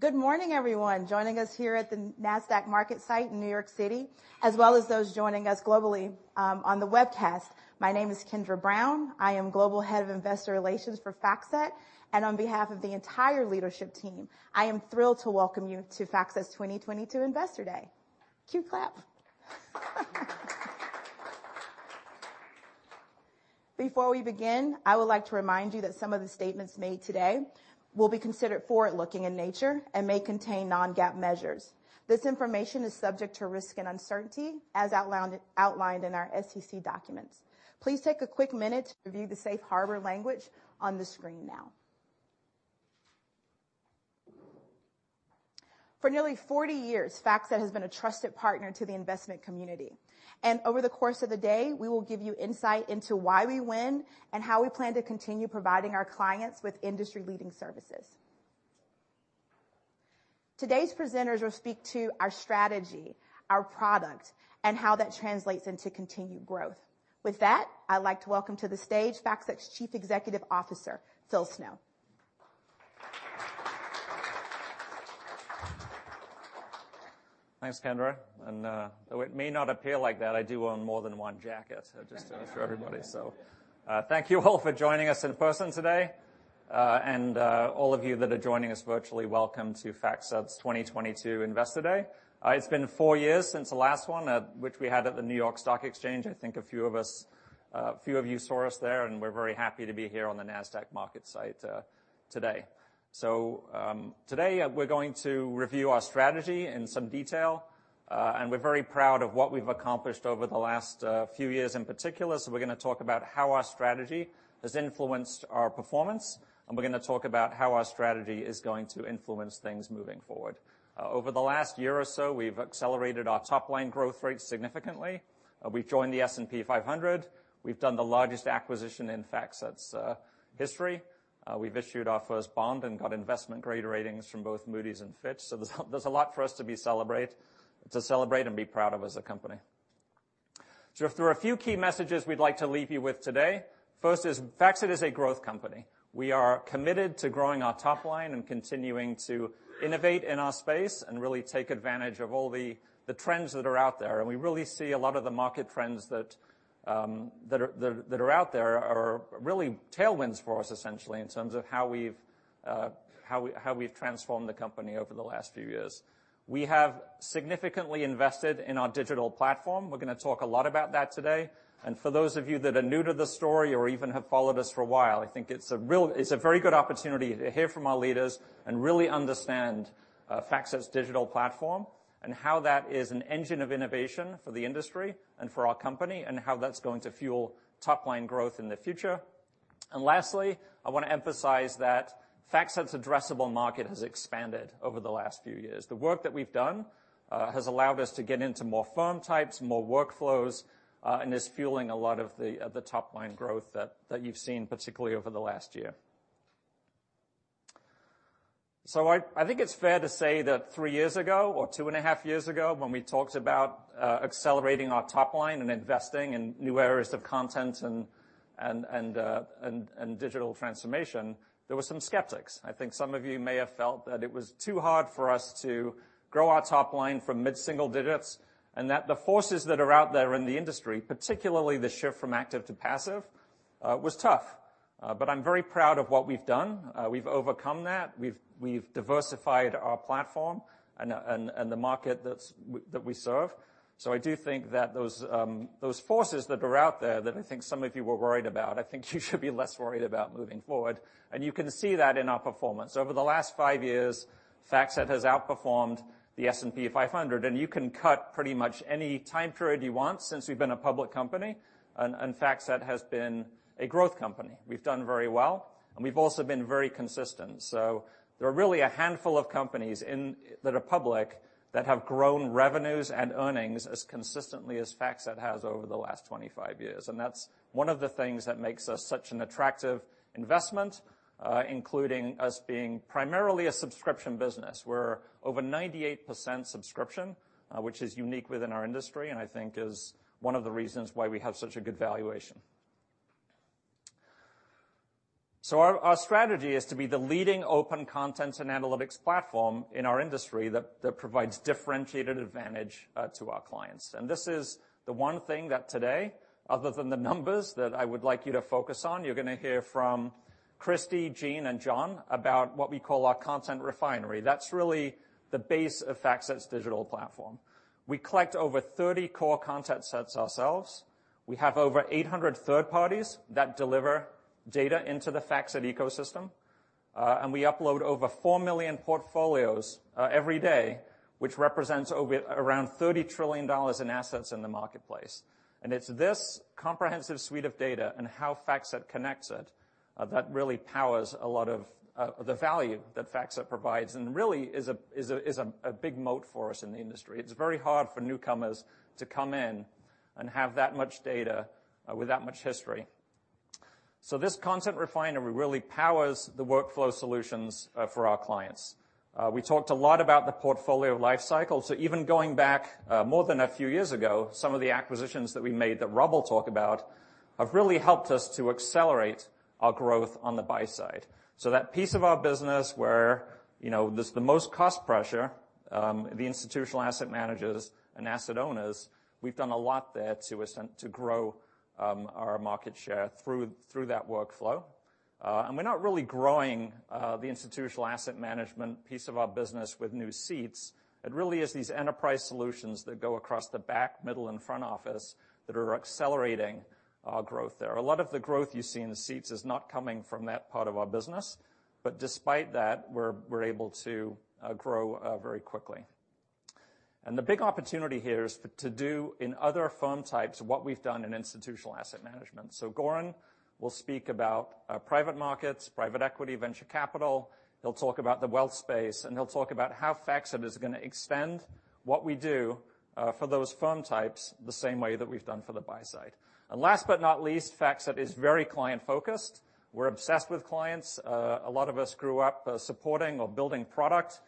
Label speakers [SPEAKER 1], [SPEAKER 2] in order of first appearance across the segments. [SPEAKER 1] Good morning everyone joining us here at the Nasdaq MarketSite in New York City, as well as those joining us globally on the webcast. My name is Kendra Brown. I am Global Head of Investor Relations for FactSet. On behalf of the entire leadership team, I am thrilled to welcome you to FactSet's 2022 Investor Day. Cue clap. Before we begin, I would like to remind you that some of the statements made today will be considered forward-looking in nature and may contain non-GAAP measures. This information is subject to risk and uncertainty as outlined in our SEC documents. Please take a quick minute to review the safe harbor language on the screen now. For nearly 40 years, FactSet has been a trusted partner to the investment community. Over the course of the day, we will give you insight into why we win and how we plan to continue providing our clients with industry-leading services. Today's presenters will speak to our strategy, our product, and how that translates into continued growth. With that, I'd like to welcome to the stage FactSet's Chief Executive Officer, Phil Snow.
[SPEAKER 2] Thanks, Kendra. Though it may not appear like that, I do own more than one jacket. Just for everybody. Thank you all for joining us in person today. All of you that are joining us virtually, welcome to FactSet's 2022 Investor Day. It's been four years since the last one, which we had at the New York Stock Exchange. I think a few of you saw us there, and we're very happy to be here on the Nasdaq MarketSite today. Today we're going to review our strategy in some detail. We're very proud of what we've accomplished over the last few years in particular. We're gonna talk about how our strategy has influenced our performance, and we're gonna talk about how our strategy is going to influence things moving forward. Over the last year or so, we've accelerated our top line growth rate significantly. We've joined the S&P 500. We've done the largest acquisition in FactSet's history. We've issued our first bond and got investment-grade ratings from both Moody's and Fitch. There's a lot for us to celebrate and be proud of as a company. There are a few key messages we'd like to leave you with today. First is FactSet is a growth company. We are committed to growing our top line and continuing to innovate in our space and really take advantage of all the trends that are out there. We really see a lot of the market trends that are out there are really tailwinds for us essentially in terms of how we've transformed the company over the last few years. We have significantly invested in our digital platform. We're gonna talk a lot about that today. For those of you that are new to the story or even have followed us for a while, I think it's a very good opportunity to hear from our leaders and really understand FactSet's digital platform and how that is an engine of innovation for the industry and for our company, and how that's going to fuel top line growth in the future. Lastly, I wanna emphasize that FactSet's addressable market has expanded over the last few years. The work that we've done has allowed us to get into more firm types, more workflows, and is fueling a lot of the top line growth that you've seen, particularly over the last year. I think it's fair to say that three years ago, or two and a half years ago, when we talked about accelerating our top line and investing in new areas of content and digital transformation, there were some skeptics. I think some of you may have felt that it was too hard for us to grow our top line from mid-single digits, and that the forces that are out there in the industry, particularly the shift from active to passive, was tough. I'm very proud of what we've done. We've overcome that. We've diversified our platform and the market that we serve. I do think that those forces that are out there that I think some of you were worried about, I think you should be less worried about moving forward. You can see that in our performance. Over the last five years, FactSet has outperformed the S&P 500. You can cut pretty much any time period you want since we've been a public company, and FactSet has been a growth company. We've done very well, and we've also been very consistent. There are really a handful of companies that are public that have grown revenues and earnings as consistently as FactSet has over the last 25 years. That's one of the things that makes us such an attractive investment, including us being primarily a subscription business.
[SPEAKER 3] We're over 98% subscription, which is unique within our industry, and I think is one of the reasons why we have such a good valuation. Our strategy is to be the leading open content and analytics platform in our industry that provides differentiated advantage to our clients. This is the one thing that today, other than the numbers, that I would like you to focus on. You're gonna hear from Kristy, Gene, and John about what we call our content refinery. That's really the base of FactSet's digital platform. We collect over 30 core content sets ourselves. We have over 800 third parties that deliver data into the FactSet ecosystem. We upload over 4 million portfolios every day, which represents around $30 trillion in assets in the marketplace.
[SPEAKER 2] It's this comprehensive suite of data and how FactSet connects it that really powers a lot of the value that FactSet provides, and really is a big moat for us in the industry. It's very hard for newcomers to come in and have that much data with that much history. This content refinery really powers the workflow solutions for our clients. We talked a lot about the portfolio life cycle. Even going back more than a few years ago, some of the acquisitions that we made that Rob will talk about have really helped us to accelerate our growth on the buy side. That piece of our business where, you know, there's the most cost pressure, the institutional asset managers and asset owners, we've done a lot there to grow our market share through that workflow. We're not really growing the institutional asset management piece of our business with new seats. It really is these enterprise solutions that go across the back, middle, and front office that are accelerating our growth there. A lot of the growth you see in the seats is not coming from that part of our business, but despite that, we're able to grow very quickly. The big opportunity here is to do in other firm types what we've done in institutional asset management. Goran will speak about private markets, private equity, venture capital. He'll talk about the wealth space, and he'll talk about how FactSet is gonna extend what we do for those firm types the same way that we've done for the buy side. Last but not least, FactSet is very client-focused. We're obsessed with clients. A lot of us grew up supporting or building product.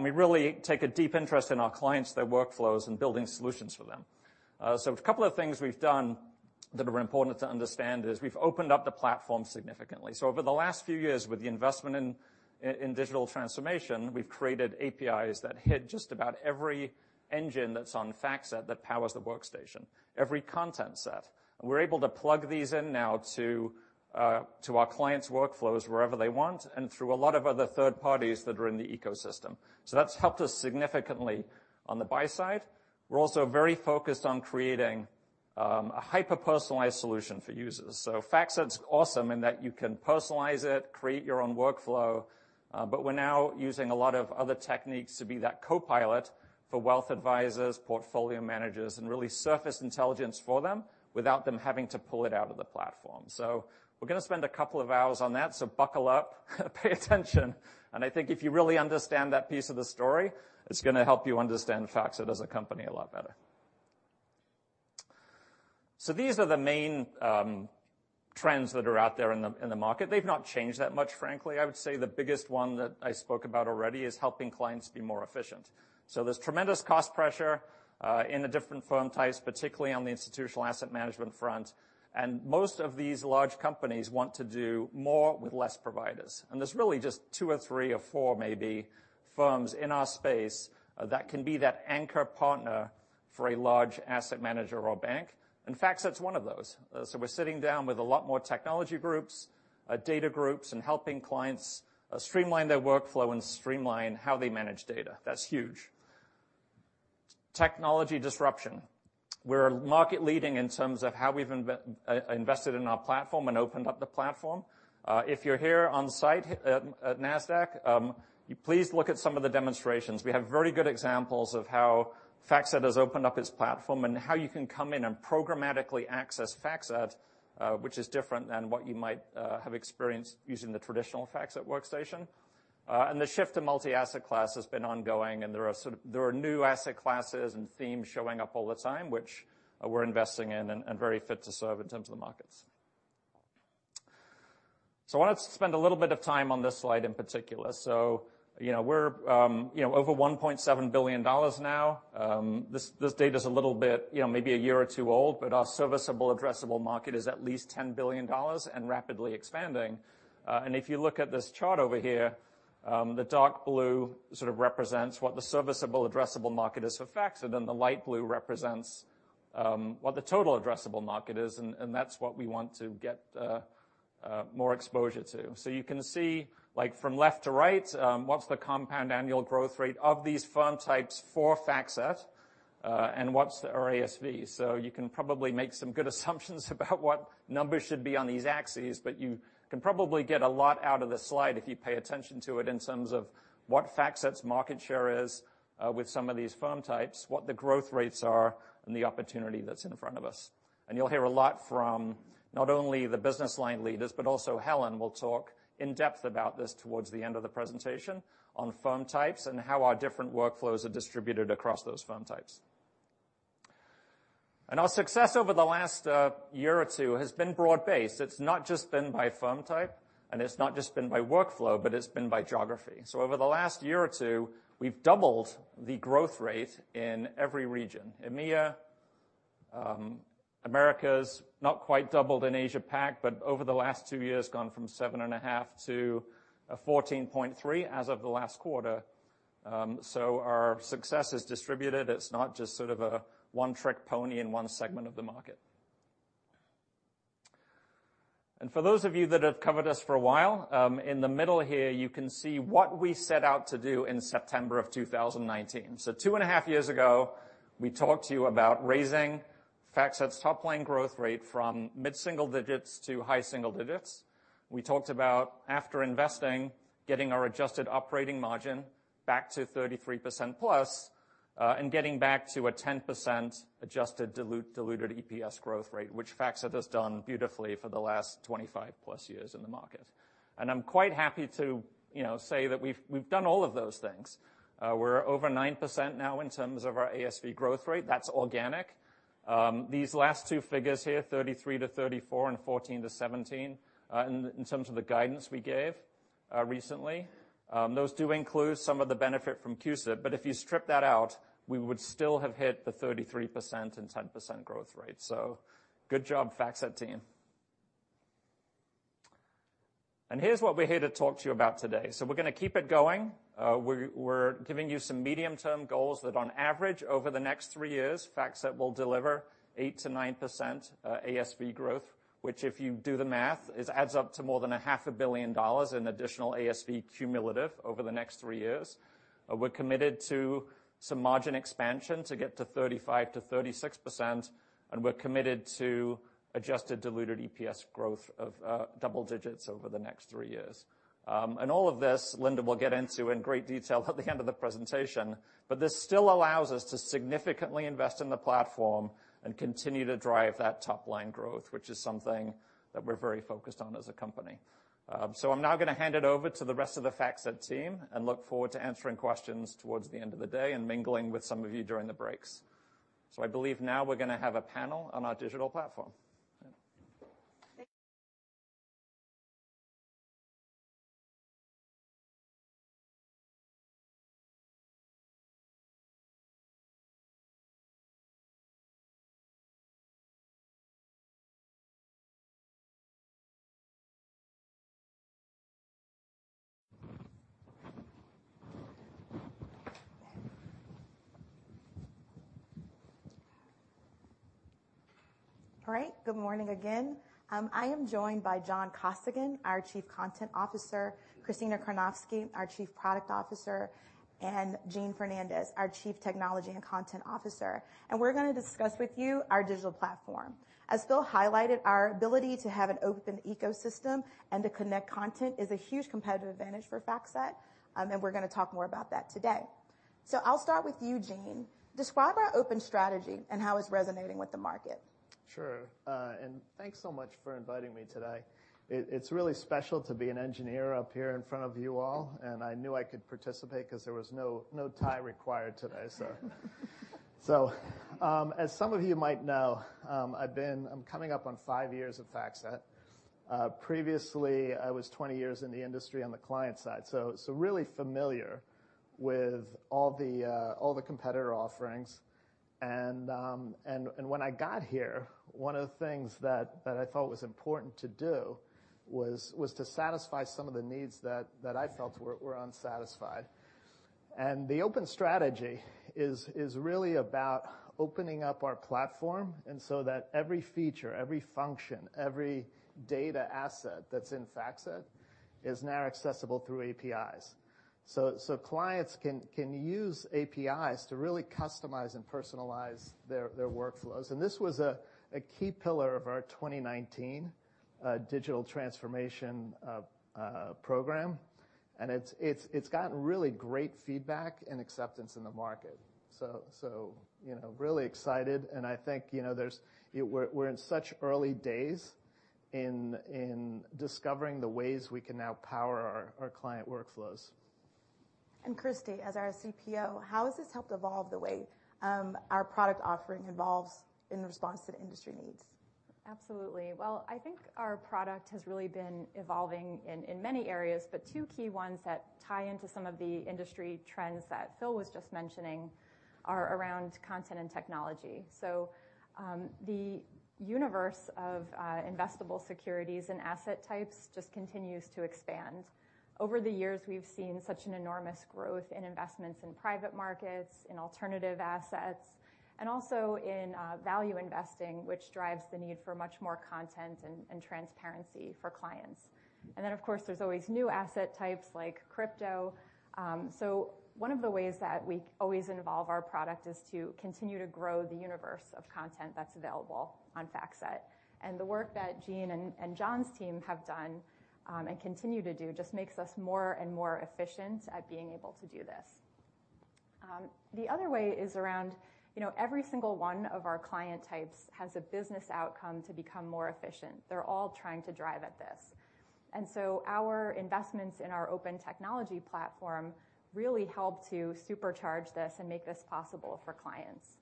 [SPEAKER 2] We really take a deep interest in our clients, their workflows, and building solutions for them. A couple of things we've done that are important to understand is we've opened up the platform significantly. Over the last few years with the investment in digital transformation, we've created APIs that hit just about every engine that's on FactSet that powers the workstation, every content set. We're able to plug these in now to our clients' workflows wherever they want and through a lot of other third parties that are in the ecosystem. That's helped us significantly on the buy side. We're also very focused on creating a hyper-personalized solution for users. FactSet's awesome in that you can personalize it, create your own workflow, but we're now using a lot of other techniques to be that co-pilot for wealth advisors, portfolio managers, and really surface intelligence for them without them having to pull it out of the platform. We're gonna spend a couple of hours on that, so buckle up, pay attention, and I think if you really understand that piece of the story, it's gonna help you understand FactSet as a company a lot better. These are the main trends that are out there in the market. They've not changed that much, frankly. I would say the biggest one that I spoke about already is helping clients be more efficient. There's tremendous cost pressure in the different firm types, particularly on the institutional asset management front, and most of these large companies want to do more with less providers. There's really just two or three or four maybe firms in our space that can be that anchor partner for a large asset manager or bank, and FactSet's one of those. We're sitting down with a lot more technology groups, data groups, and helping clients streamline their workflow and streamline how they manage data. That's huge. Technology disruption. We're market leading in terms of how we've invested in our platform and opened up the platform. If you're here on-site at Nasdaq, please look at some of the demonstrations. We have very good examples of how FactSet has opened up its platform and how you can come in and programmatically access FactSet, which is different than what you might have experienced using the traditional FactSet workstation. The shift to multi-asset class has been ongoing, and there are new asset classes and themes showing up all the time, which we're investing in and very fit to serve in terms of the markets. I wanted to spend a little bit of time on this slide in particular. We're over $1.7 billion now. This data's a little bit, you know, maybe a year or two old, but our serviceable addressable market is at least $10 billion and rapidly expanding. If you look at this chart over here, the dark blue sort of represents what the serviceable addressable market is for FactSet, and the light blue represents what the total addressable market is, and that's what we want to get more exposure to. You can see, like from left to right, what's the compound annual growth rate of these firm types for FactSet, and what's our ASV. You can probably make some good assumptions about what numbers should be on these axes, but you can probably get a lot out of this slide if you pay attention to it in terms of what FactSet's market share is, with some of these firm types, what the growth rates are, and the opportunity that's in front of us. You'll hear a lot from not only the business line leaders, but also Helen will talk in depth about this towards the end of the presentation on firm types and how our different workflows are distributed across those firm types. Our success over the last year or two has been broad-based. It's not just been by firm type, and it's not just been by workflow, but it's been by geography. Over the last year or two, we've doubled the growth rate in every region. EMEA, Americas, not quite doubled in Asia-Pac, but over the last two years gone from 7.5 to 14.3 as of the last quarter. Our success is distributed. It's not just sort of a one-trick pony in one segment of the market. For those of you that have covered us for a while, in the middle here, you can see what we set out to do in September of 2019. Two and a half years ago, we talked to you about raising FactSet's top line growth rate from mid-single digits to high single digits. We talked about, after investing, getting our adjusted operating margin back to 33%+, and getting back to a 10% adjusted diluted EPS growth rate, which FactSet has done beautifully for the last 25+ years in the market. I'm quite happy to say that we've done all of those things. We're over 9% now in terms of our ASV growth rate. That's organic. These last two figures here, 33%-34% and 14%-17%, in terms of the guidance we gave recently, those do include some of the benefit from CUSIP. If you strip that out, we would still have hit the 33% and 10% growth rate. Good job, FactSet team. Here's what we're here to talk to you about today. We're gonna keep it going. We're giving you some medium-term goals that on average, over the next three years, FactSet will deliver 8%-9% ASV growth, which, if you do the math, adds up to more than half a billion dollars in additional ASV cumulative over the next three years. We're committed to some margin expansion to get to 35%-36%, and we're committed to adjusted diluted EPS growth of double digits over the next three years. All of this, Linda will get into in great detail at the end of the presentation, but this still allows us to significantly invest in the platform and continue to drive that top-line growth, which is something that we're very focused on as a company. I'm now gonna hand it over to the rest of the FactSet team and look forward to answering questions towards the end of the day and mingling with some of you during the breaks. I believe now we're gonna have a panel on our digital platform. Yeah.
[SPEAKER 1] All right. Good morning again. I am joined by John Costigan, our Chief Content Officer, Kristina Karnovsky, our Chief Product Officer, and Gene Fernandez, our Chief Technology and Content Officer. We're gonna discuss with you our digital platform. As Phil highlighted, our ability to have an open ecosystem and to connect content is a huge competitive advantage for FactSet, and we're gonna talk more about that today. I'll start with you, Gene. Describe our open strategy and how it's resonating with the market.
[SPEAKER 4] Sure. Thanks so much for inviting me today. It's really special to be an engineer up here in front of you all, and I knew I could participate 'cause there was no tie required today. As some of you might know, I'm coming up on five years at FactSet. Previously, I was 20 years in the industry on the client side, so really familiar with all the competitor offerings. When I got here, one of the things that I thought was important to do was to satisfy some of the needs that I felt were unsatisfied. The open strategy is really about opening up our platform so that every feature, every function, every data asset that's in FactSet is now accessible through APIs. Clients can use APIs to really customize and personalize their workflows. This was a key pillar of our 2019 digital transformation program, and it's gotten really great feedback and acceptance in the market. You know, really excited and I think you know we're in such early days in discovering the ways we can now power our client workflows.
[SPEAKER 1] Kristina, as our CPO, how has this helped evolve the way our product offering evolves in response to the industry needs?
[SPEAKER 5] Absolutely. Well, I think our product has really been evolving in many areas, but two key ones that tie into some of the industry trends that Phil was just mentioning are around content and technology. The universe of investable securities and asset types just continues to expand. Over the years, we've seen such an enormous growth in investments in private markets, in alternative assets, and also in value investing, which drives the need for much more content and transparency for clients. Of course, there's always new asset types like crypto. One of the ways that we always involve our product is to continue to grow the universe of content that's available on FactSet. The work that Gene and John's team have done and continue to do just makes us more and more efficient at being able to do this. The other way is around, you know, every single one of our client types has a business outcome to become more efficient. They're all trying to drive at this. Our investments in our open technology platform really help to supercharge this and make this possible for clients.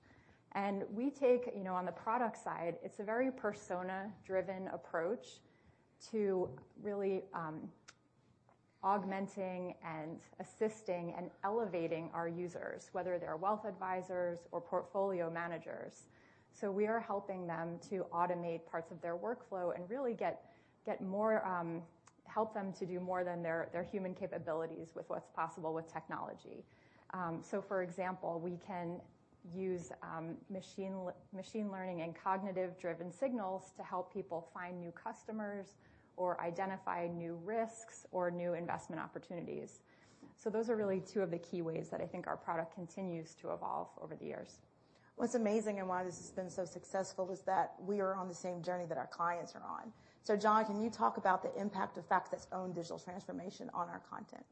[SPEAKER 5] You know, on the product side, it's a very persona-driven approach to really augmenting and assisting and elevating our users, whether they're wealth advisors or portfolio managers. We are helping them to automate parts of their workflow and really get more, help them to do more than their human capabilities with what's possible with technology. For example, we can use machine learning and cognitive-driven signals to help people find new customers or identify new risks or new investment opportunities. Those are really two of the key ways that I think our product continues to evolve over the years.
[SPEAKER 1] What's amazing and why this has been so successful is that we are on the same journey that our clients are on. John, can you talk about the impact of FactSet's own digital transformation on our content?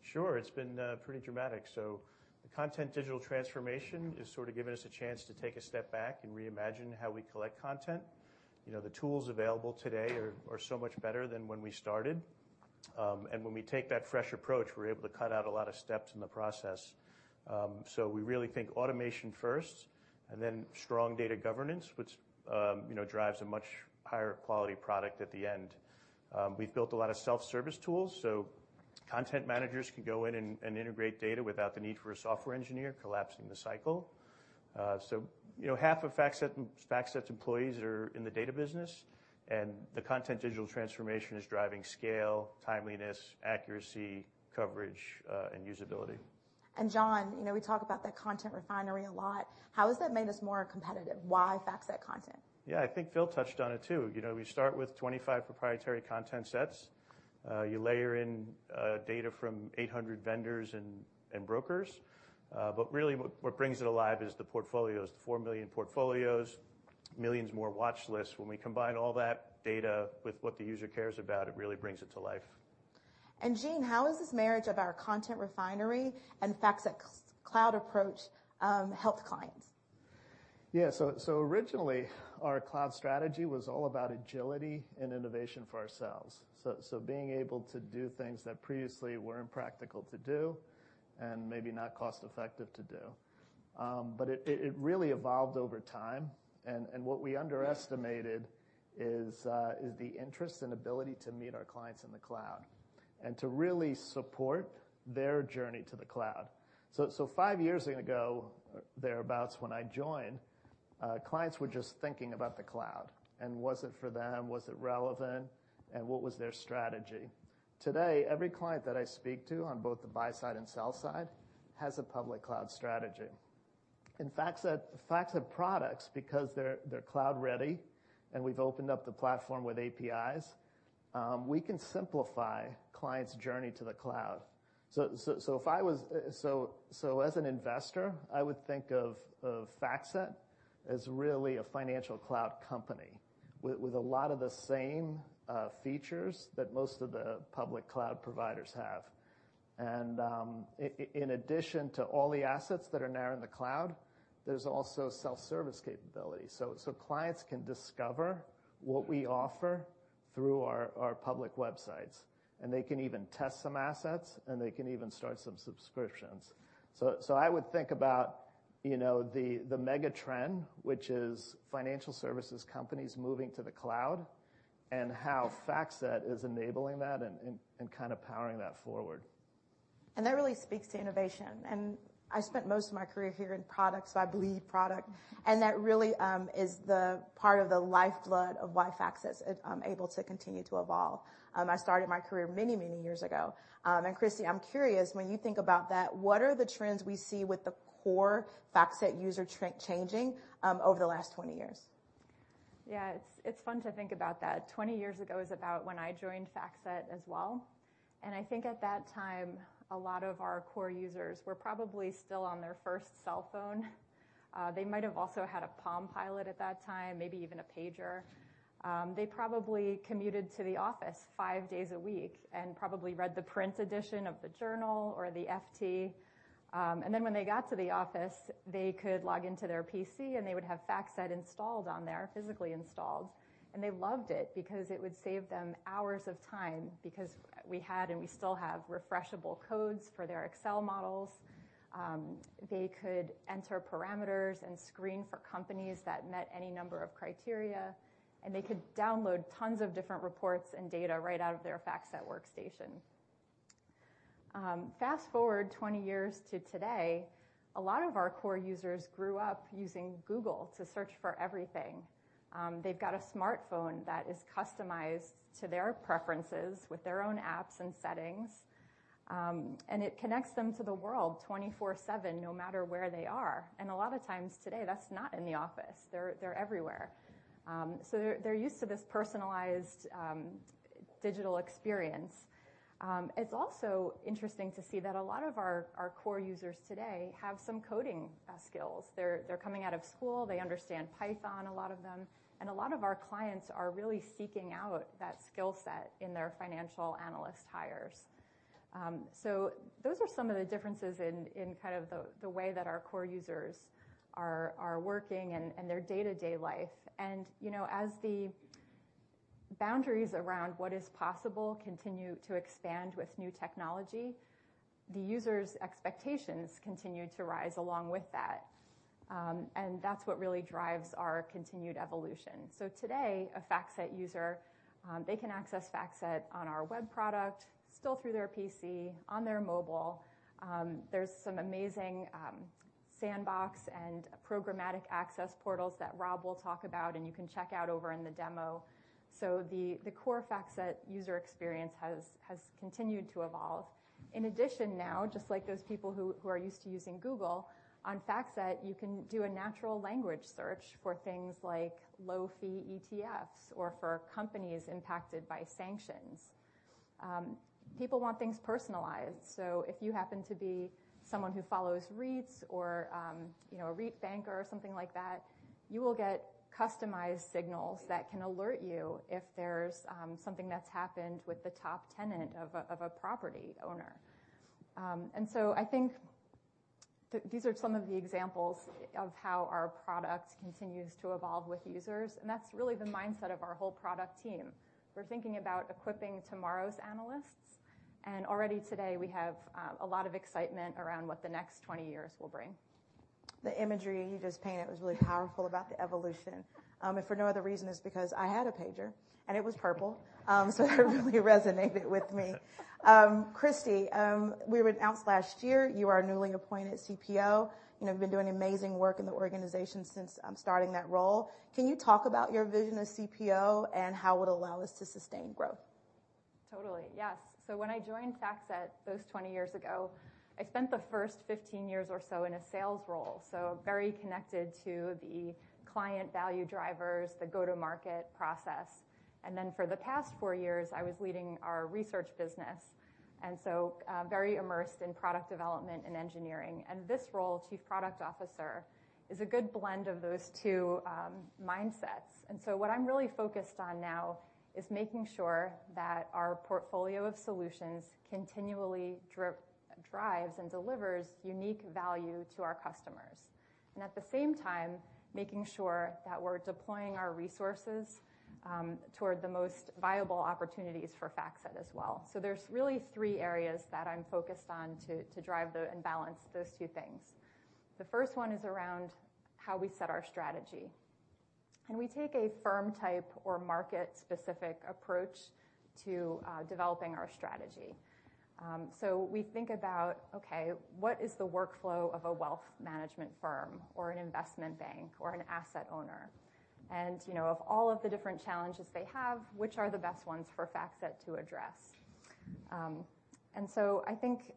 [SPEAKER 6] Sure. It's been pretty dramatic. The content digital transformation has sort of given us a chance to take a step back and reimagine how we collect content. You know, the tools available today are so much better than when we started. When we take that fresh approach, we're able to cut out a lot of steps in the process. We really think automation first, and then strong data governance, which, you know, drives a much higher quality product at the end. We've built a lot of self-service tools, so content managers can go in and integrate data without the need for a software engineer collapsing the cycle. You know, half of FactSet's employees are in the data business, and the content digital transformation is driving scale, timeliness, accuracy, coverage, and usability.
[SPEAKER 1] John, you know, we talk about the content refinery a lot. How has that made us more competitive? Why FactSet content?
[SPEAKER 6] Yeah. I think Phil touched on it too. You know, we start with 25 proprietary content sets. You layer in data from 800 vendors and brokers. But really what brings it alive is the portfolios, the 4 million portfolios, millions more watch lists. When we combine all that data with what the user cares about, it really brings it to life.
[SPEAKER 1] Gene, how has this marriage of our content refinery and FactSet's cloud approach helped clients?
[SPEAKER 4] Yeah. Originally, our cloud strategy was all about agility and innovation for ourselves, being able to do things that previously were impractical to do and maybe not cost-effective to do. It really evolved over time. What we underestimated is the interest and ability to meet our clients in the cloud and to really support their journey to the cloud. Five years ago, thereabouts, when I joined, clients were just thinking about the cloud, and was it for them, was it relevant, and what was their strategy? Today, every client that I speak to on both the buy side and sell side has a public cloud strategy. FactSet products, because they're cloud-ready, and we've opened up the platform with APIs, we can simplify clients' journey to the cloud. As an investor, I would think of FactSet as really a financial cloud company with a lot of the same features that most of the public cloud providers have. In addition to all the assets that are now in the cloud, there's also self-service capabilities. Clients can discover what we offer through our public websites, and they can even test some assets, and they can even start some subscriptions. I would think about the mega trend, which is financial services companies moving to the cloud, and how FactSet is enabling that and kind of powering that forward.
[SPEAKER 1] That really speaks to innovation. I spent most of my career here in product, so I bleed product. That really is the part of the lifeblood of why FactSet is able to continue to evolve. I started my career many, many years ago. Kristy, I'm curious, when you think about that, what are the trends we see with the core FactSet user trend changing over the last 20 years?
[SPEAKER 5] Yeah. It's fun to think about that. 20 years ago is about when I joined FactSet as well. I think at that time, a lot of our core users were probably still on their first cell phone. They might have also had a PalmPilot at that time, maybe even a pager. They probably commuted to the office five days a week and probably read the print edition of the journal or the FT. When they got to the office, they could log into their PC, and they would have FactSet installed on there, physically installed. They loved it because it would save them hours of time because we had and we still have refreshable codes for their Excel models. They could enter parameters and screen for companies that met any number of criteria. They could download tons of different reports and data right out of their FactSet workstation. Fast-forward 20 years to today, a lot of our core users grew up using Google to search for everything. They've got a smartphone that is customized to their preferences with their own apps and settings. It connects them to the world 24/7, no matter where they are. A lot of times today, that's not in the office. They're everywhere. They're used to this personalized digital experience. It's also interesting to see that a lot of our core users today have some coding skills. They're coming out of school. They understand Python, a lot of them. A lot of our clients are really seeking out that skill set in their financial analyst hires. Those are some of the differences in kind of the way that our core users are working and their day-to-day life. You know, as the boundaries around what is possible continue to expand with new technology, the user's expectations continue to rise along with that. That's what really drives our continued evolution. Today, a FactSet user, they can access FactSet on our web product, still through their PC, on their mobile. There's some amazing sandbox and programmatic access portals that Rob will talk about, and you can check out over in the demo. The core FactSet user experience has continued to evolve. In addition now, just like those people who are used to using Google, on FactSet, you can do a natural language search for things like low-fee ETFs or for companies impacted by sanctions. People want things personalized. If you happen to be someone who follows REITs or, you know, a REIT banker or something like that, you will get customized signals that can alert you if there's something that's happened with the top tenant of a property owner. I think these are some of the examples of how our product continues to evolve with users, and that's really the mindset of our whole product team. We're thinking about equipping tomorrow's analysts, and already today we have a lot of excitement around what the next 20 years will bring.
[SPEAKER 1] The imagery you just painted was really powerful about the evolution. If for no other reason is because I had a pager, and it was purple. That really resonated with me. Kristy, we announced last year you are our newly appointed CPO, and you've been doing amazing work in the organization since starting that role. Can you talk about your vision as CPO and how it will allow us to sustain growth?
[SPEAKER 5] Totally, yes. When I joined FactSet 20 years ago, I spent the first 15 years or so in a sales role, very connected to the client value drivers, the go-to-market process. Then for the past four years, I was leading our research business, very immersed in product development and engineering. This role, Chief Product Officer, is a good blend of those two mindsets. What I'm really focused on now is making sure that our portfolio of solutions continually drives and delivers unique value to our customers. At the same time, making sure that we're deploying our resources toward the most viable opportunities for FactSet as well. There's really three areas that I'm focused on to drive and balance those two things. The first one is around how we set our strategy. We take a firm type or market-specific approach to developing our strategy. We think about, okay, what is the workflow of a wealth management firm or an investment bank or an asset owner? You know, of all of the different challenges they have, which are the best ones for FactSet to address? I think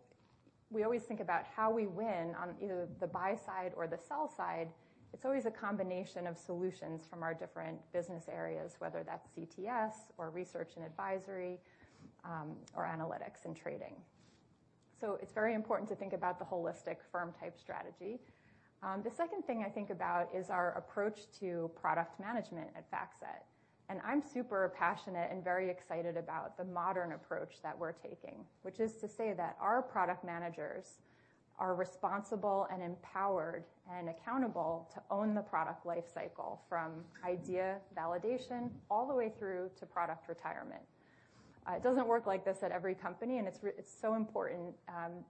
[SPEAKER 5] we always think about how we win on either the buy side or the sell side. It's always a combination of solutions from our different business areas, whether that's CTS or research and advisory, or analytics and trading. It's very important to think about the holistic firm type strategy. The second thing I think about is our approach to product management at FactSet. I'm super passionate and very excited about the modern approach that we're taking, which is to say that our product managers are responsible and empowered and accountable to own the product life cycle from idea validation all the way through to product retirement. It doesn't work like this at every company, and it's so important.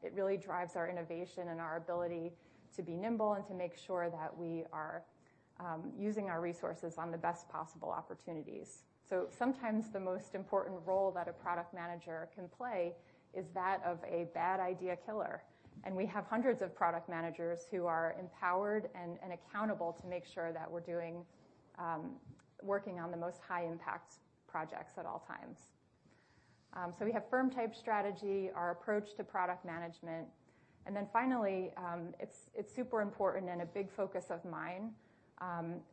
[SPEAKER 5] It really drives our innovation and our ability to be nimble and to make sure that we are using our resources on the best possible opportunities. Sometimes the most important role that a product manager can play is that of a bad idea killer. We have hundreds of product managers who are empowered and accountable to make sure that we're working on the most high-impact projects at all times. We have firm-wide strategy, our approach to product management, and then finally, it's super important and a big focus of mine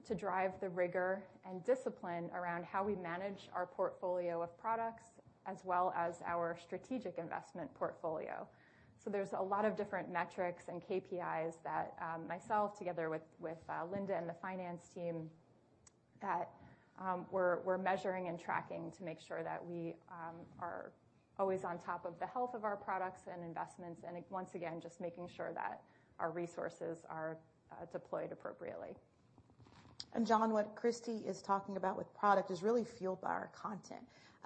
[SPEAKER 5] to drive the rigor and discipline around how we manage our portfolio of products as well as our strategic investment portfolio. There's a lot of different metrics and KPIs that myself together with Linda and the finance team are measuring and tracking to make sure that we are always on top of the health of our products and investments, and once again, just making sure that our resources are deployed appropriately.
[SPEAKER 1] John, what Kristy is talking about with product is really fueled by our content.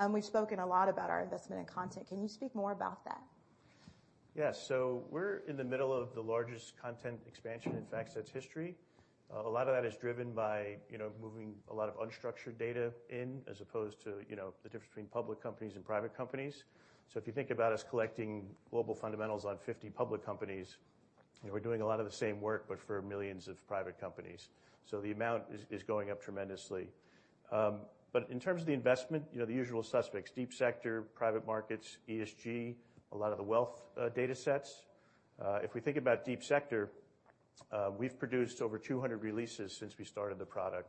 [SPEAKER 1] We've spoken a lot about our investment in content. Can you speak more about that?
[SPEAKER 6] Yes. We're in the middle of the largest content expansion in FactSet's history. A lot of that is driven by, you know, moving a lot of unstructured data in as opposed to, you know, the difference between public companies and private companies. If you think about us collecting global fundamentals on 50 public companies, we're doing a lot of the same work but for millions of private companies. The amount is going up tremendously. In terms of the investment, you know the usual suspects, deep sector, private markets, ESG, a lot of the wealth datasets. If we think about seep sector, we've produced over 200 releases since we started the product.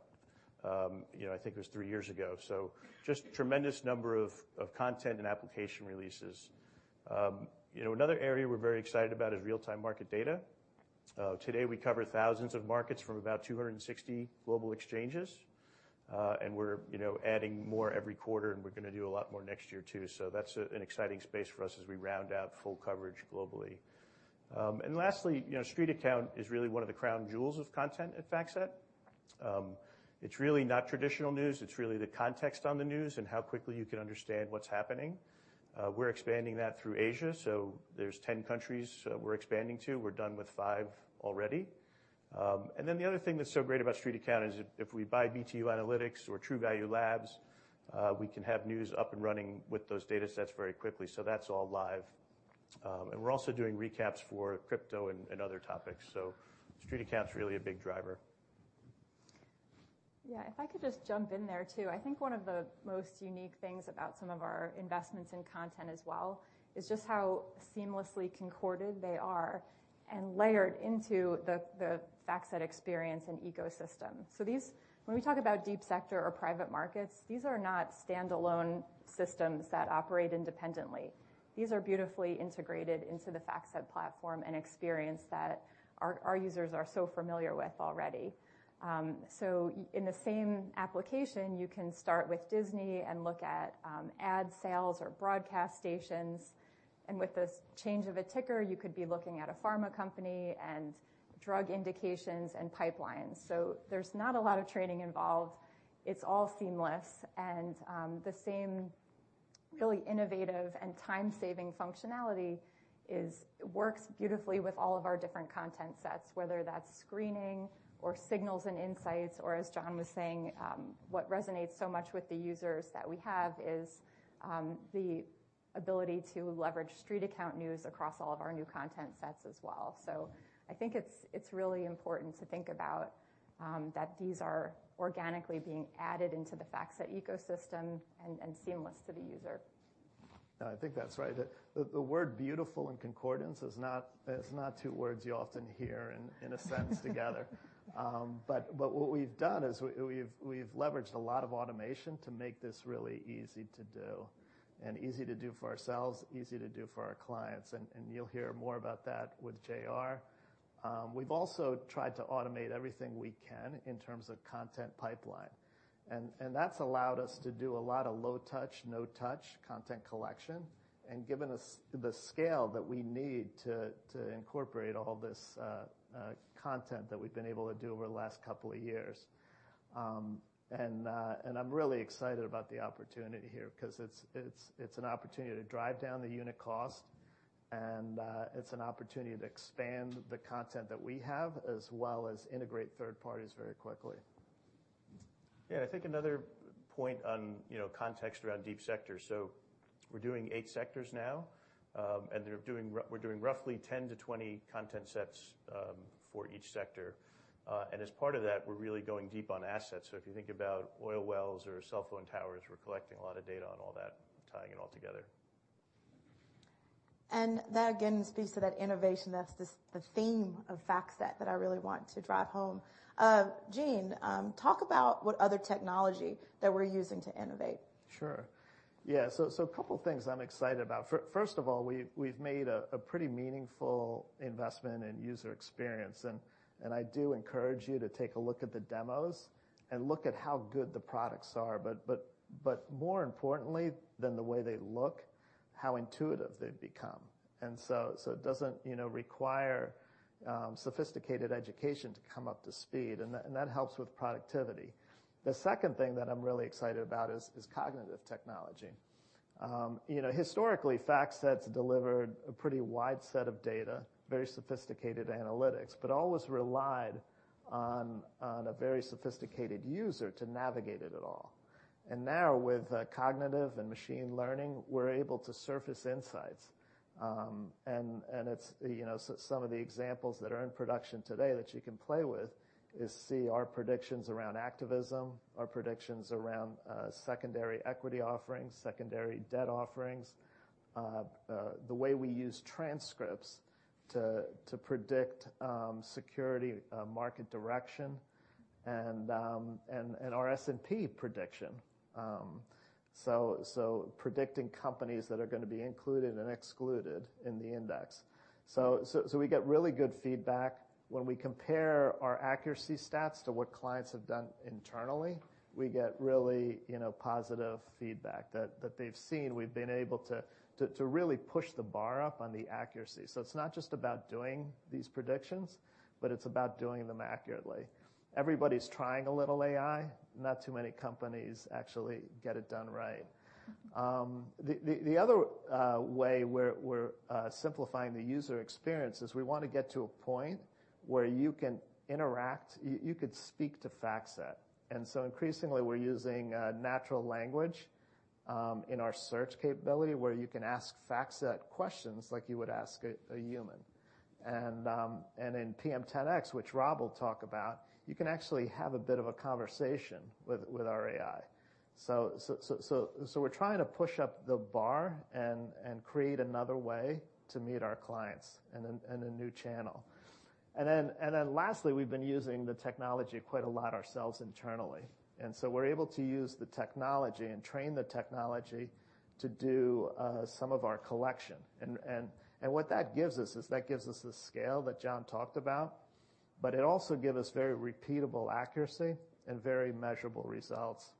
[SPEAKER 6] You know, I think it was three years ago. Just tremendous number of content and application releases. You know, another area we're very excited about is real-time market data. Today, we cover thousands of markets from about 260 global exchanges, and we're, you know, adding more every quarter, and we're gonna do a lot more next year too. That's an exciting space for us as we round out full coverage globally. Lastly, you know, StreetAccount is really one of the crown jewels of content at FactSet. It's really not traditional news. It's really the context on the news and how quickly you can understand what's happening. We're expanding that through Asia, so there's 10 countries we're expanding to. We're done with 5 already. The other thing that's so great about StreetAccount is if we buy BTU Analytics or Truvalue Labs, we can have news up and running with those datasets very quickly. That's all live. We're also doing recaps for crypto and other topics. StreetAccount's really a big driver.
[SPEAKER 5] Yeah. If I could just jump in there too. I think one of the most unique things about some of our investments in content as well is just how seamlessly concorded they are and layered into the FactSet experience and ecosystem. These, when we talk about deep sector or private markets, are not standalone systems that operate independently. These are beautifully integrated into the FactSet platform and experience that our users are so familiar with already. In the same application, you can start with Disney and look at ad sales or broadcast stations. With this change of a ticker, you could be looking at a pharma company and drug indications and pipelines. There's not a lot of training involved. It's all seamless. The same really innovative and time-saving functionality works beautifully with all of our different content sets, whether that's screening or signals and insights, or as John was saying, what resonates so much with the users that we have is the ability to leverage StreetAccount news across all of our new content sets as well. I think it's really important to think about that these are organically being added into the FactSet ecosystem and seamless to the user.
[SPEAKER 4] I think that's right. The word beautiful and concordance is not two words you often hear in a sentence together. But what we've done is we've leveraged a lot of automation to make this really easy to do and easy to do for ourselves, easy to do for our clients, and you'll hear more about that with JR We've also tried to automate everything we can in terms of content pipeline. That's allowed us to do a lot of low-touch, no-touch content collection, and given us the scale that we need to incorporate all this content that we've been able to do over the last couple of years. I'm really excited about the opportunity here 'cause it's an opportunity to drive down the unit cost and it's an opportunity to expand the content that we have, as well as integrate third parties very quickly.
[SPEAKER 6] I think another point on, you know, context around deep sector. We're doing eight sectors now, and we're doing roughly 10-20 content sets for each sector. And as part of that, we're really going deep on assets. If you think about oil wells or cell phone towers, we're collecting a lot of data on all that, tying it all together.
[SPEAKER 5] That again speaks to that innovation that's the theme of FactSet that I really want to drive home. Gene, talk about what other technology that we're using to innovate.
[SPEAKER 4] Sure. Yeah. A couple things I'm excited about. First of all, we've made a pretty meaningful investment in user experience. I do encourage you to take a look at the demos and look at how good the products are, but more importantly than the way they look, how intuitive they've become. It doesn't require sophisticated education to come up to speed, and that helps with productivity. The second thing that I'm really excited about is cognitive technology. Historically, FactSet's delivered a pretty wide set of data, very sophisticated analytics, but always relied on a very sophisticated user to navigate it at all. Now with cognitive and machine learning, we're able to surface insights. It's... Some of the examples that are in production today that you can play with is see our predictions around activism, our predictions around secondary equity offerings, secondary debt offerings, the way we use transcripts to predict securities market direction and our S&P prediction. Predicting companies that are gonna be included and excluded in the index. We get really good feedback. When we compare our accuracy stats to what clients have done internally, we get really, you know, positive feedback that they've seen we've been able to really push the bar up on the accuracy. It's not just about doing these predictions, but it's about doing them accurately. Everybody's trying a little AI, not too many companies actually get it done right. The other way we're simplifying the user experience is we wanna get to a point where you can interact, you could speak to FactSet. Increasingly we're using natural language in our search capability, where you can ask FactSet questions like you would ask a human. In [TM10x], which Rob will talk about, you can actually have a bit of a conversation with our AI. We're trying to push up the bar and create another way to meet our clients in a new channel. Lastly, we've been using the technology quite a lot ourselves internally. We're able to use the technology and train the technology to do some of our collection. What that gives us is that gives us the scale that John talked about, but it also give us very repeatable accuracy and very measurable results.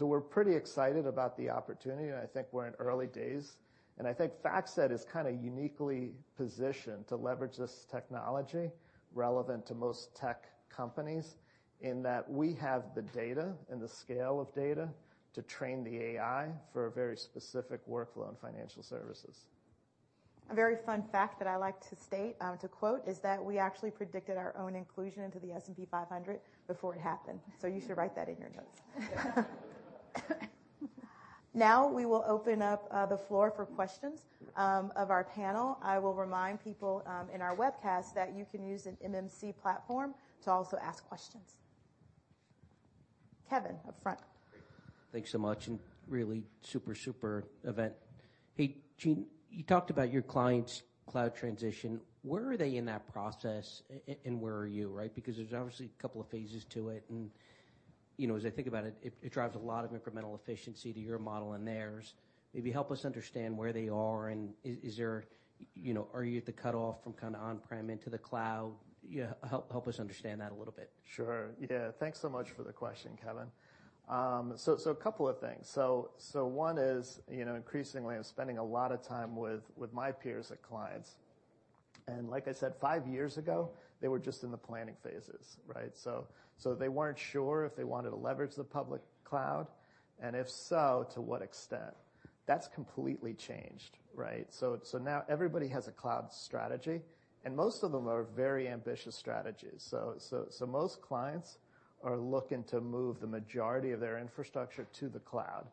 [SPEAKER 4] We're pretty excited about the opportunity, and I think we're in early days. I think FactSet is kinda uniquely positioned to leverage this technology relevant to most tech companies in that we have the data and the scale of data to train the AI for a very specific workflow in financial services.
[SPEAKER 5] A very fun fact that I like to state, to quote, is that we actually predicted our own inclusion into the S&P 500 before it happened. You should write that in your notes.
[SPEAKER 1] Now we will open up the floor for questions of our panel. I will remind people in our webcast that you can use an MMC platform to also ask questions. Kevin, up front.
[SPEAKER 7] Thanks so much, and really super event. Hey, Gene, you talked about your clients' cloud transition. Where are they in that process and where are you, right? Because there's obviously a couple of phases to it. You know, as I think about it drives a lot of incremental efficiency to your model and theirs. Maybe help us understand where they are and is there, you know, are you at the cutoff from kinda on-prem into the cloud? Yeah, help us understand that a little bit.
[SPEAKER 4] Sure. Yeah. Thanks so much for the question, Kevin. A couple of things. One is, you know, increasingly, I'm spending a lot of time with my peers at clients. Like I said, five years ago, they were just in the planning phases, right? They weren't sure if they wanted to leverage the public cloud, and if so, to what extent. That's completely changed, right? Most clients are looking to move the majority of their infrastructure to the cloud.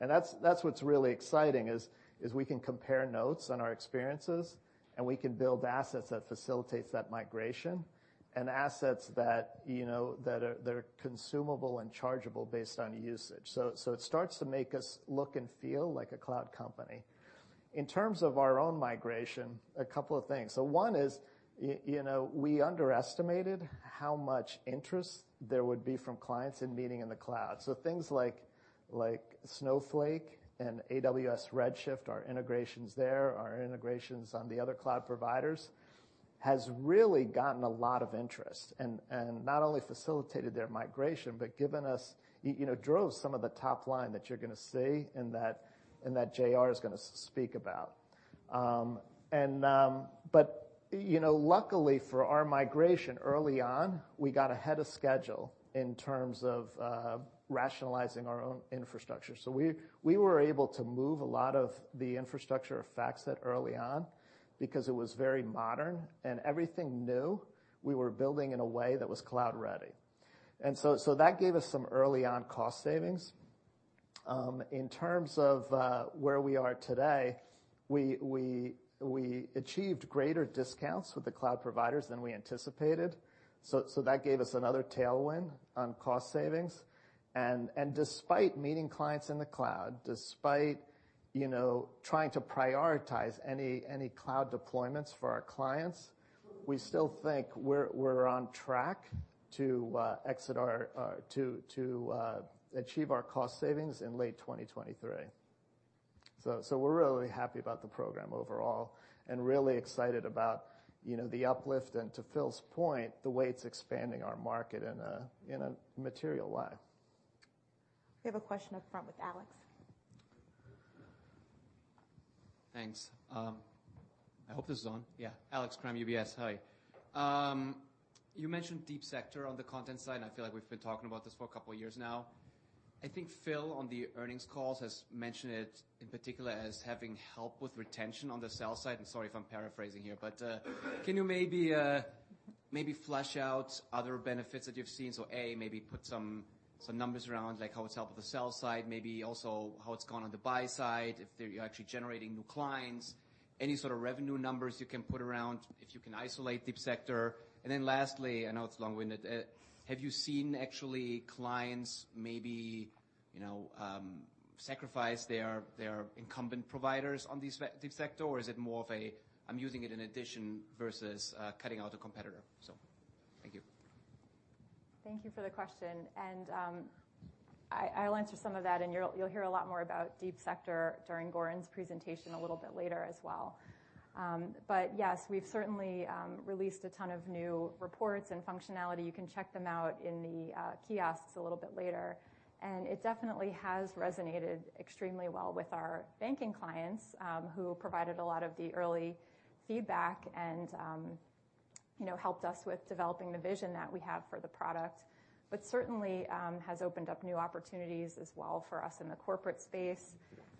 [SPEAKER 4] That's what's really exciting is we can compare notes on our experiences, and we can build assets that facilitates that migration and assets that, you know, that are, they're consumable and chargeable based on usage. It starts to make us look and feel like a cloud company. In terms of our own migration, a couple of things. One is, you know, we underestimated how much interest there would be from clients in meeting in the cloud. Things like Snowflake and Amazon Redshift, our integrations there, our integrations on the other cloud providers, has really gotten a lot of interest and not only facilitated their migration but given us you know drove some of the top line that you're gonna see and that JR is gonna speak about. You know, luckily for our migration early on, we got ahead of schedule in terms of rationalizing our own infrastructure. We were able to move a lot of the infrastructure of FactSet early on because it was very modern, and everything new we were building in a way that was cloud-ready. That gave us some early on cost savings. In terms of where we are today, we achieved greater discounts with the cloud providers than we anticipated. That gave us another tailwind on cost savings. Despite meeting clients in the cloud, you know, trying to prioritize any cloud deployments for our clients, we still think we're on track to achieve our cost savings in late 2023. We're really happy about the program overall and really excited about, you know, the uplift, and to Phil's point, the way it's expanding our market in a material way.
[SPEAKER 1] We have a question up front with Alex.
[SPEAKER 8] Thanks. I hope this is on. Alex Kramm, UBS. Hi. You mentioned deep sector on the content side, and I feel like we've been talking about this for a couple of years now. I think Phil, on the earnings calls, has mentioned it in particular as having help with retention on the sell side, and sorry if I'm paraphrasing here. Can you maybe flesh out other benefits that you've seen? A, maybe put some numbers around, like how it's helped with the sell side, maybe also how it's gone on the buy side, if they're actually generating new clients. Any sort of revenue numbers you can put around, if you can isolate deep sector. I know it's long-winded, have you seen actually clients maybe, you know, sacrifice their incumbent providers on these deep sector, or is it more of a, I'm using it in addition versus cutting out a competitor? Thank you.
[SPEAKER 5] Thank you for the question. I'll answer some of that, and you'll hear a lot more about deep sector during Goran's presentation a little bit later as well. Yes, we've certainly released a ton of new reports and functionality. You can check them out in the kiosks a little bit later. It definitely has resonated extremely well with our banking clients, who provided a lot of the early feedback and, you know, helped us with developing the vision that we have for the product. Certainly, has opened up new opportunities as well for us in the corporate space,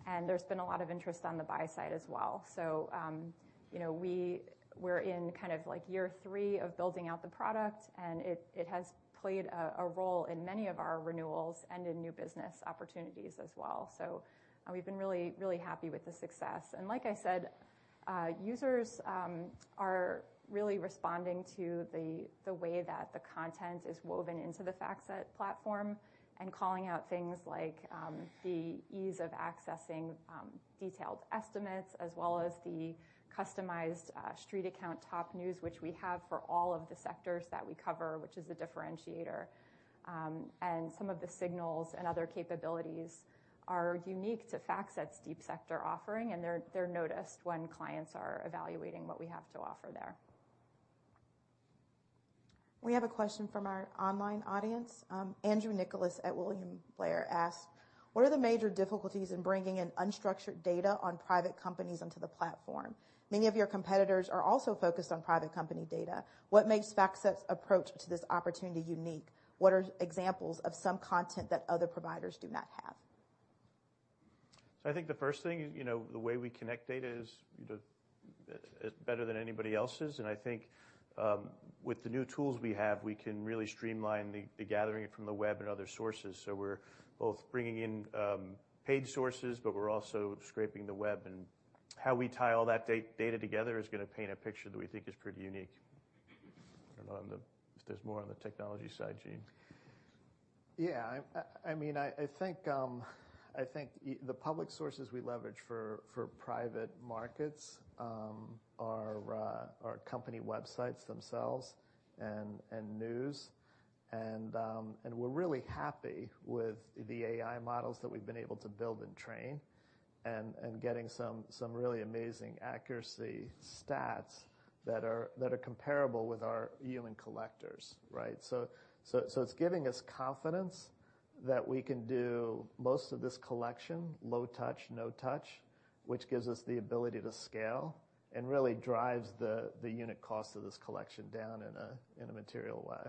[SPEAKER 5] and there's been a lot of interest on the buy side as well. You know, we're in kind of like year three of building out the product, and it has played a role in many of our renewals and in new business opportunities as well. We've been really happy with the success. Like I said, users are really responding to the way that the content is woven into the FactSet platform and calling out things like the ease of accessing detailed estimates as well as the customized StreetAccount top news, which we have for all of the sectors that we cover, which is a differentiator. Some of the signals and other capabilities are unique to FactSet's deep sector offering, and they're noticed when clients are evaluating what we have to offer there.
[SPEAKER 1] We have a question from our online audience. Andrew Nicholas at William Blair asks, "What are the major difficulties in bringing in unstructured data on private companies onto the platform? Many of your competitors are also focused on private company data. What makes FactSet's approach to this opportunity unique? What are examples of some content that other providers do not have?
[SPEAKER 4] I think the first thing is, you know, the way we connect data is better than anybody else's. I think with the new tools we have, we can really streamline the gathering from the web and other sources. We're both bringing in paid sources, but we're also scraping the web. How we tie all that data together is gonna paint a picture that we think is pretty unique. I don't know if there's more on the technology side, Gene. Yeah. I mean, I think the public sources we leverage for private markets are company websites themselves and news. We're really happy with the AI models that we've been able to build and train and getting some really amazing accuracy stats that are comparable with our human collectors, right? It's giving us confidence that we can do most of this collection low touch, no touch, which gives us the ability to scale and really drives the unit cost of this collection down in a material way.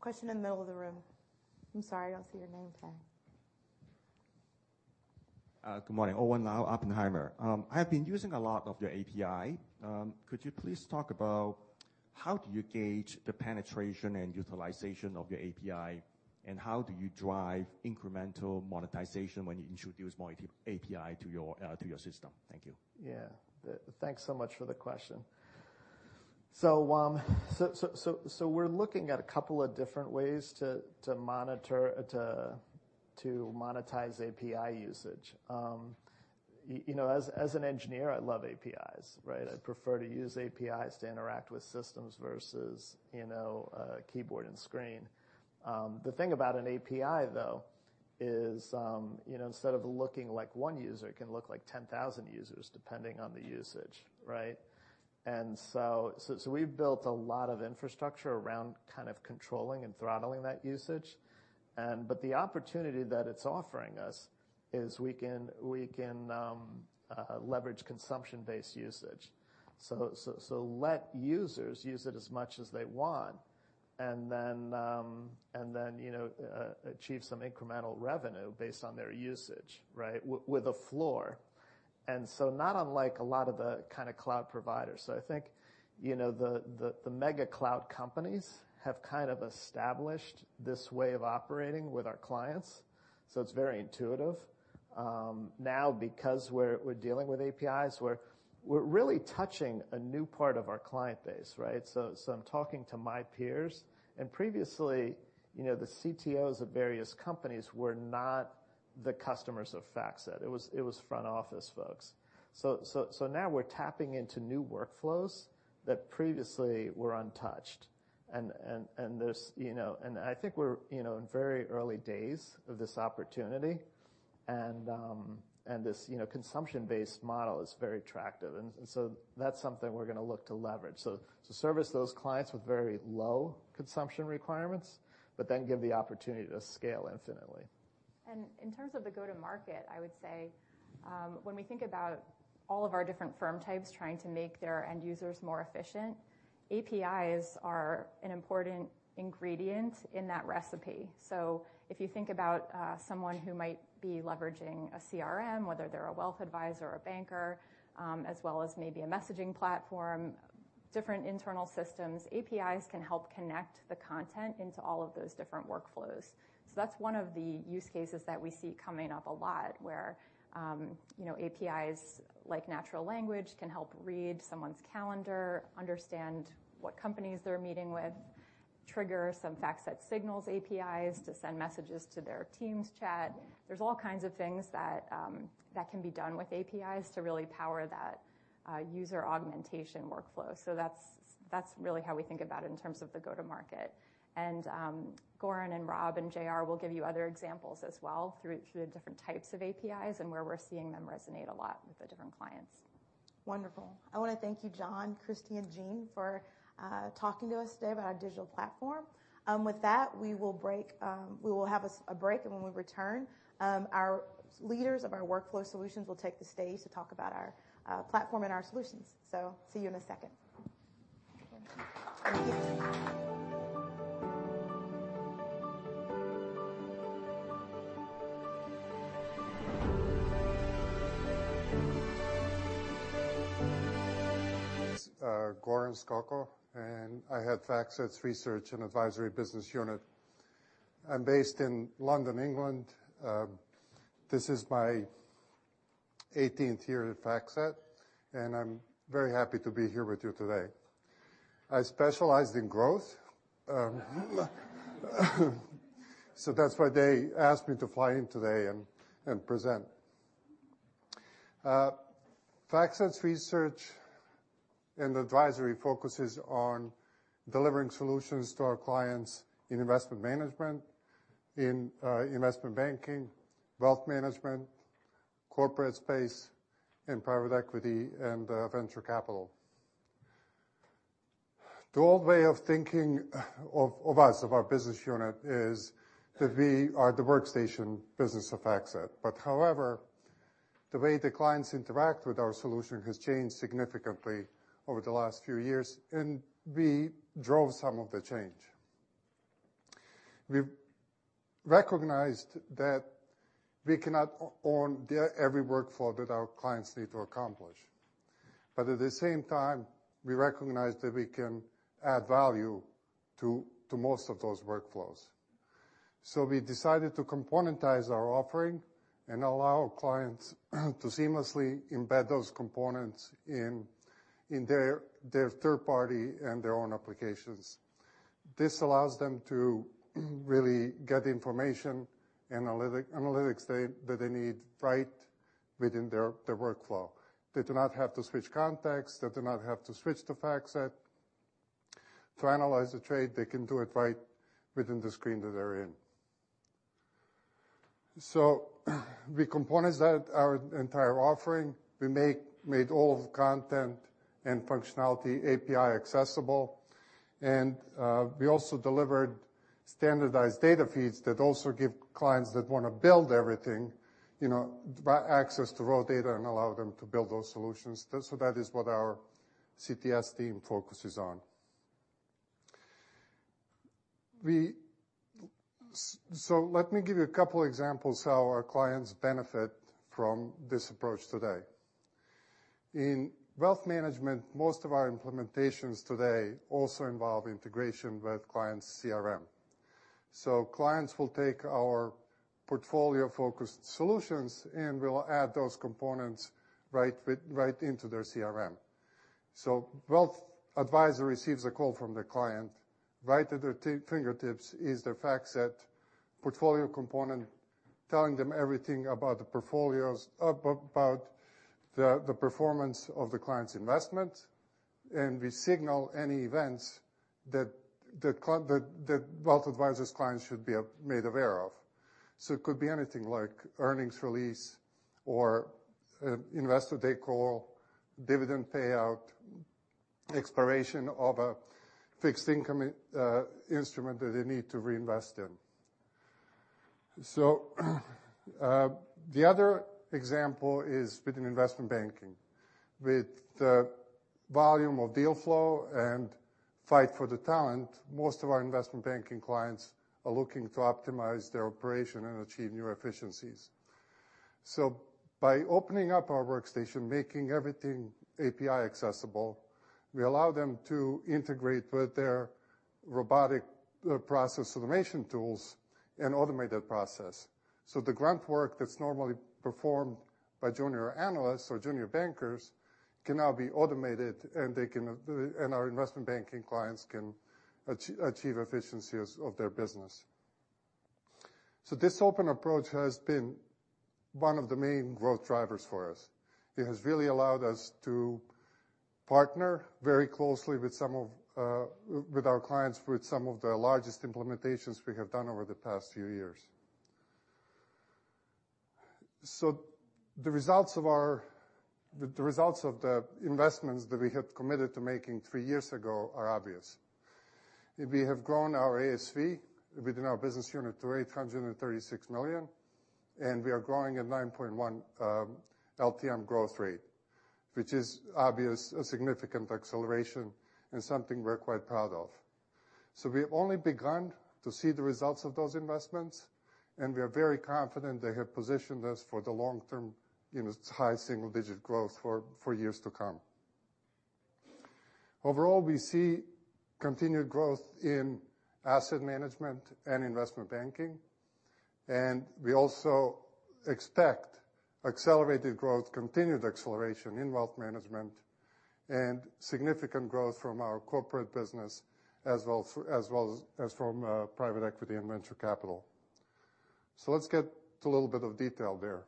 [SPEAKER 1] Question in the middle of the room. I'm sorry, I don't see your name tag.
[SPEAKER 9] Good morning. Owen Lau, Oppenheimer. I have been using a lot of your API. Could you please talk about how do you gauge the penetration and utilization of your API, and how do you drive incremental monetization when you introduce more API to your system? Thank you.
[SPEAKER 4] Thanks so much for the question. We're looking at a couple of different ways to monetize API usage. You know, as an engineer, I love APIs, right? I prefer to use APIs to interact with systems versus, you know, keyboard and screen. The thing about an API, though, is you know, instead of looking like one user, it can look like 10,000 users, depending on the usage, right? We've built a lot of infrastructure around kind of controlling and throttling that usage, but the opportunity that it's offering us is we can leverage consumption-based usage. Let users use it as much as they want, and then, you know, achieve some incremental revenue based on their usage, right? With a floor. Not unlike a lot of the kind of cloud providers. I think, you know, the mega cloud companies have kind of established this way of operating with our clients, so it's very intuitive. Now because we're dealing with APIs, we're really touching a new part of our client base, right? I'm talking to my peers, and previously, you know, the CTOs at various companies were not the customers of FactSet. It was front office folks. Now we're tapping into new workflows that previously were untouched. There's, you know... I think we're, you know, in very early days of this opportunity, and this, you know, consumption-based model is very attractive. That's something we're gonna look to leverage. To service those clients with very low consumption requirements, but then give the opportunity to scale infinitely.
[SPEAKER 5] In terms of the go-to-market, I would say, when we think about all of our different firm types trying to make their end users more efficient, APIs are an important ingredient in that recipe. If you think about, someone who might be leveraging a CRM, whether they're a wealth advisor or banker, as well as maybe a messaging platform, different internal systems, APIs can help connect the content into all of those different workflows. That's one of the use cases that we see coming up a lot where, you know, APIs like natural language can help read someone's calendar, understand what companies they're meeting with, trigger some FactSet signals APIs to send messages to their teams chat. There's all kinds of things that can be done with APIs to really power that, user augmentation workflow. That's really how we think about it in terms of the go-to-market. Goran and Rob and JR will give you other examples as well through the different types of APIs and where we're seeing them resonate a lot with the different clients.
[SPEAKER 1] Wonderful. I wanna thank you, John, Kristy, and Gene for talking to us today about our digital platform. With that, we will have a break, and when we return, our leaders of our workflow solutions will take the stage to talk about our platform and our solutions. See you in a second. Thank you.
[SPEAKER 10] It's Goran Skoko, and I head FactSet's Research and Advisory Business Unit. I'm based in London, England. This is my eighteenth year at FactSet, and I'm very happy to be here with you today. I specialize in growth. That's why they asked me to fly in today and present. FactSet's research and advisory focuses on delivering solutions to our clients in investment management, investment banking, wealth management, corporate space, private equity and venture capital. The old way of thinking of us, of our business unit is that we are the workstation business of FactSet. However, the way the clients interact with our solution has changed significantly over the last few years, and we drove some of the change. We've recognized that we cannot own every workflow that our clients need to accomplish. At the same time, we recognize that we can add value to most of those workflows. We decided to componentize our offering and allow clients to seamlessly embed those components in their third party and their own applications. This allows them to really get information analytics they need right within their workflow. They do not have to switch context. They do not have to switch to FactSet. To analyze the trade, they can do it right within the screen that they're in. We componentized our entire offering. We made all the content and functionality API accessible. We also delivered standardized data feeds that also give clients that wanna build everything, you know, the access to raw data and allow them to build those solutions. That is what our CTS team focuses on. We... Let me give you a couple examples how our clients benefit from this approach today. In wealth management, most of our implementations today also involve integration with clients' CRM. Clients will take our portfolio-focused solutions, and we'll add those components right into their CRM. Wealth advisor receives a call from the client. Right at their fingertips is the FactSet portfolio component, telling them everything about the portfolios, about the performance of the client's investment, and we signal any events that the wealth advisors' clients should be made aware of. It could be anything like earnings release or investor deck call, dividend payout, expiration of a fixed income instrument that they need to reinvest in. The other example is within investment banking. With the volume of deal flow and fight for the talent, most of our investment banking clients are looking to optimize their operation and achieve new efficiencies. By opening up our workstation, making everything API accessible, we allow them to integrate with their robotic process automation tools and automate that process. The grunt work that's normally performed by junior analysts or junior bankers can now be automated, and they can, and our investment banking clients can achieve efficiency as of their business. This open approach has been one of the main growth drivers for us. It has really allowed us to partner very closely with some of our clients, with some of the largest implementations we have done over the past few years. The results of the investments that we had committed to making three years ago are obvious. We have grown our ASV within our business unit to $836 million, and we are growing at 9.1% LTM growth rate, which is obvious, a significant acceleration and something we're quite proud of. We've only begun to see the results of those investments, and we are very confident they have positioned us for the long term, you know, high single-digit growth for years to come. Overall, we see continued growth in asset management and investment banking, and we also expect accelerated growth, continued acceleration in wealth management and significant growth from our corporate business as well as from private equity and venture capital. Let's get to a little bit of detail there.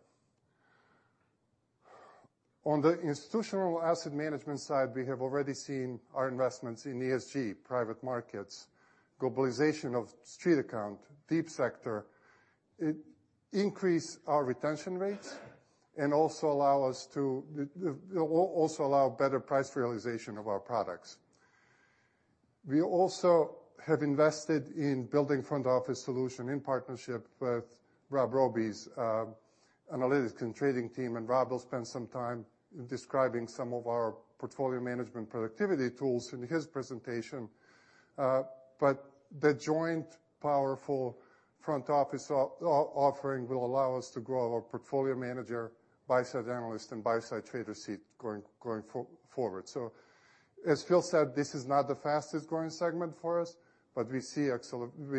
[SPEAKER 10] On the institutional asset management side, we have already seen our investments in ESG, private markets, globalization of StreetAccount, deep sector. It increases our retention rates and also allows us to allow better price realization of our products. We also have invested in building front office solution in partnership with Robert Robie's analytics and trading team, and Robert will spend some time in describing some of our portfolio management productivity tools in his presentation. But the joint powerful front office offering will allow us to grow our portfolio manager, buy-side analyst and buy-side trader seat going forward. As Phil said, this is not the fastest growing segment for us, but we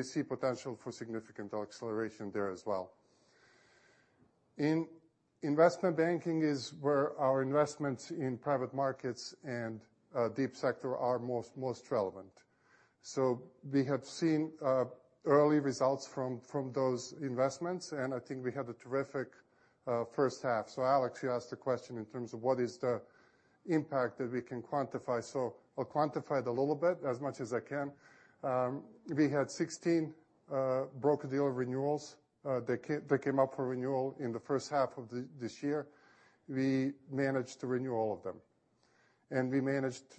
[SPEAKER 10] see potential for significant acceleration there as well. In investment banking is where our investments in private markets and deep sector are most relevant. We have seen early results from those investments, and I think we had a terrific first half. Alex, you asked a question in terms of what is the impact that we can quantify. I'll quantify it a little bit as much as I can. We had 16 broker dealer renewals that came up for renewal in the first half of this year. We managed to renew all of them, and we managed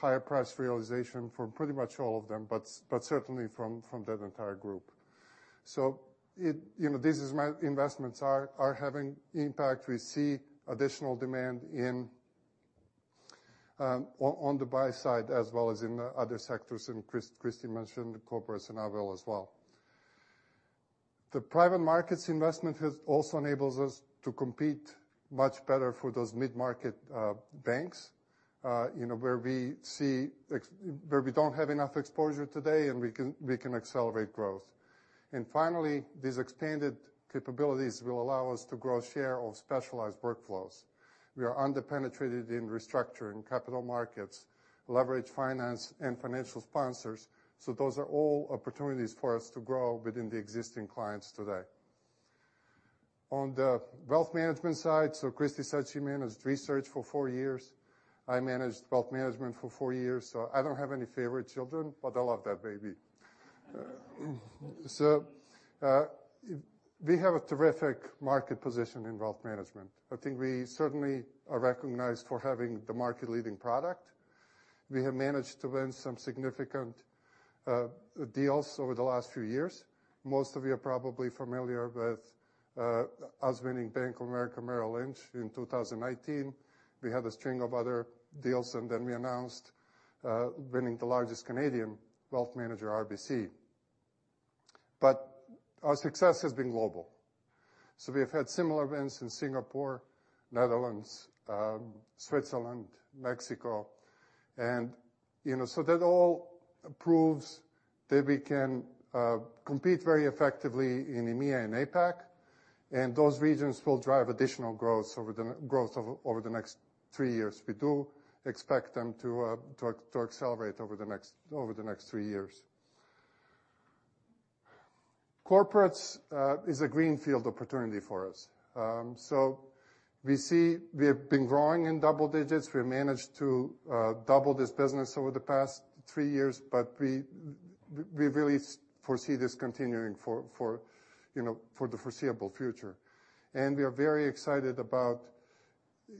[SPEAKER 10] higher price realization from pretty much all of them, but certainly from that entire group. You know, these investments are having impact. We see additional demand in on the buy side as well as in other sectors, and Christine mentioned the corporates and Avil as well. The private markets investment has also enables us to compete much better for those mid-market, banks, you know, where we don't have enough exposure today, and we can accelerate growth. Finally, these expanded capabilities will allow us to grow share of specialized workflows. We are under-penetrated in restructuring capital markets, leverage finance and financial sponsors. Those are all opportunities for us to grow within the existing clients today. On the wealth management side, Christine said she managed research for four years. I managed wealth management for four years, so I don't have any favorite children, but I love that baby. We have a terrific market position in wealth management. I think we certainly are recognized for having the market-leading product. We have managed to win some significant deals over the last few years. Most of you are probably familiar with us winning Bank of America, Merrill Lynch in 2019. We had a string of other deals, and then we announced winning the largest Canadian wealth manager, RBC. Our success has been global. We have had similar wins in Singapore, Netherlands, Switzerland, Mexico. You know, that all proves that we can compete very effectively in EMEA and APAC, and those regions will drive additional growth over the next three years. We do expect them to accelerate over the next three years. Corporates is a greenfield opportunity for us. We see we have been growing in double digits. We have managed to double this business over the past three years, but we really foresee this continuing for you know, for the foreseeable future. We are very excited about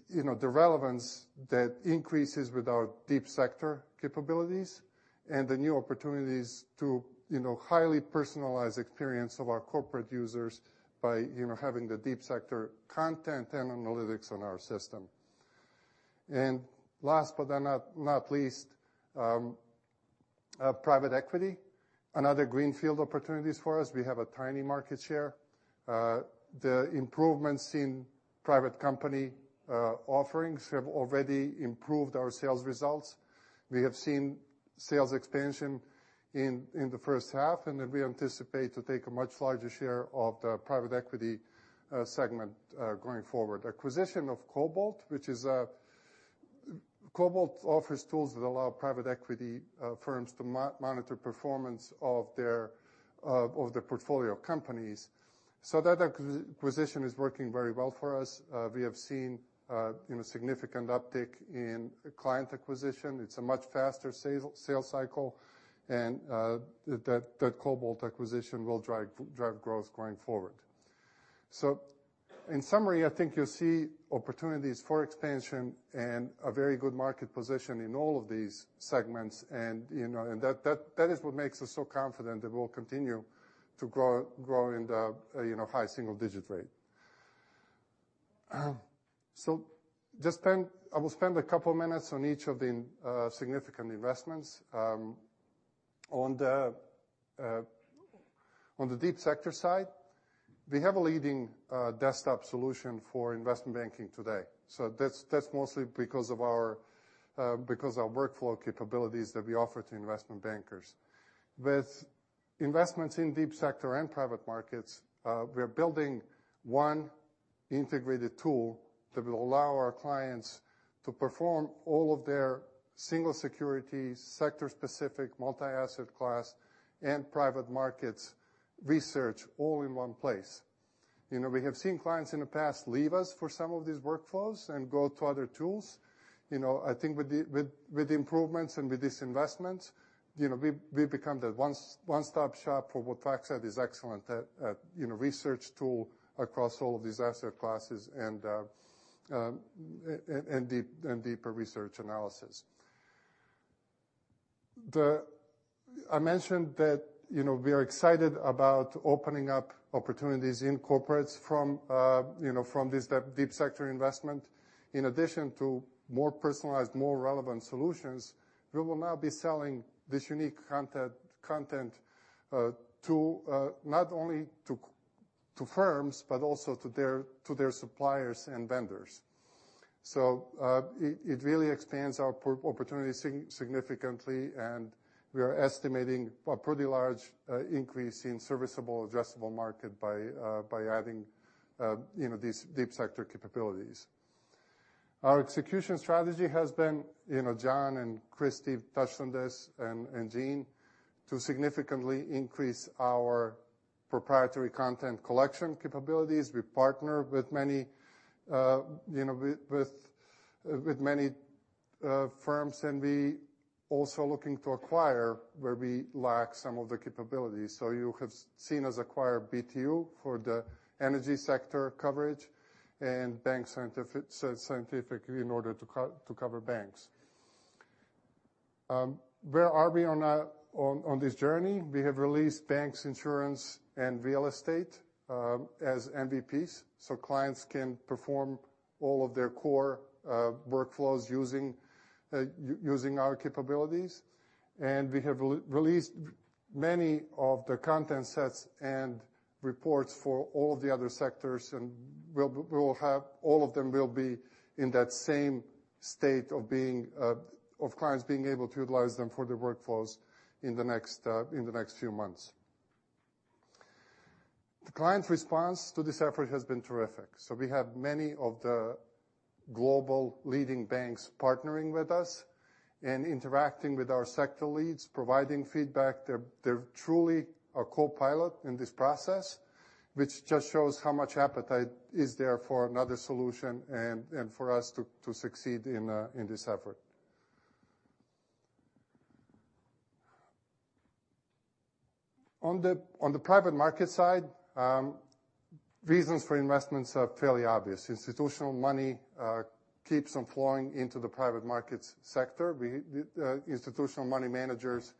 [SPEAKER 10] you know, the relevance that increases with our deep sector capabilities and the new opportunities to you know, highly personalize experience of our corporate users by you know, having the deep sector content and analytics on our system. Last but not least, private equity. Another greenfield opportunities for us. We have a tiny market share. The improvements in private company offerings have already improved our sales results. We have seen sales expansion in the first half, and we anticipate to take a much larger share of the private equity segment going forward. Acquisition of Cobalt, which is a... Cobalt offers tools that allow private equity firms to monitor performance of their portfolio companies. That acquisition is working very well for us. We have seen you know significant uptick in client acquisition. It's a much faster sale cycle, and that Cobalt acquisition will drive growth going forward. In summary, I think you'll see opportunities for expansion and a very good market position in all of these segments, and you know that is what makes us so confident that we'll continue to grow in the you know high single-digit rate. I will spend a couple minutes on each of the significant investments. On the deep sector side, we have a leading desktop solution for investment banking today. That's mostly because of our workflow capabilities that we offer to investment bankers. With investments in deep sector and private markets, we are building one integrated tool that will allow our clients to perform all of their single securities, sector-specific, multi-asset class, and private markets research all in one place. You know, we have seen clients in the past leave us for some of these workflows and go to other tools. You know, I think with the improvements and with this investment, you know, we become the one-stop shop for what FactSet is excellent at, you know, research tool across all of these asset classes and deep and deeper research analysis. I mentioned that, you know, we are excited about opening up opportunities in corporates from, you know, from this deep sector investment. In addition to more personalized, more relevant solutions, we will now be selling this unique content to not only to firms, but also to their suppliers and vendors. It really expands our opportunity significantly, and we are estimating a pretty large increase in serviceable addressable market by adding, you know, these deep sector capabilities. Our execution strategy has been, you know, John and Kristy touched on this, and Gene, to significantly increase our proprietary content collection capabilities. We partner with many, you know, with many firms, and we also looking to acquire where we lack some of the capabilities. You have seen us acquire BTU for the energy sector coverage and Banks in order to cover banks. Where are we on this journey? We have released banks, insurance, and real estate as MVPs, so clients can perform all of their core workflows using our capabilities. We have released many of the content sets and reports for all the other sectors, and we'll have all of them in that same state of clients being able to utilize them for their workflows in the next few months. The client's response to this effort has been terrific. We have many of the global leading banks partnering with us and interacting with our sector leads, providing feedback. They're truly a co-pilot in this process, which just shows how much appetite is there for another solution and for us to succeed in this effort. On the private market side, reasons for investments are fairly obvious. Institutional money keeps on flowing into the private markets sector. Institutional money managers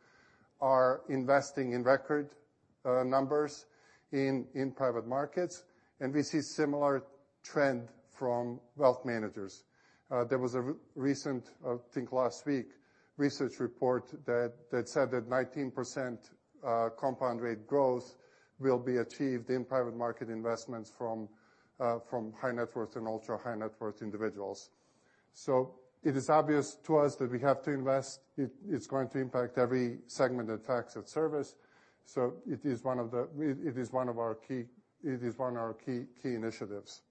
[SPEAKER 10] are investing in record numbers in private markets, and we see similar trend from wealth managers. There was a recent, I think, last week, research report that said that 19% compound rate growth will be achieved in private market investments from high net worth and ultra-high net worth individuals. It is obvious to us that we have to invest. It's going to impact every segment of FactSet service, so it is one of the. It is one of our key initiatives.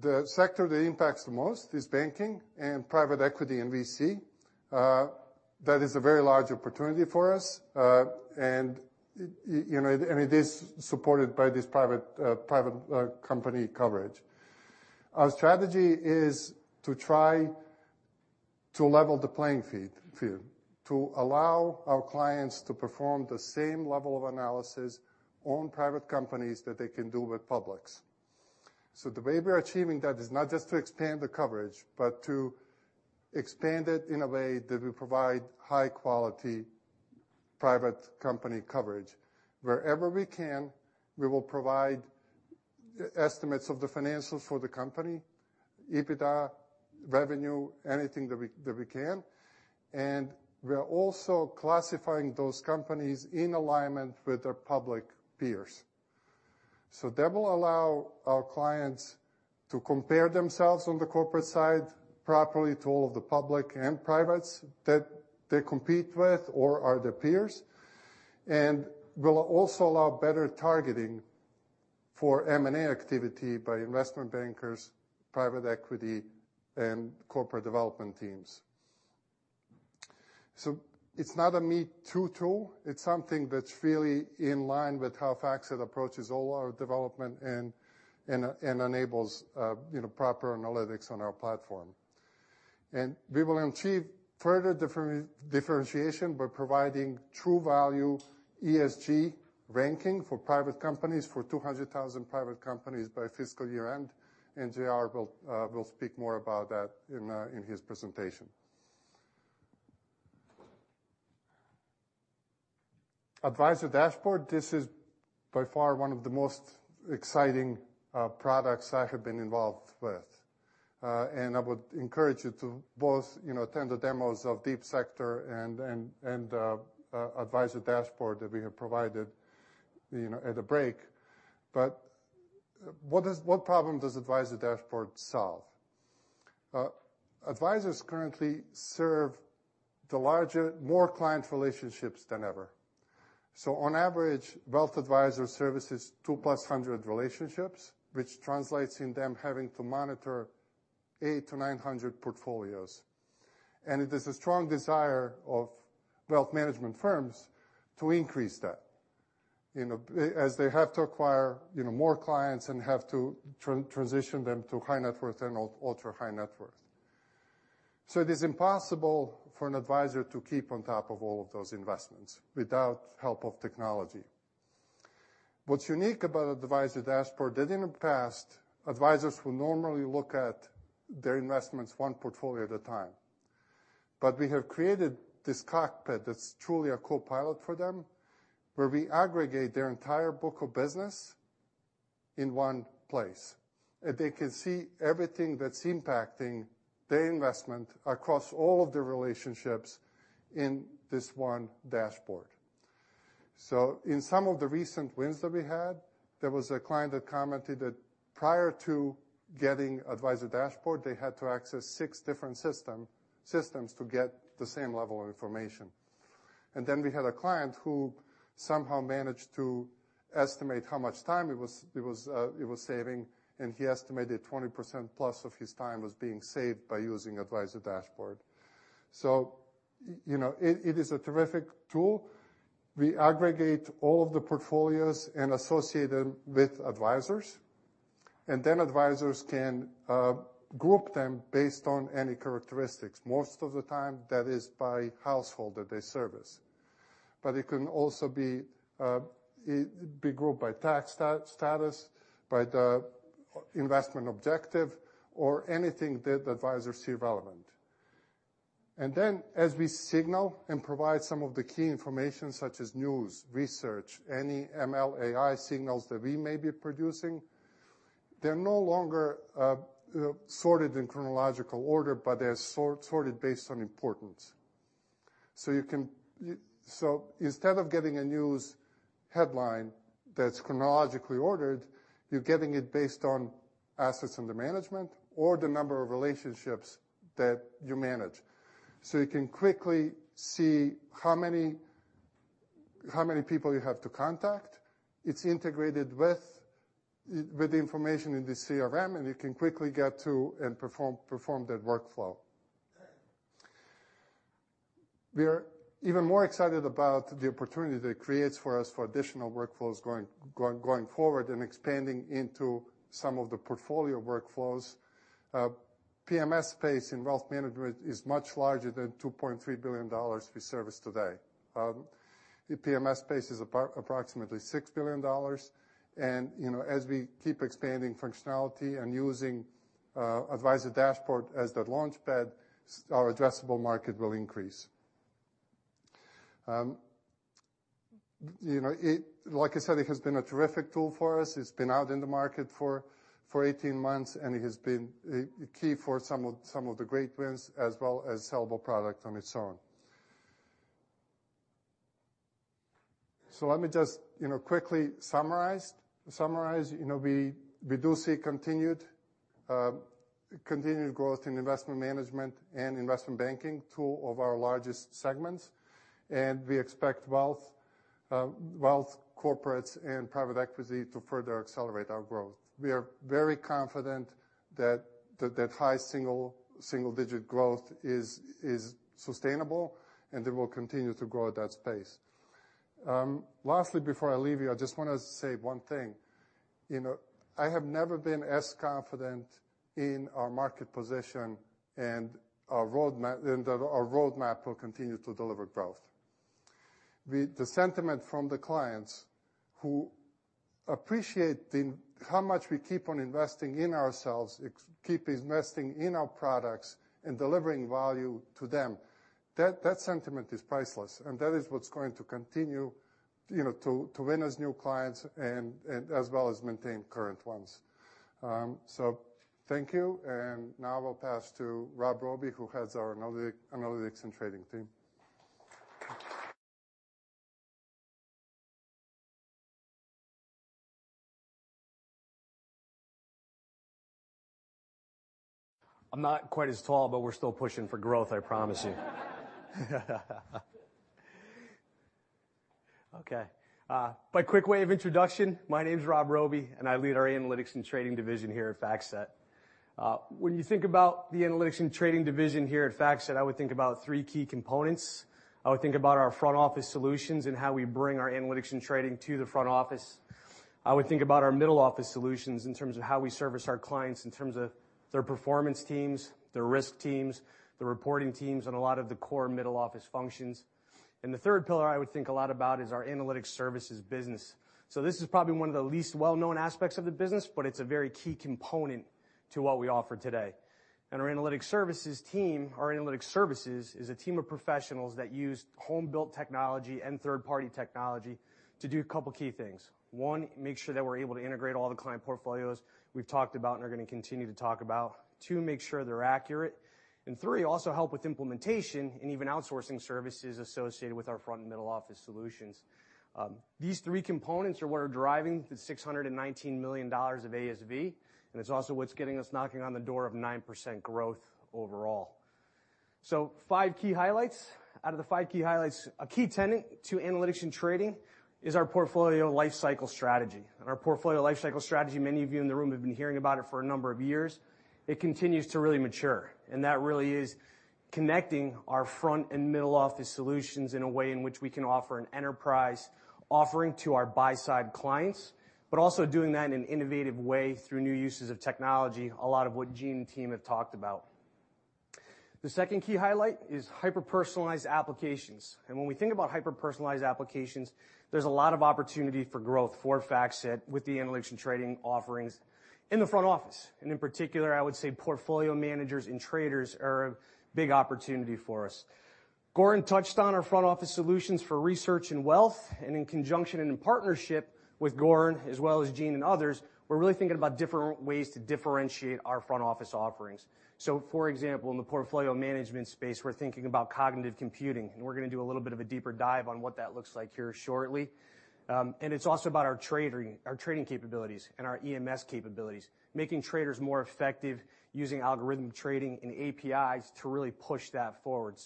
[SPEAKER 10] The sector that impacts the most is banking and private equity, and we see that is a very large opportunity for us. You know, it is supported by this private company coverage. Our strategy is to try to level the playing field to allow our clients to perform the same level of analysis on private companies that they can do with publics. The way we're achieving that is not just to expand the coverage, but to expand it in a way that we provide high quality private company coverage. Wherever we can, we will provide estimates of the financials for the company, EBITDA, revenue, anything that we can. We are also classifying those companies in alignment with their public peers. That will allow our clients to compare themselves on the corporate side properly to all of the public and privates that they compete with or are their peers. It will also allow better targeting for M&A activity by investment bankers, private equity, and corporate development teams. It's not a me too tool, it's something that's really in line with how FactSet approaches all our development and enables, you know, proper analytics on our platform. We will achieve further differentiation by providing true value ESG ranking for private companies, for 200,000 private companies by fiscal year-end, and J.R. will speak more about that in his presentation. Advisor Dashboard. This is by far one of the most exciting products I have been involved with. I would encourage you to both, you know, attend the demos of deep sector and Advisor Dashboard that we have provided, you know, at the break. What problem does Advisor Dashboard solve? Advisors currently serve more client relationships than ever. On average, wealth advisor services 200+ relationships, which translates in them having to monitor 800-900 portfolios. It is a strong desire of wealth management firms to increase that, you know, as they have to acquire, you know, more clients and have to transition them to high net worth and ultra high net worth. It is impossible for an advisor to keep on top of all of those investments without help of technology. What's unique about Advisor Dashboard is that in the past, advisors would normally look at their investments one portfolio at a time. We have created this cockpit that's truly a co-pilot for them, where we aggregate their entire book of business in one place. They can see everything that's impacting their investment across all of the relationships in this one dashboard. In some of the recent wins that we had, there was a client that commented that prior to getting Advisor Dashboard, they had to access six different systems to get the same level of information. Then we had a client who somehow managed to estimate how much time it was saving, and he estimated 20% plus of his time was being saved by using Advisor Dashboard. You know, it is a terrific tool. We aggregate all of the portfolios and associate them with advisors, and then advisors can group them based on any characteristics. Most of the time that is by household that they service. It can also be grouped by tax status, by the investment objective, or anything that the advisors see relevant. As we signal and provide some of the key information such as news, research, any ML AI signals that we may be producing, they're no longer sorted in chronological order, but they're sorted based on importance. You can instead of getting a news headline that's chronologically ordered, you're getting it based on assets under management or the number of relationships that you manage. You can quickly see how many people you have to contact. It's integrated with the information in the CRM, and you can quickly get to and perform that workflow. We're even more excited about the opportunity that it creates for us for additional workflows going forward and expanding into some of the portfolio workflows. PMS space in wealth management is much larger than $2.3 billion we service today. The PMS space is approximately $6 billion. You know, as we keep expanding functionality and using Advisor Dashboard as that launchpad, our addressable market will increase. You know, like I said, it has been a terrific tool for us. It's been out in the market for 18 months, and it has been key for some of the great wins as well as sellable product on its own. Let me just, you know, quickly summarize. You know, we do see continued growth in investment management and investment banking, two of our largest segments. We expect wealth, corporates, and private equity to further accelerate our growth. We are very confident that high single-digit growth is sustainable, and they will continue to grow at that pace. Lastly, before I leave you, I just wanna say one thing. You know, I have never been as confident in our market position and our roadmap, and that our roadmap will continue to deliver growth. The sentiment from the clients who appreciate how much we keep on investing in ourselves, keep investing in our products and delivering value to them, that sentiment is priceless. That is what's going to continue, you know, to win us new clients and as well as maintain current ones. Thank you. Now I will pass to Rob Robie, who heads our Analytics and Trading team. Thank you.
[SPEAKER 11] I'm not quite as tall, but we're still pushing for growth, I promise you. By quick way of introduction, my name's Rob Robie, and I lead our analytics and trading division here at FactSet. When you think about the analytics and trading division here at FactSet, I would think about three key components. I would think about our front office solutions and how we bring our analytics and trading to the front office. I would think about our middle office solutions in terms of how we service our clients in terms of their performance teams, their risk teams, their reporting teams, and a lot of the core middle office functions. The third pillar I would think a lot about is our analytics services business. This is probably one of the least well-known aspects of the business, but it's a very key component to what we offer today. Our analytics services team, our analytics services, is a team of professionals that use home-built technology and third-party technology to do a couple key things. One, make sure that we're able to integrate all the client portfolios we've talked about and are gonna continue to talk about. Two, make sure they're accurate. Three, also help with implementation and even outsourcing services associated with our front and middle office solutions. These three components are what are driving the $619 million of ASV, and it's also what's getting us knocking on the door of 9% growth overall. Five key highlights. Out of the five key highlights, a key tenet to analytics and trading is our portfolio lifecycle strategy. Our Portfolio Life Cycle strategy, many of you in the room have been hearing about it for a number of years. It continues to really mature, and that really is connecting our front- and middle-office solutions in a way in which we can offer an enterprise offering to our buy-side clients, but also doing that in an innovative way through new uses of technology, a lot of what Gene and team have talked about. The second key highlight is hyper-personalized applications. When we think about hyper-personalized applications, there's a lot of opportunity for growth for FactSet with the analytics and trading offerings in the front-office. In particular, I would say portfolio managers and traders are a big opportunity for us. Goran touched on our front office solutions for research and wealth, and in conjunction and in partnership with Goran as well as Gene and others, we're really thinking about different ways to differentiate our front office offerings. For example, in the portfolio management space, we're thinking about cognitive computing, and we're gonna do a little bit of a deeper dive on what that looks like here shortly. It's also about our trading, our trading capabilities and our EMS capabilities, making traders more effective using algorithm trading and APIs to really push that forward.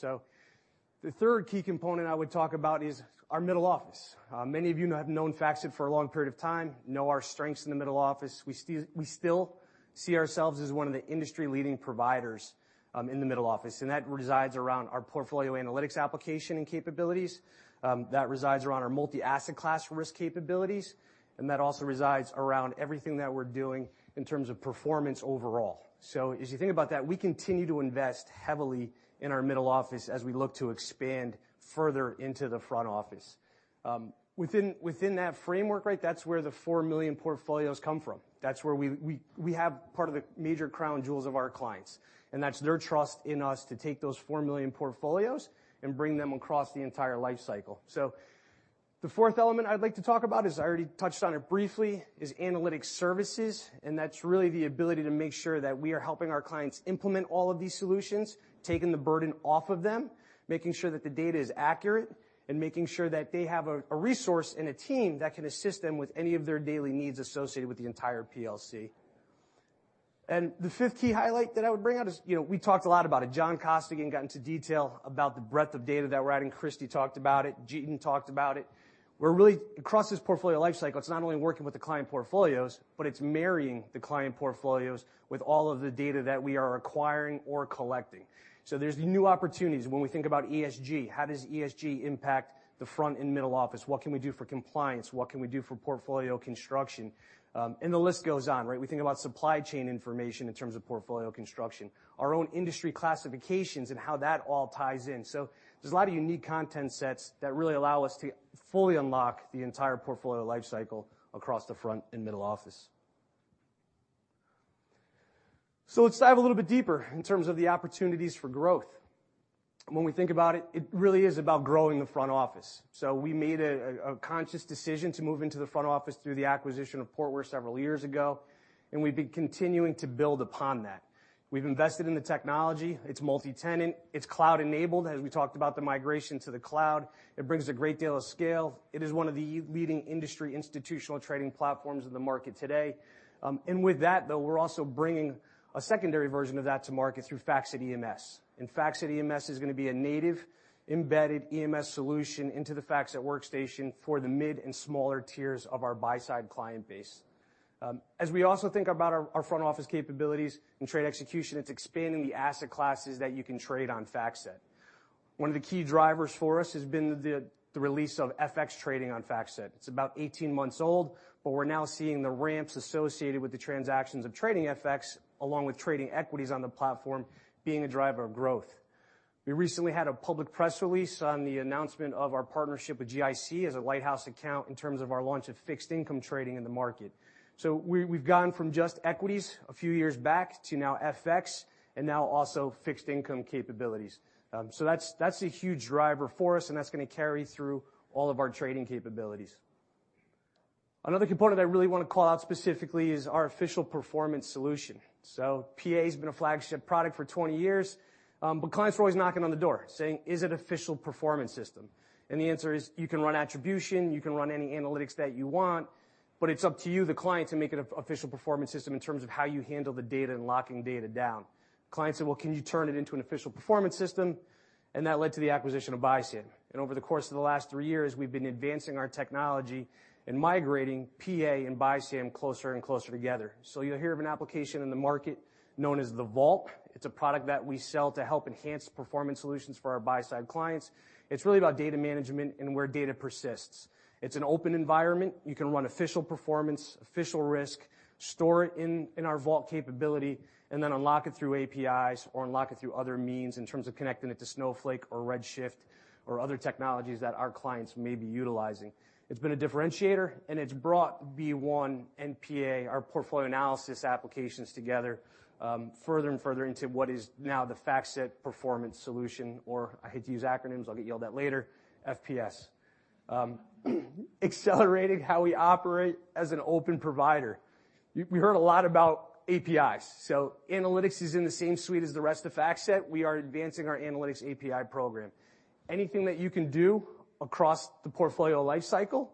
[SPEAKER 11] The third key component I would talk about is our middle office. Many of you have known FactSet for a long period of time, know our strengths in the middle office. We still see ourselves as one of the industry-leading providers in the middle office, and that resides around our portfolio analytics application and capabilities, that resides around our multi-asset class risk capabilities, and that also resides around everything that we're doing in terms of performance overall. As you think about that, we continue to invest heavily in our middle office as we look to expand further into the front office. Within that framework, right? That's where the 4 million portfolios come from. That's where we have part of the major crown jewels of our clients, and that's their trust in us to take those 4 million portfolios and bring them across the entire life cycle. The fourth element I'd like to talk about is, I already touched on it briefly, is analytics services, and that's really the ability to make sure that we are helping our clients implement all of these solutions, taking the burden off of them, making sure that the data is accurate, and making sure that they have a resource and a team that can assist them with any of their daily needs associated with the entire PLC. The fifth key highlight that I would bring out is, you know, we talked a lot about it. John Costigan got into detail about the breadth of data that we're adding. Kristy talked about it. Gene talked about it. We're really across this portfolio life cycle, it's not only working with the client portfolios, but it's marrying the client portfolios with all of the data that we are acquiring or collecting. There's new opportunities when we think about ESG. How does ESG impact the front and middle office? What can we do for compliance? What can we do for portfolio construction? The list goes on, right? We think about supply chain information in terms of portfolio construction, our own industry classifications and how that all ties in. There's a lot of unique content sets that really allow us to fully unlock the entire portfolio life cycle across the front and middle office. Let's dive a little bit deeper in terms of the opportunities for growth. When we think about it really is about growing the front office. We made a conscious decision to move into the front office through the acquisition of Portware several years ago, and we've been continuing to build upon that. We've invested in the technology. It's multi-tenant. It's cloud-enabled, as we talked about the migration to the cloud. It brings a great deal of scale. It is one of the leading industry institutional trading platforms in the market today. With that, though, we're also bringing a secondary version of that to market through FactSet EMS. FactSet EMS is gonna be a native embedded EMS solution into the FactSet workstation for the mid and smaller tiers of our buy-side client base. As we also think about our front office capabilities and trade execution, it's expanding the asset classes that you can trade on FactSet. One of the key drivers for us has been the release of FX trading on FactSet. It's about 18 months old, but we're now seeing the ramps associated with the transactions of trading FX, along with trading equities on the platform being a driver of growth. We recently had a public press release on the announcement of our partnership with GIC as a lighthouse account in terms of our launch of fixed income trading in the market. We've gone from just equities a few years back to now FX and now also fixed income capabilities. That's a huge driver for us, and that's gonna carry through all of our trading capabilities. Another component I really wanna call out specifically is our official performance solution. PA's been a flagship product for 20 years, but clients are always knocking on the door saying, "Is it official performance system?" The answer is, you can run attribution, you can run any analytics that you want, but it's up to you, the client, to make it a official performance system in terms of how you handle the data and locking data down. Client said, "Well, can you turn it into an official performance system?" That led to the acquisition of BISAM. Over the course of the last three years, we've been advancing our technology and migrating PA and BISAM closer and closer together. You'll hear of an application in the market known as the Vault. It's a product that we sell to help enhance performance solutions for our buy-side clients. It's really about data management and where data persists. It's an open environment. You can run official performance, official risk, store it in our Vault capability, and then unlock it through APIs or unlock it through other means in terms of connecting it to Snowflake or Redshift or other technologies that our clients may be utilizing. It's been a differentiator, and it's brought B-One and PA, our portfolio analysis applications, together further and further into what is now the FactSet performance solution, or I hate to use acronyms, I'll get yelled at later, FPS. Accelerating how we operate as an open provider. We heard a lot about APIs. Analytics is in the same suite as the rest of FactSet. We are advancing our analytics API program. Anything that you can do across the portfolio life cycle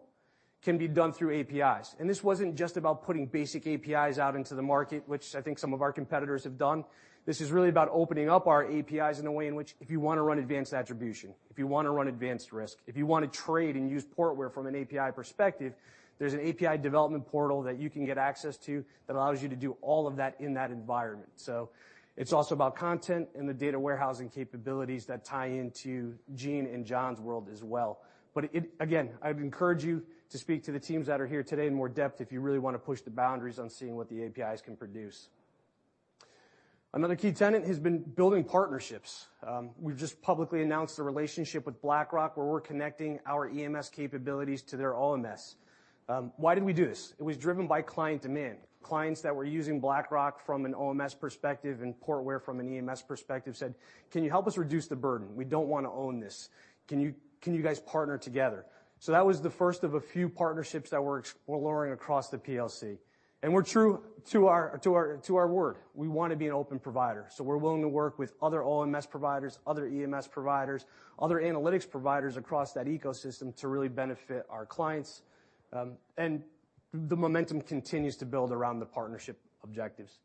[SPEAKER 11] can be done through APIs. This wasn't just about putting basic APIs out into the market, which I think some of our competitors have done. This is really about opening up our APIs in a way in which if you wanna run advanced attribution, if you wanna run advanced risk, if you wanna trade and use Portware from an API perspective, there's an API development portal that you can get access to that allows you to do all of that in that environment. It's also about content and the data warehousing capabilities that tie into Gene and John's world as well. Again, I'd encourage you to speak to the teams that are here today in more depth if you really wanna push the boundaries on seeing what the APIs can produce. Another key tenet has been building partnerships. We've just publicly announced the relationship with BlackRock, where we're connecting our EMS capabilities to their OMS. Why did we do this? It was driven by client demand. Clients that were using BlackRock from an OMS perspective and Portware from an EMS perspective said, "Can you help us reduce the burden? We don't wanna own this. Can you guys partner together?" That was the first of a few partnerships that we're exploring across the PLC. We're true to our word. We wanna be an open provider. We're willing to work with other OMS providers, other EMS providers, other analytics providers across that ecosystem to really benefit our clients. The momentum continues to build around the partnership objectives.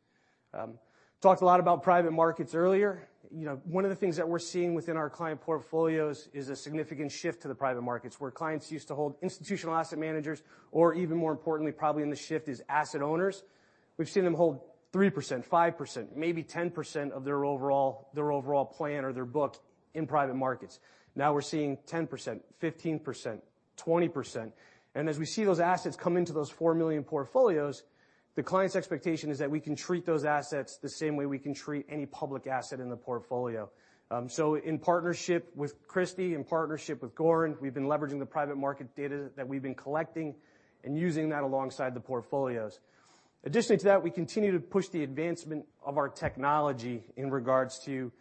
[SPEAKER 11] Talked a lot about private markets earlier. You know, one of the things that we're seeing within our client portfolios is a significant shift to the private markets, where clients used to hold institutional asset managers, or even more importantly, probably in the shift is asset owners. We've seen them hold 3%, 5%, maybe 10% of their overall plan or their book in private markets. Now we're seeing 10%, 15%, 20%. As we see those assets come into those 4 million portfolios, the client's expectation is that we can treat those assets the same way we can treat any public asset in the portfolio. In partnership with Kristy, in partnership with Goran, we've been leveraging the private market data that we've been collecting and using that alongside the portfolios. Additionally to that, we continue to push the advancement of our technology in regards to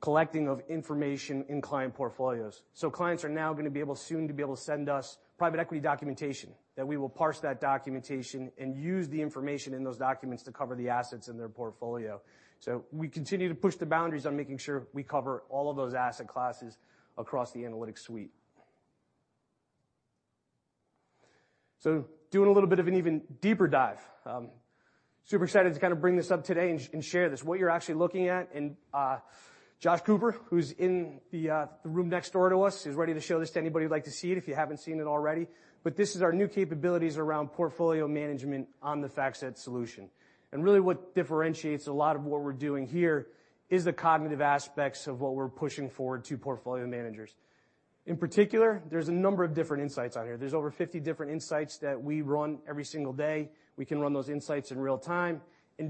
[SPEAKER 11] collecting of information in client portfolios. Clients are now gonna be soon to be able to send us private equity documentation, that we will parse that documentation and use the information in those documents to cover the assets in their portfolio. We continue to push the boundaries on making sure we cover all of those asset classes across the analytics suite. Doing a little bit of an even deeper dive. Super excited to kinda bring this up today and share this. What you're actually looking at, and, Josh Cooper, who's in the room next door to us, is ready to show this to anybody who'd like to see it, if you haven't seen it already. This is our new capabilities around portfolio management on the FactSet solution. Really what differentiates a lot of what we're doing here is the cognitive aspects of what we're pushing forward to portfolio managers. In particular, there's a number of different insights on here. There's over 50 different insights that we run every single day. We can run those insights in real time.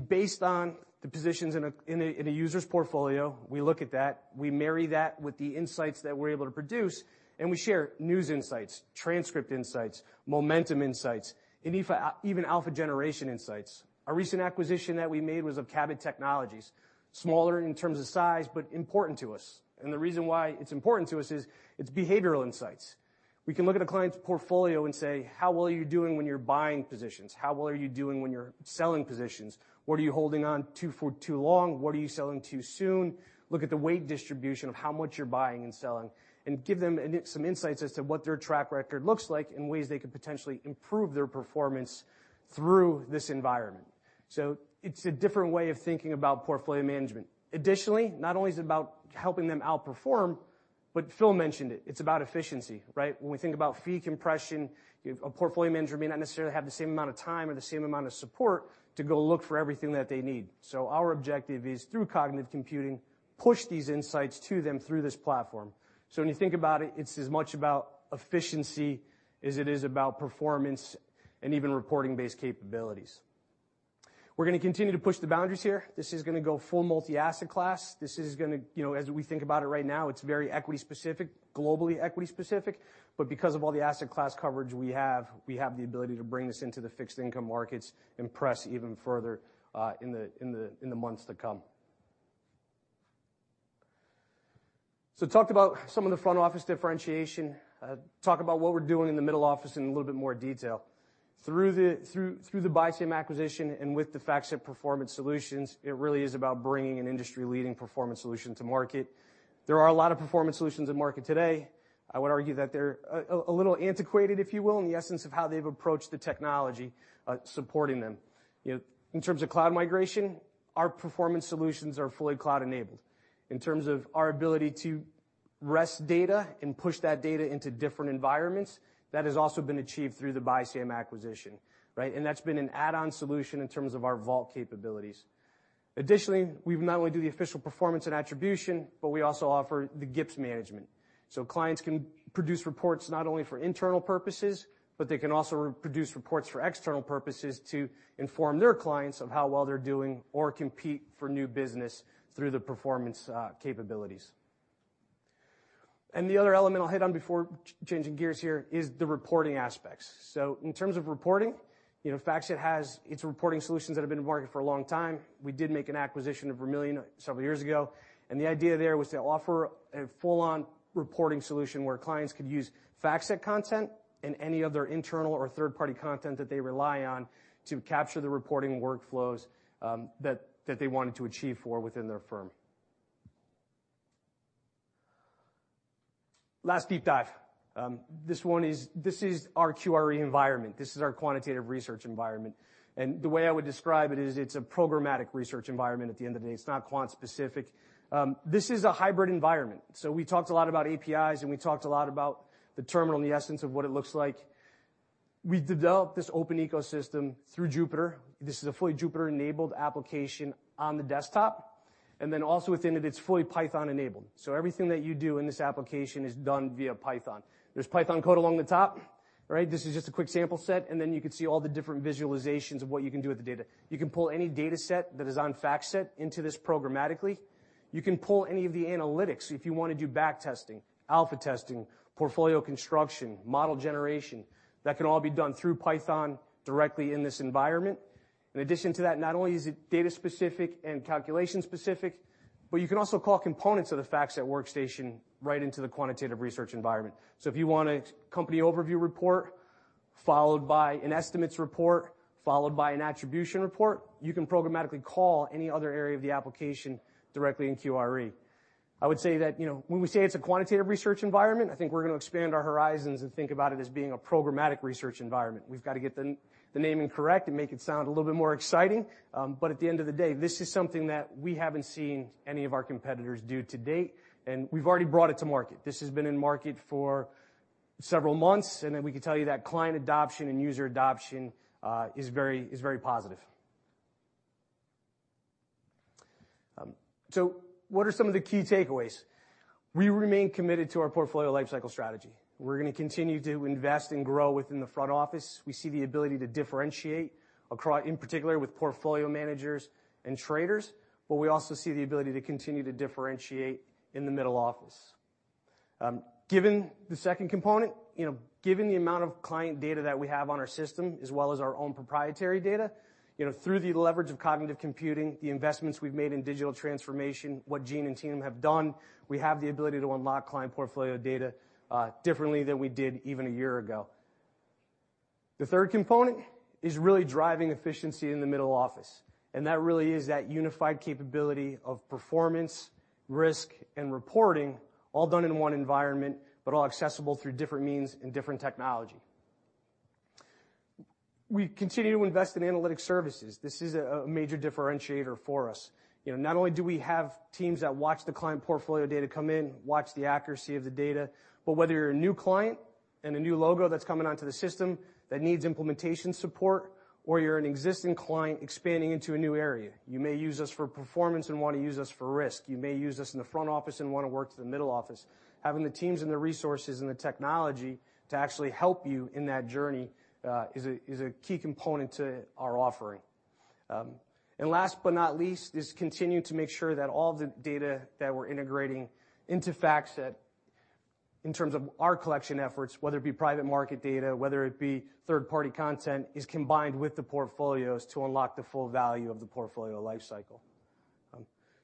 [SPEAKER 11] Based on the positions in a user's portfolio, we look at that, we marry that with the insights that we're able to produce, and we share news insights, transcript insights, momentum insights, and even alpha generation insights. A recent acquisition that we made was of Cabot Investment Technology, smaller in terms of size, but important to us. The reason why it's important to us is, it's behavioral insights. We can look at a client's portfolio and say, "How well are you doing when you're buying positions? How well are you doing when you're selling positions? What are you holding on to for too long? What are you selling too soon?" Look at the weight distribution of how much you're buying and selling, and give them some insights as to what their track record looks like and ways they could potentially improve their performance through this environment. It's a different way of thinking about portfolio management. Additionally, not only is it about helping them outperform, but Phil mentioned it. It's about efficiency, right? When we think about fee compression, a portfolio manager may not necessarily have the same amount of time or the same amount of support to go look for everything that they need. Our objective is, through cognitive computing, push these insights to them through this platform. When you think about it's as much about efficiency as it is about performance and even reporting-based capabilities. We're gonna continue to push the boundaries here. This is gonna go full multi-asset class. You know, as we think about it right now, it's very equity specific, global equity specific, but because of all the asset class coverage we have, we have the ability to bring this into the fixed income markets and push even further in the months to come. We talked about some of the front office differentiation. I'll talk about what we're doing in the middle office in a little bit more detail. Through the BISAM acquisition and with the FactSet performance solutions, it really is about bringing an industry-leading performance solution to market. There are a lot of performance solutions in market today. I would argue that they're a little antiquated, if you will, in the essence of how they've approached the technology supporting them. You know, in terms of cloud migration, our performance solutions are fully cloud enabled. In terms of our ability to rest data and push that data into different environments, that has also been achieved through the BISAM acquisition, right? That's been an add-on solution in terms of our Vault capabilities. Additionally, we not only do the official performance and attribution, but we also offer the GIPS management. So clients can produce reports not only for internal purposes, but they can also produce reports for external purposes to inform their clients of how well they're doing or compete for new business through the performance capabilities. The other element I'll hit on before changing gears here is the reporting aspects. In terms of reporting, you know, FactSet has its reporting solutions that have been in the market for a long time. We did make an acquisition of Vermilion several years ago, and the idea there was to offer a full-on reporting solution where clients could use FactSet content and any other internal or third-party content that they rely on to capture the reporting workflows, that they wanted to achieve for within their firm. Last deep dive. This one is This is our QRE environment. This is our quantitative research environment. The way I would describe it is it's a programmatic research environment at the end of the day. It's not quant specific. This is a hybrid environment. We talked a lot about APIs and we talked a lot about the terminal and the essence of what it looks like. We've developed this open ecosystem through Jupyter. This is a fully Jupyter-enabled application on the desktop, and then also within it's fully Python-enabled. Everything that you do in this application is done via Python. There's Python code along the top, right? This is just a quick sample set, and then you can see all the different visualizations of what you can do with the data. You can pull any data set that is on FactSet into this programmatically. You can pull any of the analytics if you wanna do back testing, alpha testing, portfolio construction, model generation. That can all be done through Python directly in this environment. In addition to that, not only is it data specific and calculation specific, but you can also call components of the FactSet workstation right into the quantitative research environment. If you want a company overview report followed by an estimates report, followed by an attribution report, you can programmatically call any other area of the application directly in QRE. I would say that, you know, when we say it's a quantitative research environment, I think we're gonna expand our horizons and think about it as being a programmatic research environment. We've got to get the naming correct and make it sound a little bit more exciting. But at the end of the day, this is something that we haven't seen any of our competitors do to date, and we've already brought it to market. This has been in market for several months, and then we can tell you that client adoption and user adoption is very positive. What are some of the key takeaways? We remain committed to our Portfolio Life Cycle strategy. We're gonna continue to invest and grow within the front office. We see the ability to differentiate across, in particular with portfolio managers and traders, but we also see the ability to continue to differentiate in the middle office. Given the second component, you know, given the amount of client data that we have on our system, as well as our own proprietary data, you know, through the leverage of cognitive computing, the investments we've made in digital transformation, what Gene and team have done, we have the ability to unlock client portfolio data differently than we did even a year ago. The third component is really driving efficiency in the middle office, and that really is that unified capability of performance, risk, and reporting all done in one environment, but all accessible through different means and different technology. We continue to invest in analytics services. This is a major differentiator for us. You know, not only do we have teams that watch the client portfolio data come in, watch the accuracy of the data, but whether you're a new client and a new logo that's coming onto the system that needs implementation support, or you're an existing client expanding into a new area. You may use us for performance and wanna use us for risk. You may use us in the front office and wanna work to the middle office. Having the teams and the resources and the technology to actually help you in that journey is a key component to our offering. Last but not least is to continue to make sure that all the data that we're integrating into FactSet in terms of our collection efforts, whether it be private market data, whether it be third-party content, is combined with the portfolios to unlock the full value of the Portfolio Life Cycle.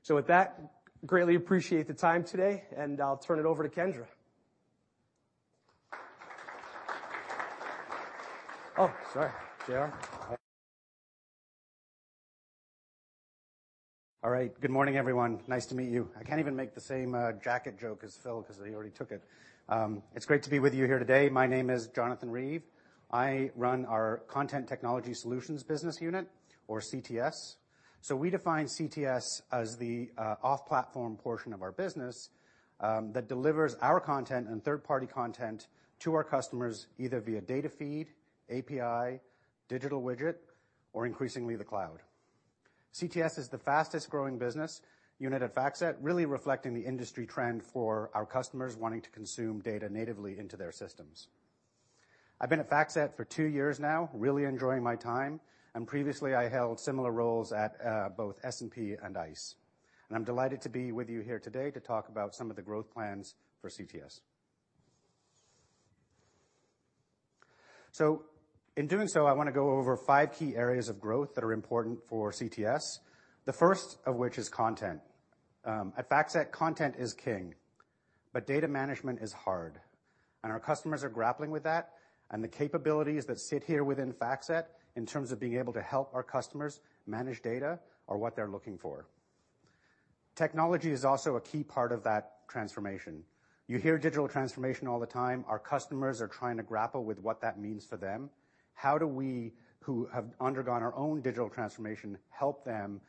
[SPEAKER 11] With that, I greatly appreciate the time today, and I'll turn it over to Kendra. Oh, sorry. JR?
[SPEAKER 12] All right. Good morning, everyone. Nice to meet you. I can't even make the same jacket joke as Phil 'cause he already took it. It's great to be with you here today. My name is Jonathan Reeve. I run our Content Technology Solutions business unit or CTS. We define CTS as the off-platform portion of our business that delivers our content and third-party content to our customers either via data feed, API, digital widget, or increasingly the cloud. CTS is the fastest-growing business unit at FactSet, really reflecting the industry trend for our customers wanting to consume data natively into their systems. I've been at FactSet for two years now, really enjoying my time. Previously, I held similar roles at both S&P and ICE. I'm delighted to be with you here today to talk about some of the growth plans for CTS. In doing so, I wanna go over five key areas of growth that are important for CTS. The first of which is content. At FactSet, content is king, but data management is hard. Our customers are grappling with that, and the capabilities that sit here within FactSet in terms of being able to help our customers manage data are what they're looking for. Technology is also a key part of that transformation. You hear digital transformation all the time. Our customers are trying to grapple with what that means for them. How do we, who have undergone our own digital transformation, help them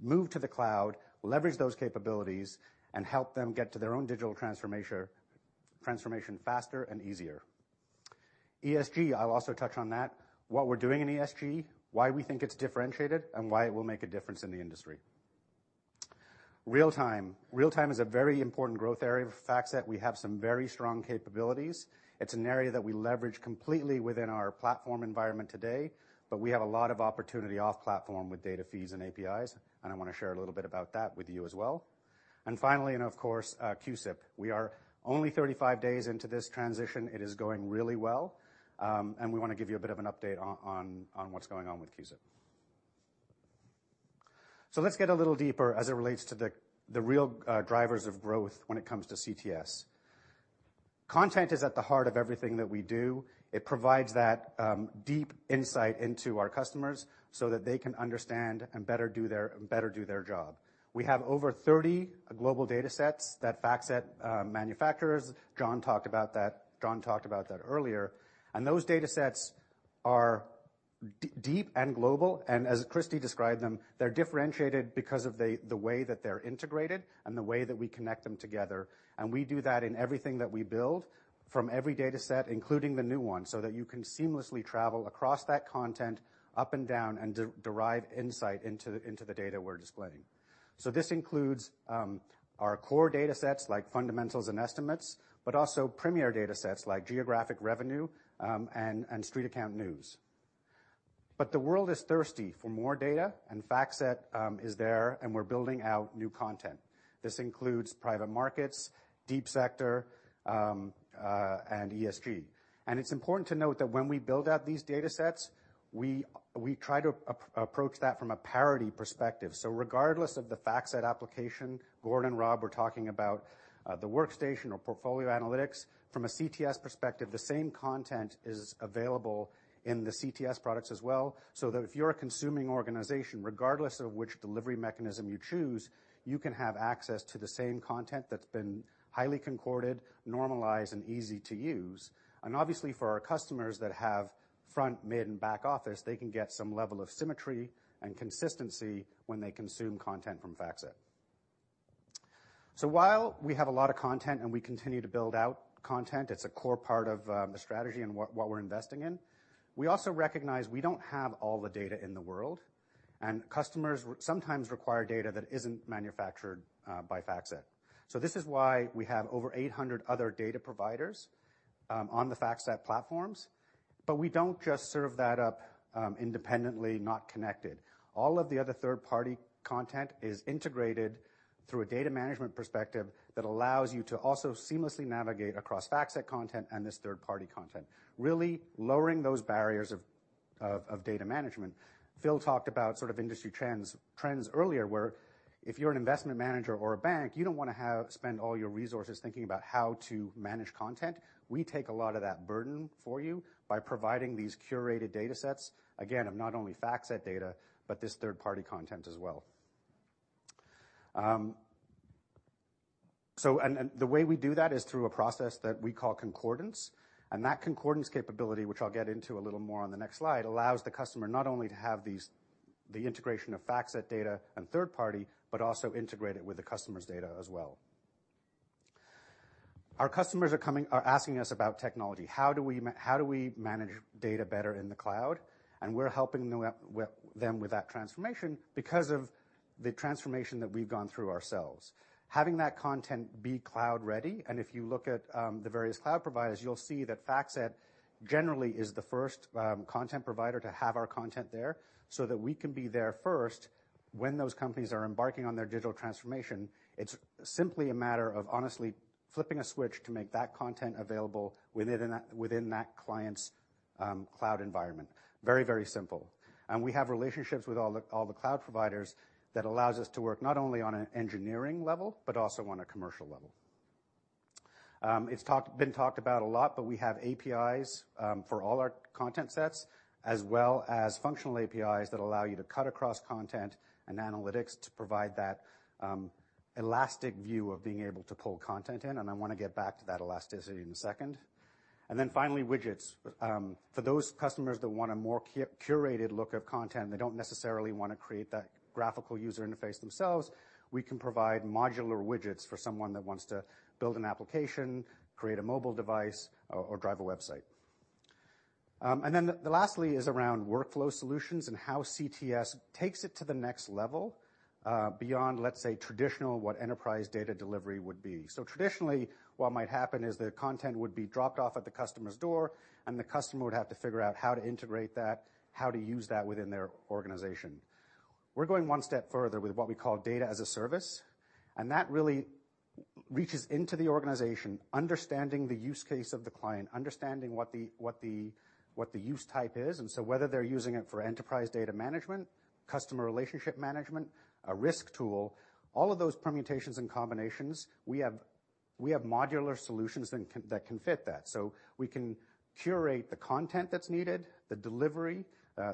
[SPEAKER 12] move to the cloud, leverage those capabilities, and help them get to their own digital transformation faster and easier? ESG, I'll also touch on that. What we're doing in ESG, why we think it's differentiated, and why it will make a difference in the industry. Real-time. Real-time is a very important growth area for FactSet. We have some very strong capabilities. It's an area that we leverage completely within our platform environment today, but we have a lot of opportunity off-platform with data feeds and APIs, and I wanna share a little bit about that with you as well. Finally and of course, CUSIP. We are only 35 days into this transition. It is going really well, and we wanna give you a bit of an update on what's going on with CUSIP. Let's get a little deeper as it relates to the real drivers of growth when it comes to CTS. Content is at the heart of everything that we do. It provides that deep insight into our customers so that they can understand and better do their job. We have over 30 global datasets that FactSet manufactures. John talked about that earlier. Those datasets are deep and global, and as Kristy described them, they're differentiated because of the way that they're integrated and the way that we connect them together. We do that in everything that we build from every dataset, including the new one, so that you can seamlessly travel across that content up and down and derive insight into the data we're displaying. This includes our core datasets like fundamentals and estimates, but also premier datasets like geographic revenue and StreetAccount news. The world is thirsty for more data, and FactSet is there, and we're building out new content. This includes private markets, deep sector, and ESG. It's important to note that when we build out these datasets, we try to approach that from a parity perspective. Regardless of the FactSet application, Goran and Rob were talking about, the workstation or portfolio analytics. From a CTS perspective, the same content is available in the CTS products as well, so that if you're a consuming organization, regardless of which delivery mechanism you choose, you can have access to the same content that's been highly concorded, normalized, and easy to use. Obviously for our customers that have front, mid, and back office, they can get some level of symmetry and consistency when they consume content from FactSet. While we have a lot of content and we continue to build out content, it's a core part of the strategy and what we're investing in. We also recognize we don't have all the data in the world, and customers sometimes require data that isn't manufactured by FactSet. This is why we have over 800 other data providers on the FactSet platforms. We don't just serve that up independently, not connected. All of the other third-party content is integrated through a data management perspective that allows you to also seamlessly navigate across FactSet content and this third-party content, really lowering those barriers of data management. Phil talked about sort of industry trends earlier, where if you're an investment manager or a bank, you don't wanna spend all your resources thinking about how to manage content. We take a lot of that burden for you by providing these curated datasets, again, of not only FactSet data, but this third-party content as well. The way we do that is through a process that we call concordance. That concordance capability, which I'll get into a little more on the next slide, allows the customer not only to have the integration of FactSet data and third-party, but also integrate it with the customer's data as well. Our customers are asking us about technology. How do we manage data better in the cloud? We're helping them with that transformation because of the transformation that we've gone through ourselves. Having that content be cloud ready, and if you look at the various cloud providers, you'll see that FactSet generally is the first content provider to have our content there, so that we can be there first. When those companies are embarking on their digital transformation, it's simply a matter of honestly flipping a switch to make that content available within that client's cloud environment. Very, very simple. We have relationships with all the cloud providers that allows us to work not only on an engineering level, but also on a commercial level. It's been talked about a lot, but we have APIs for all our content sets as well as functional APIs that allow you to cut across content and analytics to provide that elastic view of being able to pull content in, and I wanna get back to that elasticity in a second. Finally, widgets. For those customers that want a more curated look of content, they don't necessarily wanna create that graphical user interface themselves. We can provide modular widgets for someone that wants to build an application, create a mobile device or drive a website. Lastly is around workflow solutions and how CTS takes it to the next level, beyond what traditional enterprise data delivery would be. Traditionally, what might happen is their content would be dropped off at the customer's door, and the customer would have to figure out how to integrate that, how to use that within their organization. We're going one step further with what we call data as a service, and that really reaches into the organization, understanding the use case of the client, understanding what the use type is, and so whether they're using it for enterprise data management, customer relationship management, a risk tool. All of those permutations and combinations, we have modular solutions that can fit that. We can curate the content that's needed, the delivery,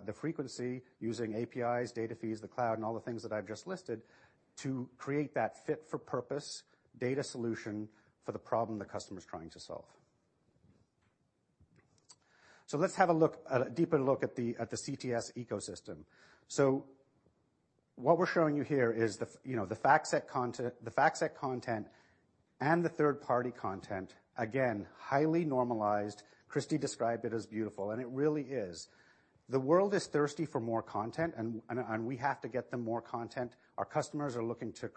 [SPEAKER 12] the frequency using APIs, data feeds, the cloud, and all the things that I've just listed to create that fit-for-purpose data solution for the problem the customer's trying to solve. Let's have a deeper look at the CTS ecosystem. What we're showing you here is the FactSet content and the third-party content. Again, highly normalized. Kristy described it as beautiful, and it really is. The world is thirsty for more content, and we have to get them more content. Our customers are looking to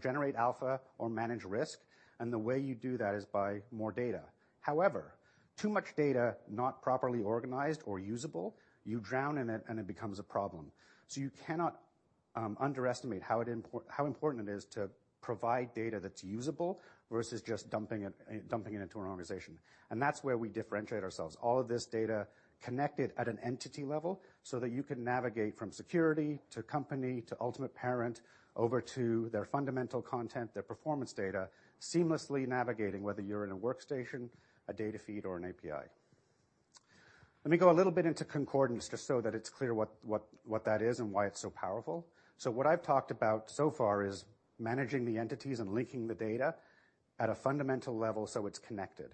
[SPEAKER 12] generate alpha or manage risk, and the way you do that is by more data. However, too much data not properly organized or usable, you drown in it, and it becomes a problem. You cannot underestimate how important it is to provide data that's usable versus just dumping it into an organization, and that's where we differentiate ourselves. All of this data connected at an entity level so that you can navigate from security to company to ultimate parent over to their fundamental content, their performance data, seamlessly navigating whether you're in a workstation, a data feed, or an API. Let me go a little bit into concordance just so that it's clear what that is and why it's so powerful. What I've talked about so far is managing the entities and linking the data at a fundamental level so it's connected.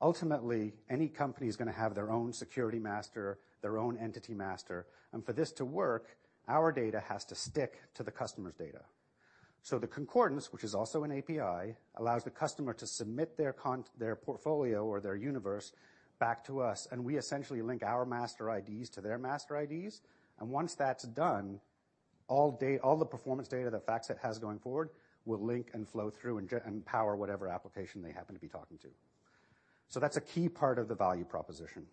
[SPEAKER 12] Ultimately, any company is gonna have their own security master, their own entity master, and for this to work, our data has to stick to the customer's data. The concordance, which is also an API, allows the customer to submit their portfolio or their universe back to us, and we essentially link our master IDs to their master IDs. Once that's done, all the performance data that FactSet has going forward will link and flow through and power whatever application they happen to be talking to. That's a key part of the value proposition.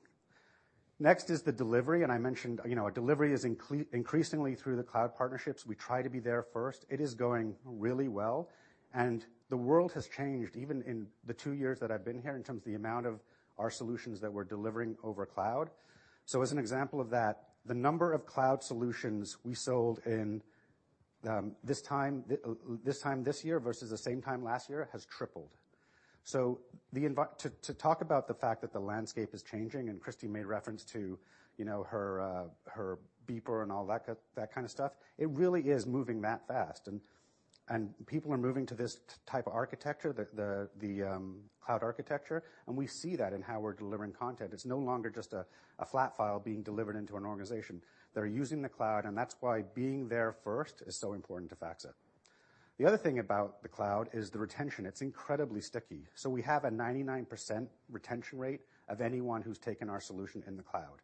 [SPEAKER 12] Next is the delivery, and I mentioned, you know, delivery is increasingly through the cloud partnerships. We try to be there first. It is going really well. The world has changed even in the two years that I've been here in terms of the amount of our solutions that we're delivering over cloud. As an example of that, the number of cloud solutions we sold in this time this year versus the same time last year has tripled. To talk about the fact that the landscape is changing, and Kristina made reference to, you know, her beeper and all that kind of stuff, it really is moving that fast. People are moving to this type of architecture, the cloud architecture, and we see that in how we're delivering content. It's no longer just a flat file being delivered into an organization. They're using the cloud, and that's why being there first is so important to FactSet. The other thing about the cloud is the retention. It's incredibly sticky. We have a 99% retention rate of anyone who's taken our solution in the cloud.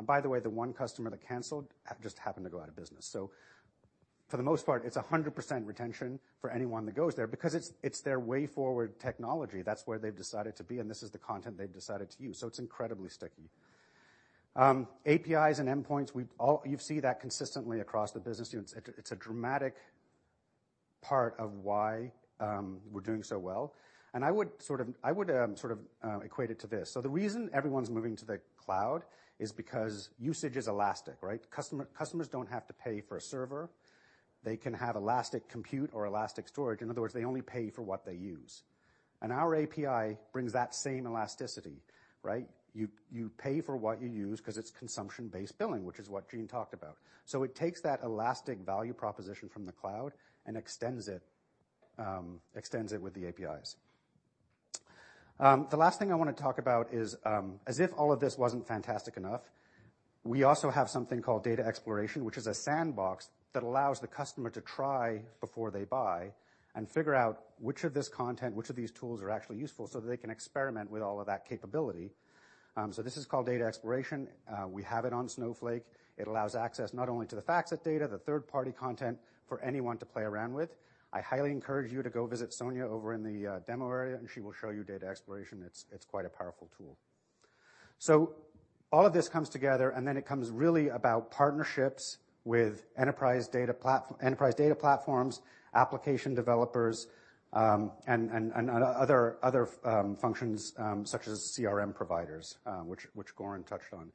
[SPEAKER 12] By the way, the one customer that canceled just happened to go out of business. For the most part, it's 100% retention for anyone that goes there because it's their way forward technology. That's where they've decided to be, and this is the content they've decided to use. It's incredibly sticky. APIs and endpoints, you see that consistently across the business units. It's a dramatic part of why we're doing so well, and I would equate it to this. The reason everyone's moving to the cloud is because usage is elastic, right? Customers don't have to pay for a server. They can have elastic compute or elastic storage. In other words, they only pay for what they use. And our API brings that same elasticity, right? You pay for what you use 'cause it's consumption-based billing, which is what Gene talked about. It takes that elastic value proposition from the cloud and extends it with the APIs. The last thing I wanna talk about is, as if all of this wasn't fantastic enough, we also have something called data exploration, which is a sandbox that allows the customer to try before they buy and figure out which of this content, which of these tools are actually useful so that they can experiment with all of that capability. This is called data exploration. We have it on Snowflake. It allows access not only to the FactSet data, the third-party content for anyone to play around with. I highly encourage you to go visit Sonia over in the demo area, and she will show you data exploration. It's quite a powerful tool. All of this comes together, and then it comes really about partnerships with enterprise data platforms, application developers, and other functions such as CRM providers, which Goran touched on.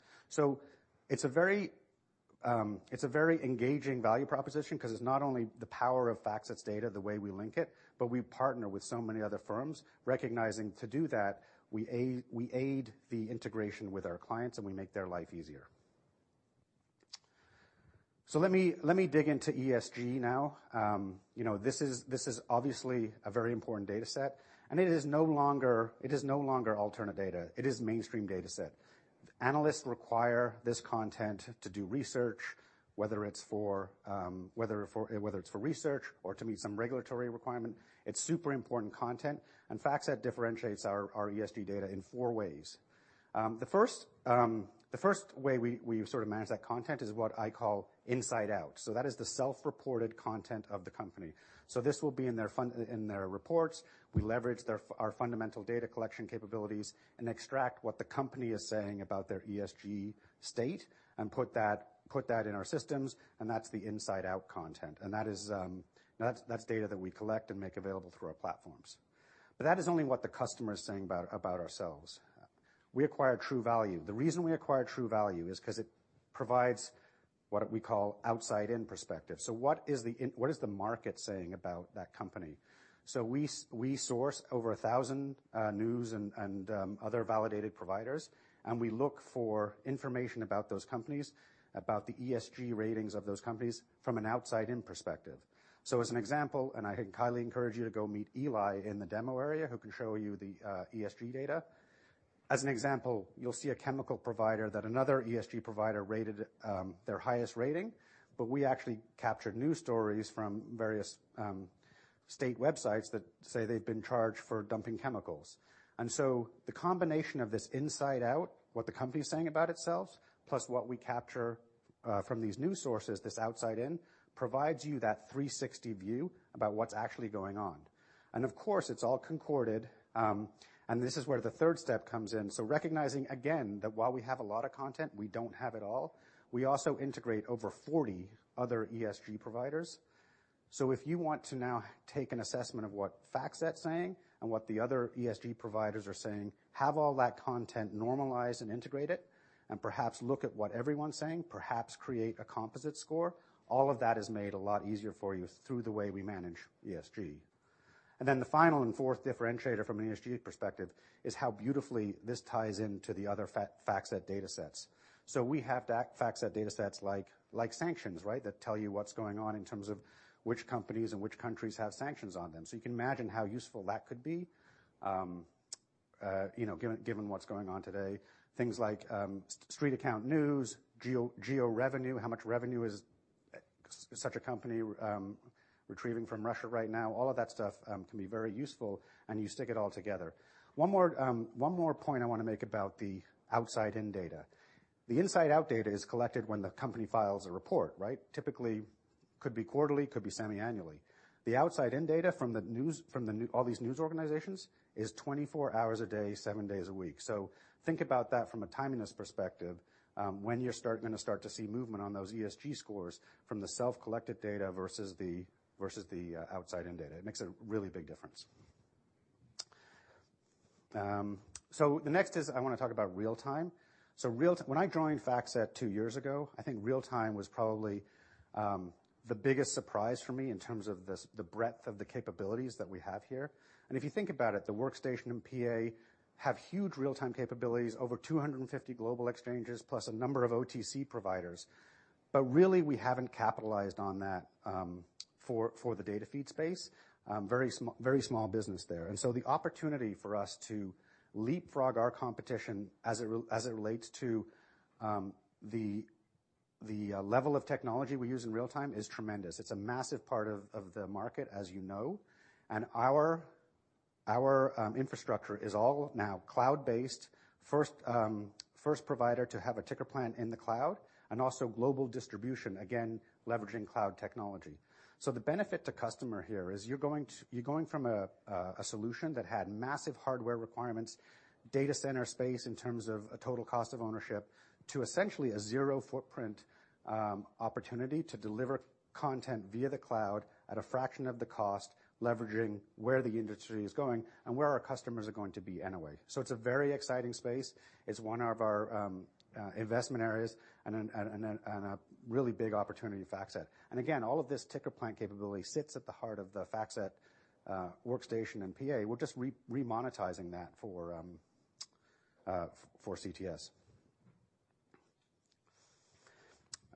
[SPEAKER 12] It's a very engaging value proposition 'cause it's not only the power of FactSet's data, the way we link it, but we partner with so many other firms recognizing to do that, we aid the integration with our clients, and we make their life easier. Let me dig into ESG now. You know, this is obviously a very important data set, and it is no longer alternative data. It is mainstream data set. Analysts require this content to do research, whether it's for research or to meet some regulatory requirement. It's super important content, and FactSet differentiates our ESG data in four ways. The first way we sort of manage that content is what I call inside out. That is the self-reported content of the company. This will be in their reports. We leverage our fundamental data collection capabilities and extract what the company is saying about their ESG state and put that in our systems, and that's the inside out content. That is data that we collect and make available through our platforms. But that is only what the customer is saying about ourselves. We acquire Truvalue. The reason we acquire Truvalue is 'cause it provides what we call outside-in perspective. What is the market saying about that company? We source over 1,000 news and other validated providers, and we look for information about those companies, about the ESG ratings of those companies from an outside-in perspective. As an example, and I highly encourage you to go meet Eli in the demo area who can show you the ESG data. As an example, you'll see a chemical provider that another ESG provider rated their highest rating, but we actually captured news stories from various state websites that say they've been charged for dumping chemicals. The combination of this inside out, what the company's saying about itself, plus what we capture from these news sources, this outside in, provides you that 360 view about what's actually going on. Of course, it's all concorded, and this is where the third step comes in. Recognizing again that while we have a lot of content, we don't have it all. We also integrate over 40 other ESG providers. If you want to now take an assessment of what FactSet's saying and what the other ESG providers are saying, have all that content normalized and integrated, and perhaps look at what everyone's saying, perhaps create a composite score. All of that is made a lot easier for you through the way we manage ESG. The final and fourth differentiator from an ESG perspective is how beautifully this ties into the other FactSet data sets. We have FactSet data sets like sanctions, right? That tell you what's going on in terms of which companies and which countries have sanctions on them. You can imagine how useful that could be, you know, given what's going on today. Things like StreetAccount news, geo revenue, how much revenue is such a company deriving from Russia right now. All of that stuff can be very useful, and you stick it all together. One more point I wanna make about the outside-in data. The inside-out data is collected when the company files a report, right? Typically, could be quarterly, could be semi-annually. The outside-in data from all these news organizations is 24 hours a day, seven days a week. Think about that from a timeliness perspective, when you're gonna start to see movement on those ESG scores from the self-collected data versus the outside-in data. It makes a really big difference. The next is I wanna talk about real-time. When I joined FactSet two years ago, I think real-time was probably the biggest surprise for me in terms of the breadth of the capabilities that we have here. If you think about it, the workstation and PA have huge real-time capabilities, over 250 global exchanges plus a number of OTC providers. Really we haven't capitalized on that for the data feed space. Very small business there. The opportunity for us to leapfrog our competition as it relates to the level of technology we use in real-time is tremendous. It's a massive part of the market, as you know. Our infrastructure is all now cloud-based. First provider to have a ticker plant in the cloud, and also global distribution, again, leveraging cloud technology. The benefit to customer here is you're going from a solution that had massive hardware requirements, data center space in terms of a total cost of ownership to essentially a zero-footprint opportunity to deliver content via the cloud at a fraction of the cost, leveraging where the industry is going and where our customers are going to be anyway. It's a very exciting space. It's one of our investment areas and a really big opportunity at FactSet. Again, all of this ticker plant capability sits at the heart of the FactSet workstation and PA. We're just remonetizing that for CTS.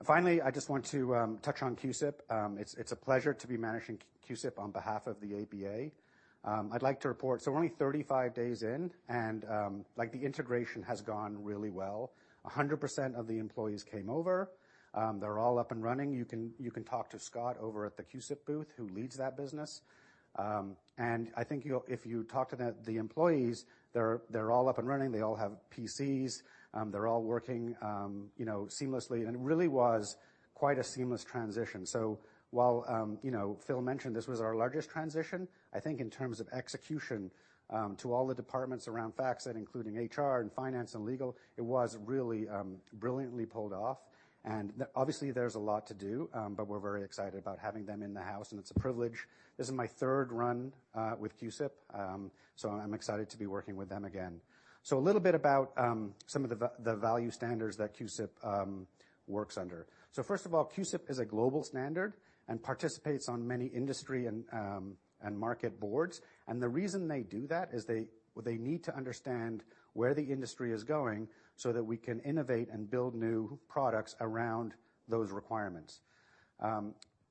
[SPEAKER 12] Finally, I just want to touch on CUSIP. It's a pleasure to be managing CUSIP on behalf of the ABA. I'd like to report. We're only 35 days in, and, like, the integration has gone really well. 100% of the employees came over. They're all up and running. You can talk to Scott over at the CUSIP booth, who leads that business. And I think if you talk to the employees, they're all up and running. They all have PCs. They're all working, you know, seamlessly. It really was quite a seamless transition. While you know, Phil mentioned this was our largest transition, I think in terms of execution, to all the departments around FactSet, including HR and finance and legal, it was really brilliantly pulled off. Obviously, there's a lot to do, but we're very excited about having them in the house, and it's a privilege. This is my third run with CUSIP. I'm excited to be working with them again. A little bit about some of the value standards that CUSIP works under. First of all, CUSIP is a global standard and participates on many industry and market boards. The reason they do that is they need to understand where the industry is going so that we can innovate and build new products around those requirements.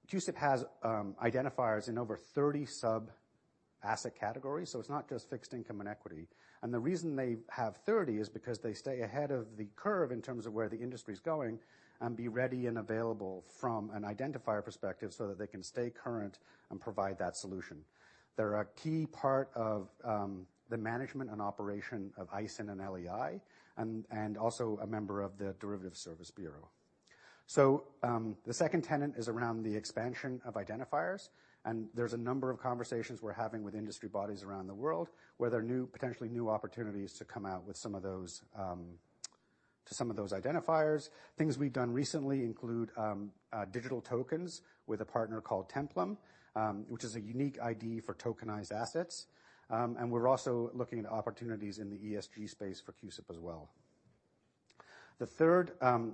[SPEAKER 12] CUSIP has identifiers in over 30 sub-asset categories, so it's not just fixed income and equity. The reason they have 30 is because they stay ahead of the curve in terms of where the industry's going and be ready and available from an identifier perspective, so that they can stay current and provide that solution. They're a key part of the management and operation of ISIN and LEI and also a member of the Derivatives Service Bureau. The second tenet is around the expansion of identifiers, and there's a number of conversations we're having with industry bodies around the world where there are potentially new opportunities to come out with some of those identifiers. Things we've done recently include digital tokens with a partner called Templum, which is a unique ID for tokenized assets. We're also looking at opportunities in the ESG space for CUSIP as well. The third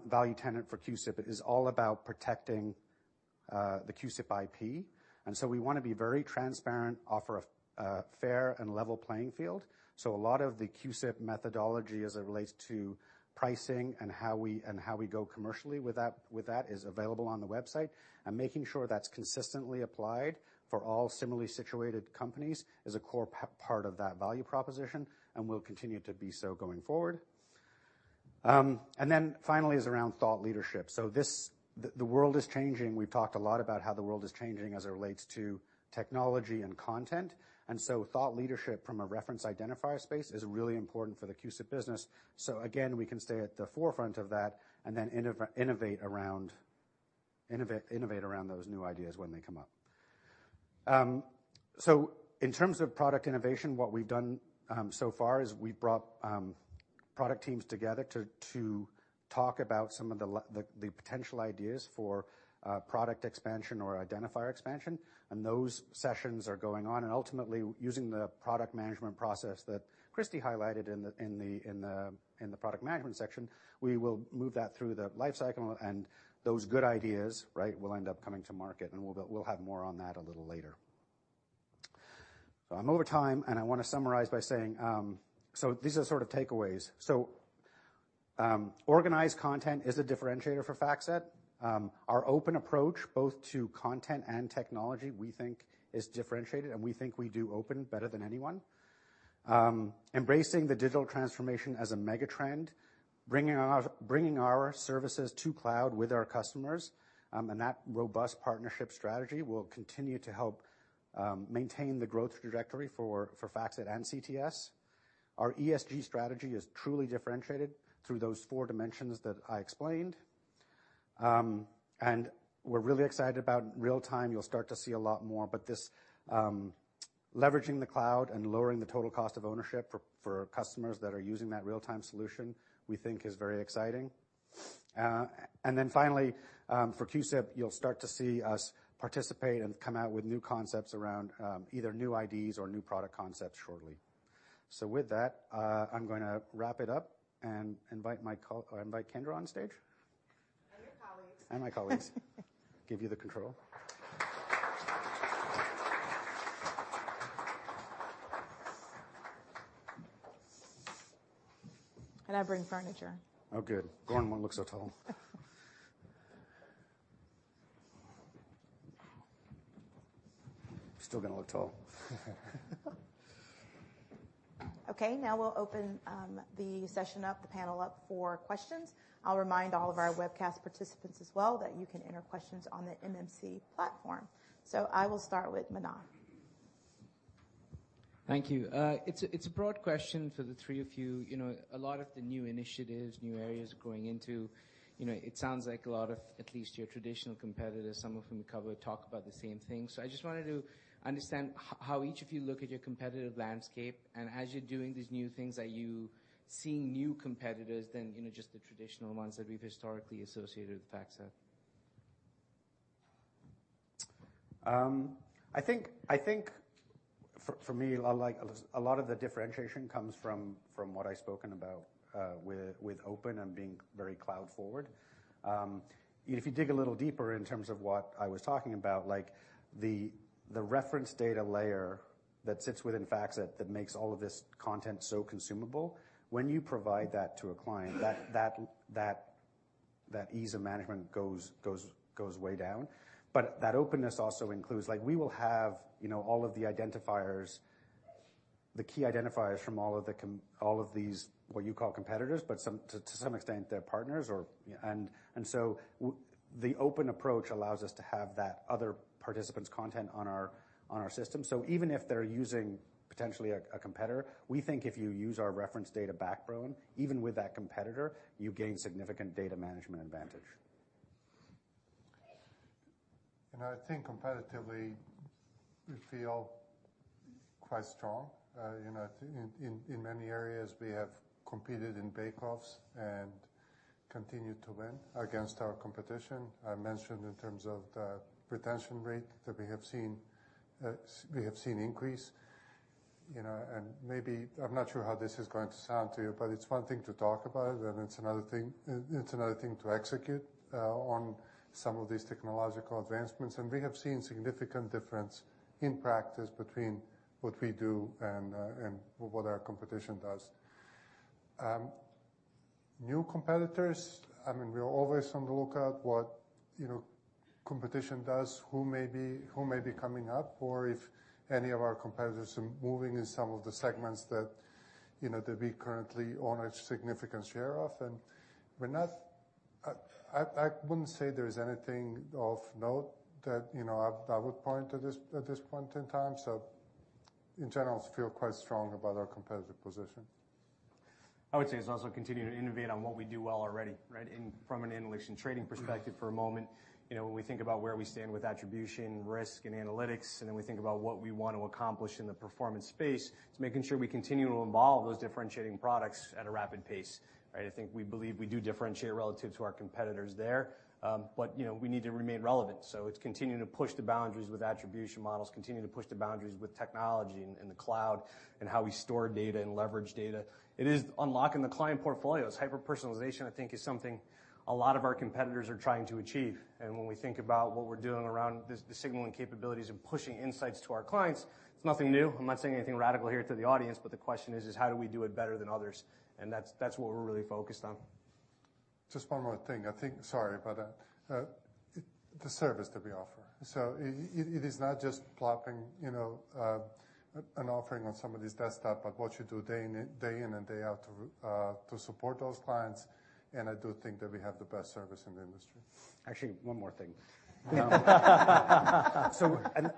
[SPEAKER 12] value tenet for CUSIP is all about protecting the CUSIP IP. We wanna be very transparent, offer a fair and level playing field. A lot of the CUSIP methodology as it relates to pricing and how we go commercially with that is available on the website. Making sure that's consistently applied for all similarly situated companies is a core part of that value proposition and will continue to be so going forward. Finally, around thought leadership. The world is changing. We've talked a lot about how the world is changing as it relates to technology and content. Thought leadership from a reference identifier space is really important for the CUSIP business. Again, we can stay at the forefront of that and then innovate around those new ideas when they come up. In terms of product innovation, what we've done so far is we've brought product teams together to talk about some of the potential ideas for product expansion or identifier expansion. Those sessions are going on. Ultimately, using the product management process that Kristy highlighted in the product management section, we will move that through the life cycle, and those good ideas, right, will end up coming to market. We'll have more on that a little later. I'm over time, and I wanna summarize by saying, these are sort of takeaways. Organized content is a differentiator for FactSet. Our open approach both to content and technology, we think is differentiated, and we think we do open better than anyone. Embracing the digital transformation as a mega trend, bringing our services to cloud with our customers, and that robust partnership strategy will continue to help maintain the growth trajectory for FactSet and CTS. Our ESG strategy is truly differentiated through those four dimensions that I explained. We're really excited about real-time. You'll start to see a lot more. This leveraging the cloud and lowering the total cost of ownership for customers that are using that real-time solution we think is very exciting. Then finally, for CUSIP, you'll start to see us participate and come out with new concepts around either new IDs or new product concepts shortly. With that, I'm gonna wrap it up and invite Kendra on stage.
[SPEAKER 1] Your colleagues.
[SPEAKER 12] My colleagues give you the control.
[SPEAKER 1] I bring furniture.
[SPEAKER 12] Oh, good. Goran won't look so tall. Still gonna look tall.
[SPEAKER 1] Okay, now we'll open the session up, the panel up for questions. I'll remind all of our webcast participants as well that you can enter questions on the MMC platform. I will start with Manav.
[SPEAKER 13] Thank you. It's a broad question for the three of you. You know, a lot of the new initiatives, new areas you're going into, you know, it sounds like a lot of at least your traditional competitors, some of whom we cover, talk about the same things. I just wanted to understand how each of you look at your competitive landscape. As you're doing these new things, are you seeing new competitors other than, you know, just the traditional ones that we've historically associated with FactSet?
[SPEAKER 12] I think for me, a lot of the differentiation comes from what I've spoken about with open and being very cloud forward. If you dig a little deeper in terms of what I was talking about, like the reference data layer that sits within FactSet that makes all of this content so consumable, when you provide that to a client, that ease of management goes way down. But that openness also includes, like, we will have, you know, all of the identifiers, the key identifiers from all of these, what you call competitors, but to some extent, they're partners or, you know. The open approach allows us to have that other participant's content on our system. Even if they're using potentially a competitor, we think if you use our reference data backbone, even with that competitor, you gain significant data management advantage.
[SPEAKER 10] I think competitively, we feel quite strong. You know, I think in many areas we have competed in bake-offs and continued to win against our competition. I mentioned in terms of the retention rate that we have seen, we have seen increase. You know, and maybe I'm not sure how this is going to sound to you, but it's one thing to talk about it, and it's another thing to execute on some of these technological advancements. We have seen significant difference in practice between what we do and what our competition does. New competitors, I mean, we are always on the lookout what, you know, competition does, who may be coming up, or if any of our competitors are moving in some of the segments that, you know, that we currently own a significant share of. We're not. I wouldn't say there's anything of note that, you know, I would point to at this point in time. In general, I feel quite strong about our competitive position.
[SPEAKER 11] I would say it's also continue to innovate on what we do well already, right? From an analytics and trading perspective for a moment, you know, when we think about where we stand with attribution, risk, and analytics, and then we think about what we want to accomplish in the performance space, it's making sure we continue to evolve those differentiating products at a rapid pace, right? I think we believe we do differentiate relative to our competitors there. But you know, we need to remain relevant. It's continuing to push the boundaries with attribution models, continue to push the boundaries with technology and the cloud, and how we store data and leverage data. It is unlocking the client portfolios. Hyper-personalization, I think is something a lot of our competitors are trying to achieve. When we think about what we're doing around the signaling capabilities and pushing insights to our clients, it's nothing new. I'm not saying anything radical here to the audience, but the question is how do we do it better than others? That's what we're really focused on.
[SPEAKER 10] Just one more thing. I think. Sorry about that. The service that we offer. It is not just plopping, you know, an offering on somebody's desktop, but what you do day in and day out to support those clients. I do think that we have the best service in the industry.
[SPEAKER 12] Actually, one more thing.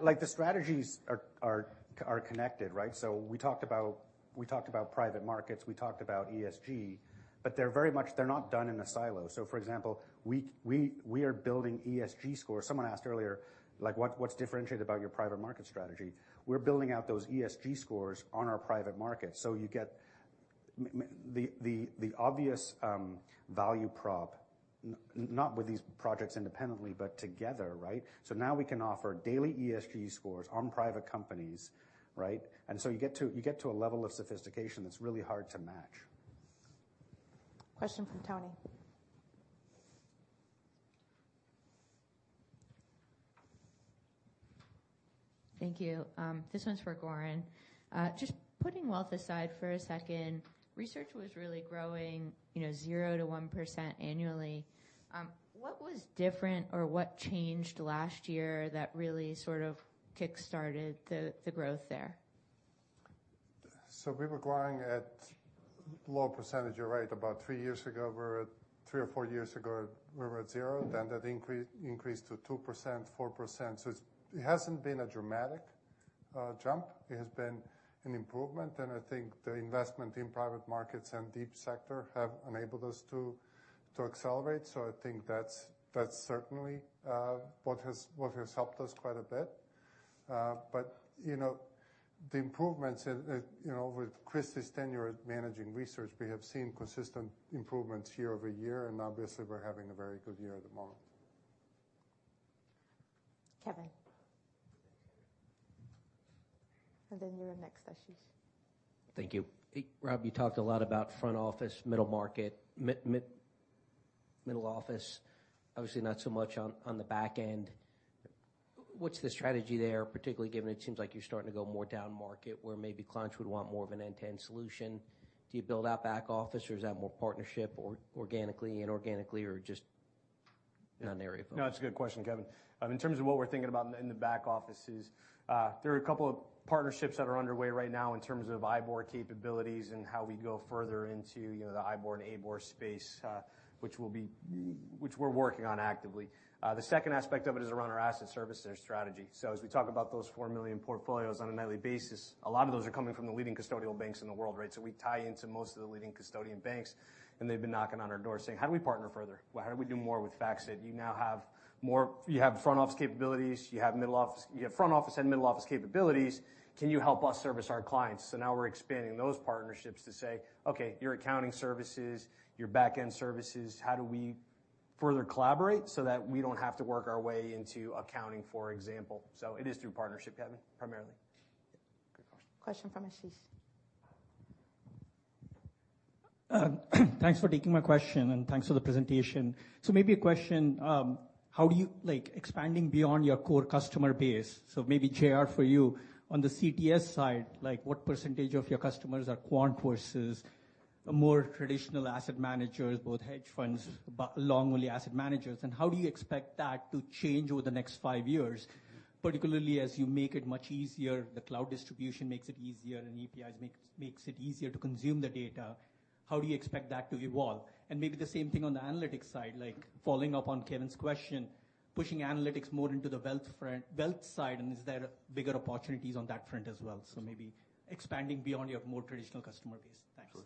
[SPEAKER 12] Like, the strategies are connected, right? We talked about private markets, we talked about ESG, but they're very much not done in a silo. For example, we are building ESG scores. Someone asked earlier, like, "What's differentiated about your private market strategy?" We're building out those ESG scores on our private market. You get the obvious value prop not with these projects independently, but together, right? Now we can offer daily ESG scores on private companies, right? You get to a level of sophistication that's really hard to match.
[SPEAKER 1] Question from Toni.
[SPEAKER 14] Thank you. This one's for Goran. Just putting Wealth aside for a second, Research was really growing, you know, 0%-1% annually. What was different or what changed last year that really sort of kickstarted the growth there?
[SPEAKER 10] We were growing at low percentage. You're right, three or four years ago, we were at zero. That increased to 2%, 4%. It hasn't been a dramatic jump. It has been an improvement. I think the investment in private markets and deep sector have enabled us to accelerate. I think that's certainly what has helped us quite a bit. But you know, the improvements you know, with Chris's tenure managing research, we have seen consistent improvements year-over-year, and obviously we're having a very good year at the moment.
[SPEAKER 1] Kevin. Then you're next, Ashish.
[SPEAKER 15] Thank you. Rob, you talked a lot about front office, middle office, obviously not so much on the back end. What's the strategy there, particularly given it seems like you're starting to go more down market, where maybe clients would want more of an end-to-end solution? Do you build out back office or is that more partnership or organically, inorganically, or just not an area of focus?
[SPEAKER 11] No, it's a good question, Kevin. In terms of what we're thinking about in the back office is, there are a couple of partnerships that are underway right now in terms of IBOR capabilities and how we go further into, you know, the IBOR and ABOR space, which we're working on actively. The second aspect of it is around our asset servicing strategy. As we talk about those 4 million portfolios on a nightly basis, a lot of those are coming from the leading custodial banks in the world, right? We tie into most of the leading custodian banks, and they've been knocking on our door saying, "How do we partner further? How do we do more with FactSet? You have front office capabilities, you have middle office... You have front office and middle office capabilities. Can you help us service our clients? Now we're expanding those partnerships to say, "Okay, your accounting services, your back-end services, how do we further collaborate so that we don't have to work our way into accounting, for example?" It is through partnership, Kevin, primarily.
[SPEAKER 1] Question question from Ashish.
[SPEAKER 16] Thanks for taking my question, and thanks for the presentation. Maybe a question, how do you like expanding beyond your core customer base, maybe J.R. for you, on the CTS side, like, what percentage of your customers are quant versus- For more traditional asset managers, both hedge funds, but long only asset managers, and how do you expect that to change over the next five years, particularly as you make it much easier, the cloud distribution makes it easier, and APIs makes it easier to consume the data. How do you expect that to evolve? Maybe the same thing on the analytics side, like following up on Kevin's question, pushing analytics more into the wealth side, and is there bigger opportunities on that front as well? Maybe expanding beyond your more traditional customer base. Thanks.
[SPEAKER 12] Sure.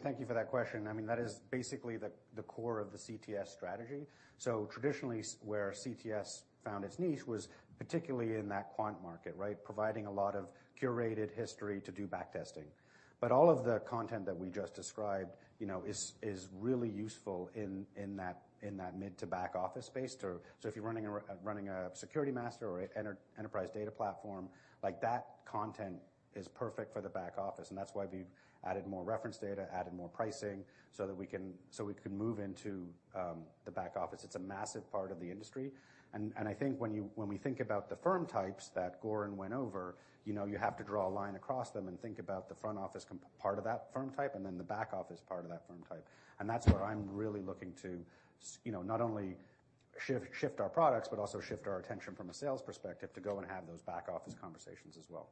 [SPEAKER 12] Thank you for that question. I mean, that is basically the core of the CTS strategy. Traditionally, where CTS found its niche was particularly in that quant market, right? Providing a lot of curated history to do backtesting. All of the content that we just described, you know, is really useful in that mid- to back-office space. If you're running a security master or enterprise data platform, like, that content is perfect for the back office, and that's why we've added more reference data, added more pricing so that we can move into the back office. It's a massive part of the industry. I think when we think about the firm types that Goran went over, you know, you have to draw a line across them and think about the front office part of that firm type, and then the back office part of that firm type. That's where I'm really looking to, you know, not only shift our products, but also shift our attention from a sales perspective to go and have those back office conversations as well.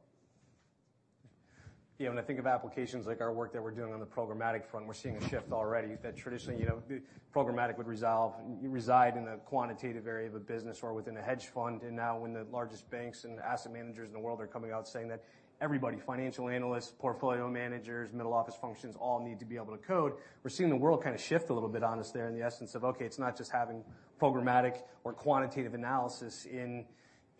[SPEAKER 11] Yeah. When I think of applications like our work that we're doing on the programmatic front, we're seeing a shift already that traditionally, you know, the programmatic would reside in the quantitative area of a business or within a hedge fund. Now when the largest banks and asset managers in the world are coming out saying that everybody, financial analysts, portfolio managers, middle office functions, all need to be able to code, we're seeing the world kind of shift a little bit on us there in the essence of, okay, it's not just having programmatic or quantitative analysis in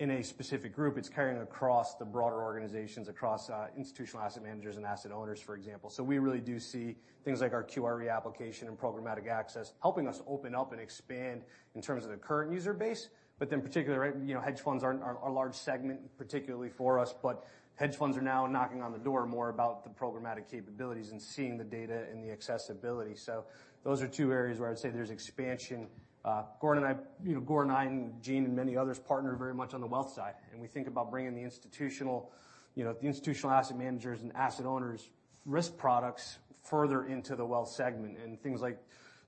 [SPEAKER 11] a specific group. It's carrying across the broader organizations, across institutional asset managers and asset owners, for example. We really do see things like our QRE application and programmatic access helping us open up and expand in terms of the current user base. Particularly, right, you know, hedge funds are a large segment, particularly for us, but hedge funds are now knocking on the door more about the programmatic capabilities and seeing the data and the accessibility. So those are two areas where I'd say there's expansion. Goran and I, you know, Goran and I and Gene and many others partner very much on the wealth side, and we think about bringing the institutional, you know, the institutional asset managers and asset owners risk products further into the wealth segment and things like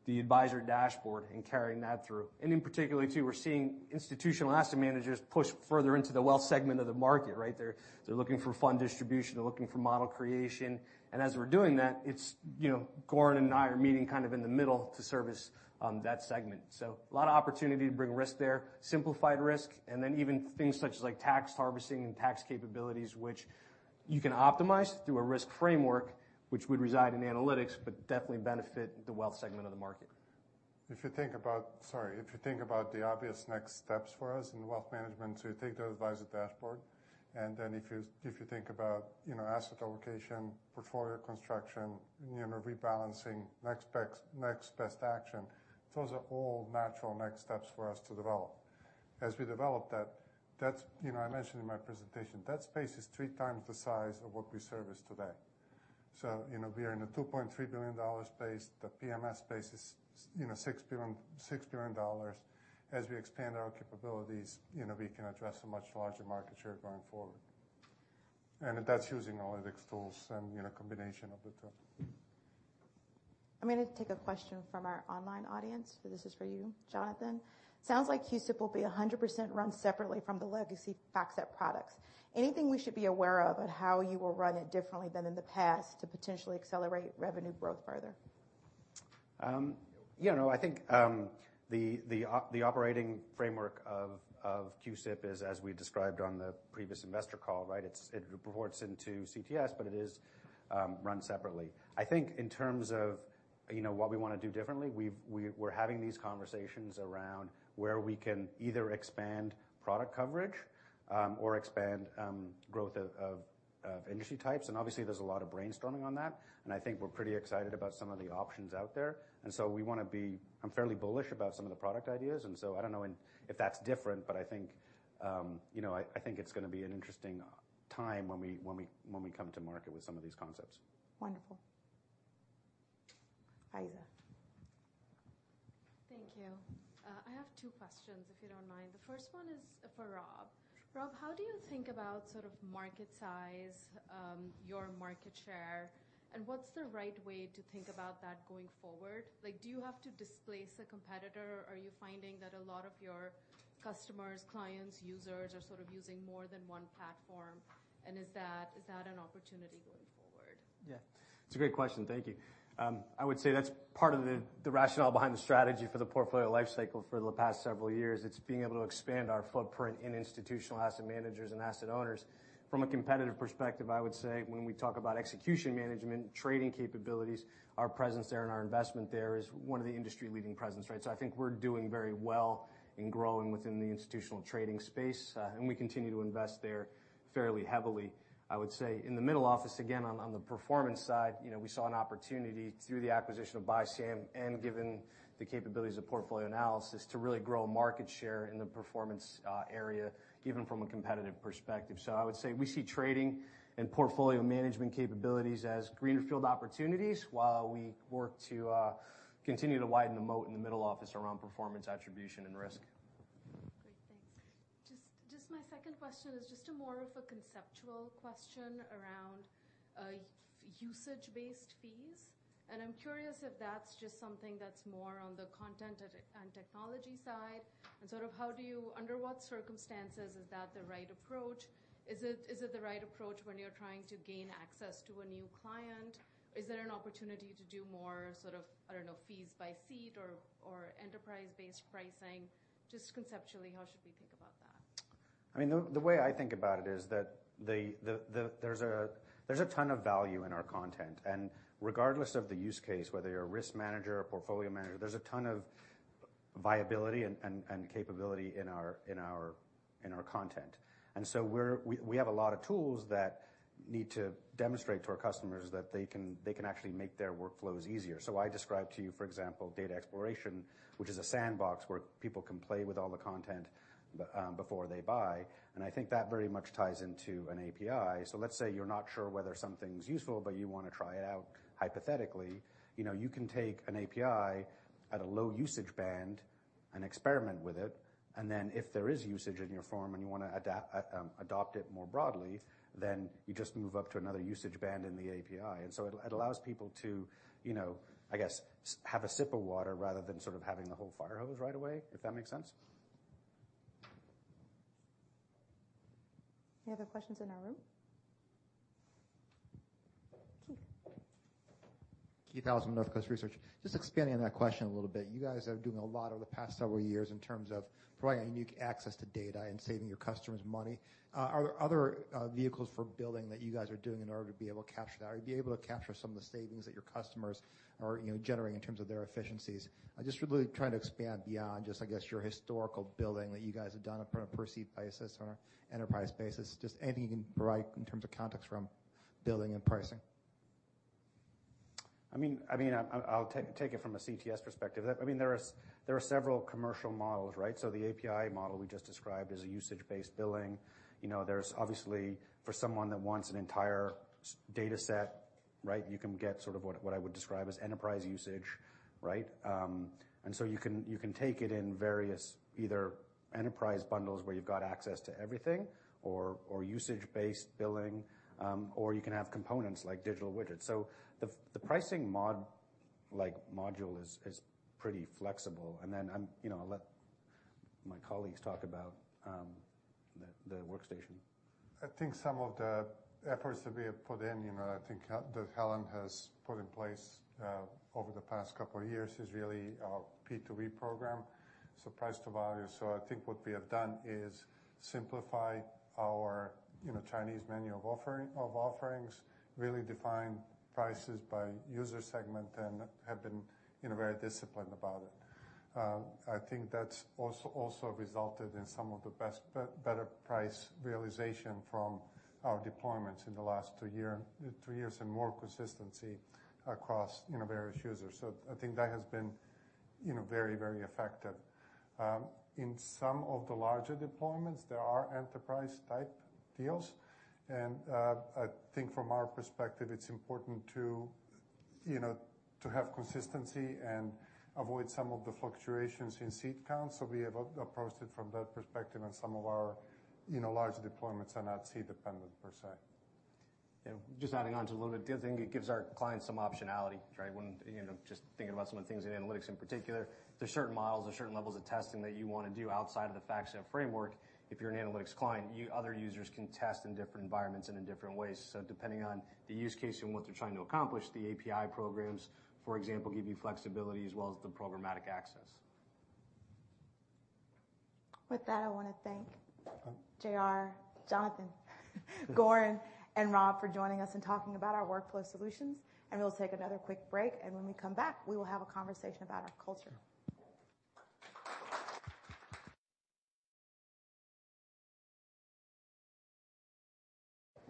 [SPEAKER 11] the Advisor Dashboard and carrying that through. In particular too, we're seeing institutional asset managers push further into the wealth segment of the market, right? They're looking for fund distribution, they're looking for model creation. As we're doing that, it's, you know, Goran and I are meeting kind of in the middle to service that segment. A lot of opportunity to bring risk there, simplified risk, and then even things such as like tax harvesting and tax capabilities, which you can optimize through a risk framework, which would reside in analytics, but definitely benefit the wealth segment of the market.
[SPEAKER 10] If you think about the obvious next steps for us in wealth management, so you take the Advisor Dashboard, and then if you think about, you know, asset allocation, portfolio construction, you know, rebalancing, next best action, those are all natural next steps for us to develop. As we develop that's, you know, I mentioned in my presentation, that space is three times the size of what we service today. You know, we are in a $2.3 billion space. The PMS space is, you know, $6 billion. As we expand our capabilities, you know, we can address a much larger market share going forward. That's using analytics tools and, you know, combination of the two.
[SPEAKER 1] I'm gonna take a question from our online audience. This is for you, Jonathan. Sounds like CUSIP will be 100% run separately from the legacy FactSet products. Anything we should be aware of on how you will run it differently than in the past to potentially accelerate revenue growth further?
[SPEAKER 12] You know, I think the operating framework of CUSIP is as we described on the previous investor call, right? It reports into CTS, but it is run separately. I think in terms of what we wanna do differently, we're having these conversations around where we can either expand product coverage or expand growth of industry types, and obviously, there's a lot of brainstorming on that, and I think we're pretty excited about some of the options out there. We wanna be. I'm fairly bullish about some of the product ideas, so I don't know if that's different, but I think you know, I think it's gonna be an interesting time when we come to market with some of these concepts.
[SPEAKER 1] Wonderful. Faiza.
[SPEAKER 17] Thank you. I have two questions, if you don't mind. The first one is for Rob. Rob, how do you think about sort of market size, your market share, and what's the right way to think about that going forward? Like, do you have to displace the competitor? Are you finding that a lot of your customers, clients, users are sort of using more than one platform? Is that an opportunity going forward?
[SPEAKER 11] Yeah. It's a great question. Thank you. I would say that's part of the rationale behind the strategy for the Portfolio Life Cycle for the past several years. It's being able to expand our footprint in institutional asset managers and asset owners. From a competitive perspective, I would say when we talk about execution management, trading capabilities, our presence there and our investment there is one of the industry-leading presence, right? So I think we're doing very well in growing within the institutional trading space, and we continue to invest there fairly heavily. I would say in the middle office, again, on the performance side, you know, we saw an opportunity through the acquisition of BISAM and given the capabilities of Portfolio Analytics to really grow market share in the performance area, even from a competitive perspective. I would say we see trading and portfolio management capabilities as greenfield opportunities while we work to continue to widen the moat in the middle office around performance attribution and risk.
[SPEAKER 17] My second question is just more of a conceptual question around usage-based fees. I'm curious if that's just something that's more on the content and technology side, and sort of how do you under what circumstances is that the right approach? Is it the right approach when you're trying to gain access to a new client? Is there an opportunity to do more sort of, I don't know, fees by seat or enterprise-based pricing? Just conceptually, how should we think about that?
[SPEAKER 12] I mean, the way I think about it is that there's a ton of value in our content. Regardless of the use case, whether you're a risk manager or portfolio manager, there's a ton of viability and capability in our content. We have a lot of tools that need to demonstrate to our customers that they can actually make their workflows easier. I described to you, for example, Data Exploration, which is a sandbox where people can play with all the content before they buy. I think that very much ties into an API. Let's say you're not sure whether something's useful, but you wanna try it out hypothetically, you know, you can take an API at a low usage band and experiment with it, and then if there is usage in your form and you wanna adopt it more broadly, then you just move up to another usage band in the API. It allows people to, you know, I guess, have a sip of water rather than sort of having the whole fire hose right away, if that makes sense.
[SPEAKER 1] Any other questions in our room? Keith.
[SPEAKER 18] Keith Housum, Northcoast Research. Just expanding on that question a little bit. You guys are doing a lot over the past several years in terms of providing unique access to data and saving your customers money. Are there other vehicles for billing that you guys are doing in order to be able to capture that or be able to capture some of the savings that your customers are, you know, generating in terms of their efficiencies? I'm just really trying to expand beyond just, I guess, your historical billing that you guys have done from a per seat basis or enterprise basis. Just anything you can provide in terms of context from billing and pricing.
[SPEAKER 12] I mean, I'll take it from a CTS perspective. I mean, there are several commercial models, right? The API model we just described is a usage-based billing. You know, there's obviously for someone that wants an entire dataset, right? You can get sort of what I would describe as enterprise usage, right? You can take it in various either enterprise bundles, where you've got access to everything or usage-based billing, or you can have components like digital widgets. The pricing module is pretty flexible. I'll let my colleagues talk about the workstation.
[SPEAKER 10] I think some of the efforts that we have put in, you know, I think that Helen has put in place over the past couple of years is really our P2V program, so price to value. I think what we have done is simplify our, you know, Chinese menu of offerings, really define prices by user segment, and have been, you know, very disciplined about it. I think that's also resulted in some of the better price realization from our deployments in the last two years, and more consistency across, you know, various users. I think that has been, you know, very effective. In some of the larger deployments, there are enterprise-type deals. I think from our perspective, it's important to, you know, to have consistency and avoid some of the fluctuations in seat count. We have approached it from that perspective, and some of our, you know, larger deployments are not seat dependent per se.
[SPEAKER 11] Yeah. Just adding on to a little bit. I think it gives our clients some optionality, right? When, you know, just thinking about some of the things in analytics in particular, there's certain models or certain levels of testing that you wanna do outside of the FactSet framework. If you're an analytics client, other users can test in different environments and in different ways. Depending on the use case and what they're trying to accomplish, the API programs, for example, give you flexibility as well as the programmatic access.
[SPEAKER 1] With that, I wanna thank JR, Jonathan, Goran, and Rob for joining us and talking about our workflow solutions. We'll take another quick break, and when we come back, we will have a conversation about our culture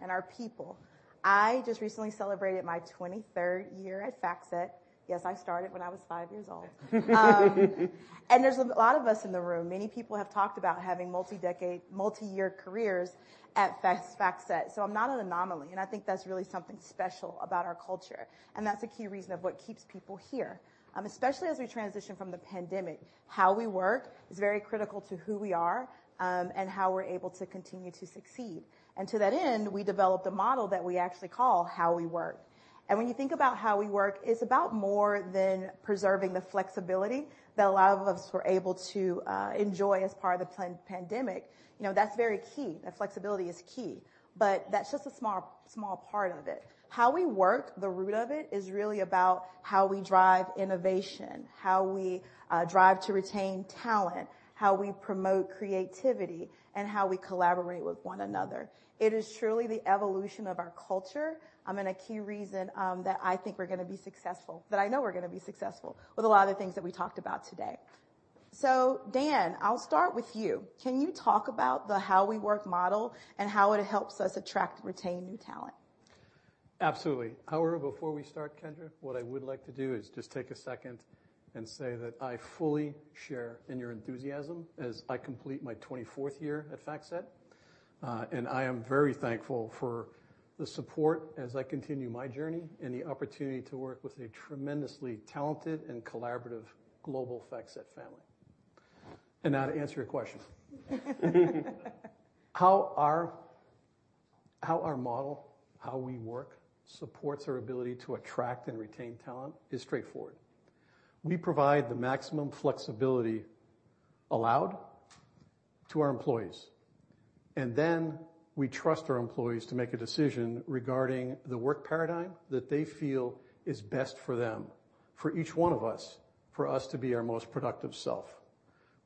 [SPEAKER 1] and our people. I just recently celebrated my 23rd year at FactSet. Yes, I started when I was five years old. There's a lot of us in the room. Many people have talked about having multi-year careers at FactSet. I'm not an anomaly, and I think that's really something special about our culture. That's a key reason of what keeps people here. Especially as we transition from the pandemic, how we work is very critical to who we are, and how we're able to continue to succeed. To that end, we developed a model that we actually call How We Work. When you think about How We Work, it's about more than preserving the flexibility that a lot of us were able to enjoy as part of the post-pandemic. You know, that's very key. That flexibility is key, but that's just a small part of it. How We Work, the root of it, is really about how we drive innovation, how we drive to retain talent, how we promote creativity, and how we collaborate with one another. It is truly the evolution of our culture, and a key reason that I think we're gonna be successful, that I know we're gonna be successful with a lot of the things that we talked about today. Dan, I'll start with you. Can you talk about the How We Work model and how it helps us attract and retain new talent?
[SPEAKER 19] Absolutely. However, before we start, Kendra, what I would like to do is just take a second and say that I fully share in your enthusiasm as I complete my 24th year at FactSet. I am very thankful for the support as I continue my journey and the opportunity to work with a tremendously talented and collaborative global FactSet family. Now to answer your question. How our model, how we work, supports our ability to attract and retain talent is straightforward. We provide the maximum flexibility allowed to our employees, and then we trust our employees to make a decision regarding the work paradigm that they feel is best for them, for each one of us, for us to be our most productive self.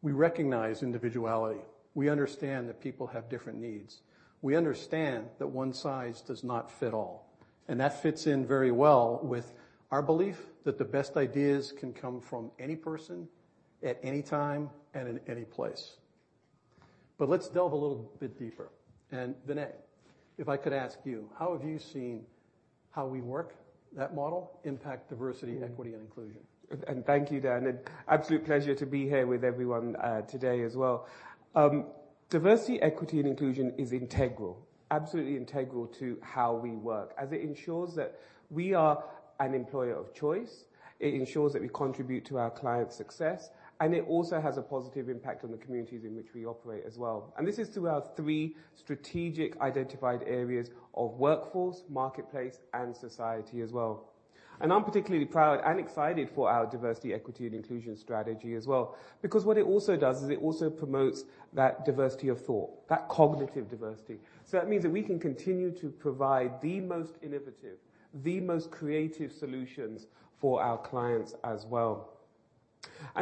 [SPEAKER 19] We recognize individuality. We understand that people have different needs. We understand that one size does not fit all, and that fits in very well with our belief that the best ideas can come from any person at any time and in any place. Let's delve a little bit deeper, and Vinay, if I could ask you, how have you seen how we work, that model, impact diversity, equity, and inclusion?
[SPEAKER 3] Thank you, Dan, and absolute pleasure to be here with everyone, today as well. Diversity, equity, and inclusion is integral, absolutely integral to how we work as it ensures that we are an employer of choice, it ensures that we contribute to our clients' success, and it also has a positive impact on the communities in which we operate as well. This is through our three strategic identified areas of workforce, marketplace, and society as well. I'm particularly proud and excited for our diversity, equity, and inclusion strategy as well because what it also does is it also promotes that diversity of thought, that cognitive diversity. That means that we can continue to provide the most innovative, the most creative solutions for our clients as well.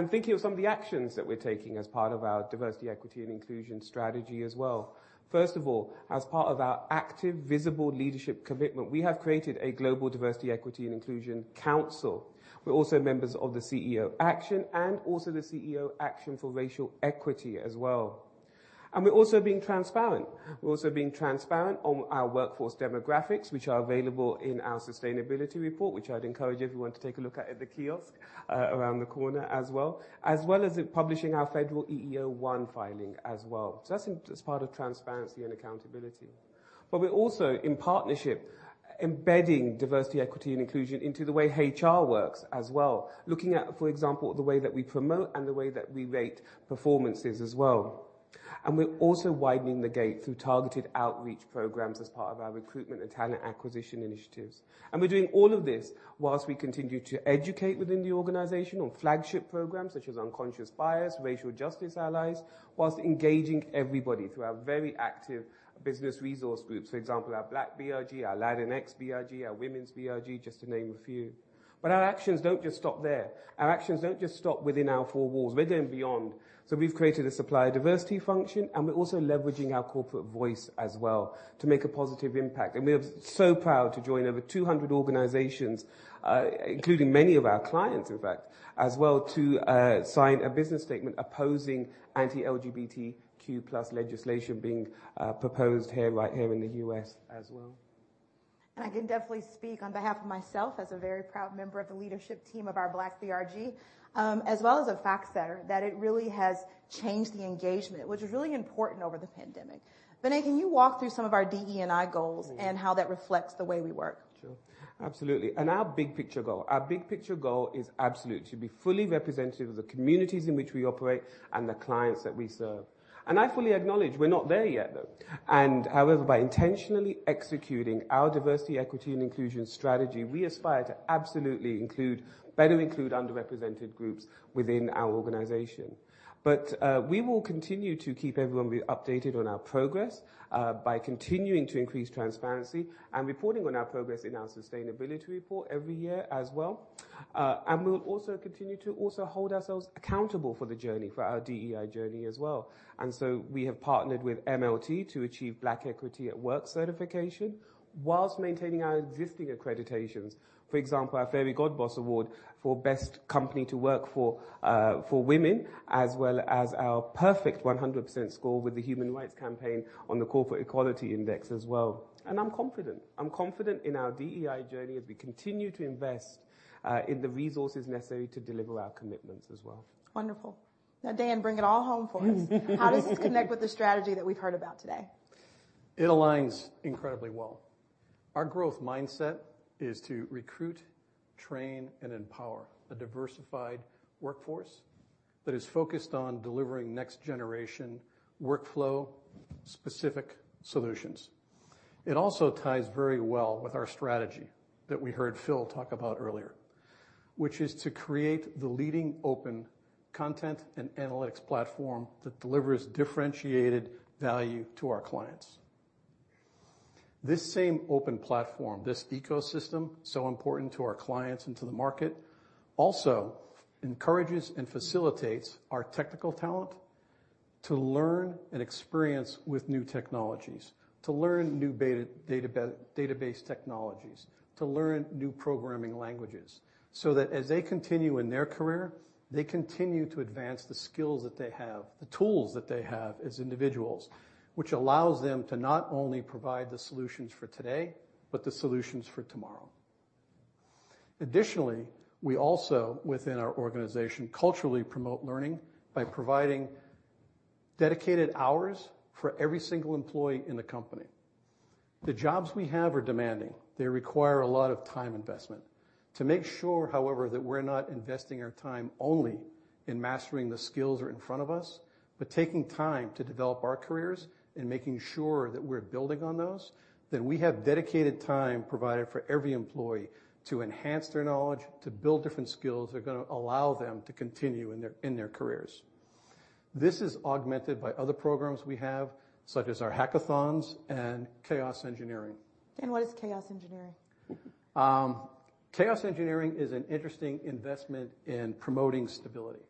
[SPEAKER 3] Thinking of some of the actions that we're taking as part of our diversity, equity, and inclusion strategy as well. First of all, as part of our active visible leadership commitment, we have created a global diversity, equity, and inclusion council. We're also members of the CEO Action and also the CEO Action for Racial Equity as well. We're also being transparent on our workforce demographics, which are available in our sustainability report, which I'd encourage everyone to take a look at the kiosk around the corner as well as in publishing our federal EEO-1 filing as well. That's in as part of transparency and accountability. We're also in partnership embedding diversity, equity, and inclusion into the way HR works as well, looking at, for example, the way that we promote and the way that we rate performances as well. We're also widening the gate through targeted outreach programs as part of our recruitment and talent acquisition initiatives. We're doing all of this while we continue to educate within the organization on flagship programs such as Unconscious Bias, Racial Justice Allies, while engaging everybody through our very active business resource groups, for example, our Black BRG, our Latinx BRG, our Women's BRG, just to name a few. Our actions don't just stop there. Our actions don't just stop within our four walls, we're going beyond. We've created a supplier diversity function, and we're also leveraging our corporate voice as well to make a positive impact. We're so proud to join over 200 organizations, including many of our clients, in fact, as well, to sign a business statement opposing anti-LGBTQ+ legislation being proposed here, right here in the U.S. as well.
[SPEAKER 1] I can definitely speak on behalf of myself as a very proud member of the leadership team of our Black BRG, as well as a FactSetter, that it really has changed the engagement, which was really important over the pandemic. Vinay, can you walk through some of our DE&I goals and how that reflects the way we work?
[SPEAKER 3] Sure. Absolutely. Our big picture goal is absolutely to be fully representative of the communities in which we operate and the clients that we serve. I fully acknowledge we're not there yet, though. However, by intentionally executing our diversity, equity, and inclusion strategy, we aspire to absolutely include, better include underrepresented groups within our organization. We will continue to keep everyone updated on our progress by continuing to increase transparency and reporting on our progress in our sustainability report every year as well. We'll also continue to also hold ourselves accountable for the journey, for our DEI journey as well. We have partnered with MLT to achieve Black Equity at Work certification while maintaining our existing accreditations. For example, our Fairygodboss Award for best company to work for for women, as well as our perfect 100% score with the Human Rights Campaign on the Corporate Equality Index as well. I'm confident in our DEI journey as we continue to invest in the resources necessary to deliver our commitments as well.
[SPEAKER 1] Wonderful. Now, Dan, bring it all home for us. How does this connect with the strategy that we've heard about today?
[SPEAKER 19] It aligns incredibly well. Our growth mindset is to recruit, train, and empower a diversified workforce that is focused on delivering next generation workflow specific solutions. It also ties very well with our strategy that we heard Phil talk about earlier, which is to create the leading open content and analytics platform that delivers differentiated value to our clients. This same open platform, this ecosystem, so important to our clients and to the market, also encourages and facilitates our technical talent to learn and experience with new technologies, to learn new database technologies, to learn new programming languages, so that as they continue in their career, they continue to advance the skills that they have, the tools that they have as individuals, which allows them to not only provide the solutions for today, but the solutions for tomorrow. Additionally, we also, within our organization, culturally promote learning by providing dedicated hours for every single employee in the company. The jobs we have are demanding. They require a lot of time investment. To make sure, however, that we're not investing our time only in mastering the skills that are in front of us, but taking time to develop our careers and making sure that we're building on those, then we have dedicated time provided for every employee to enhance their knowledge, to build different skills that are gonna allow them to continue in their careers. This is augmented by other programs we have, such as our hackathons and chaos engineering.
[SPEAKER 1] What is chaos engineering?
[SPEAKER 19] Chaos engineering is an interesting investment in promoting stability.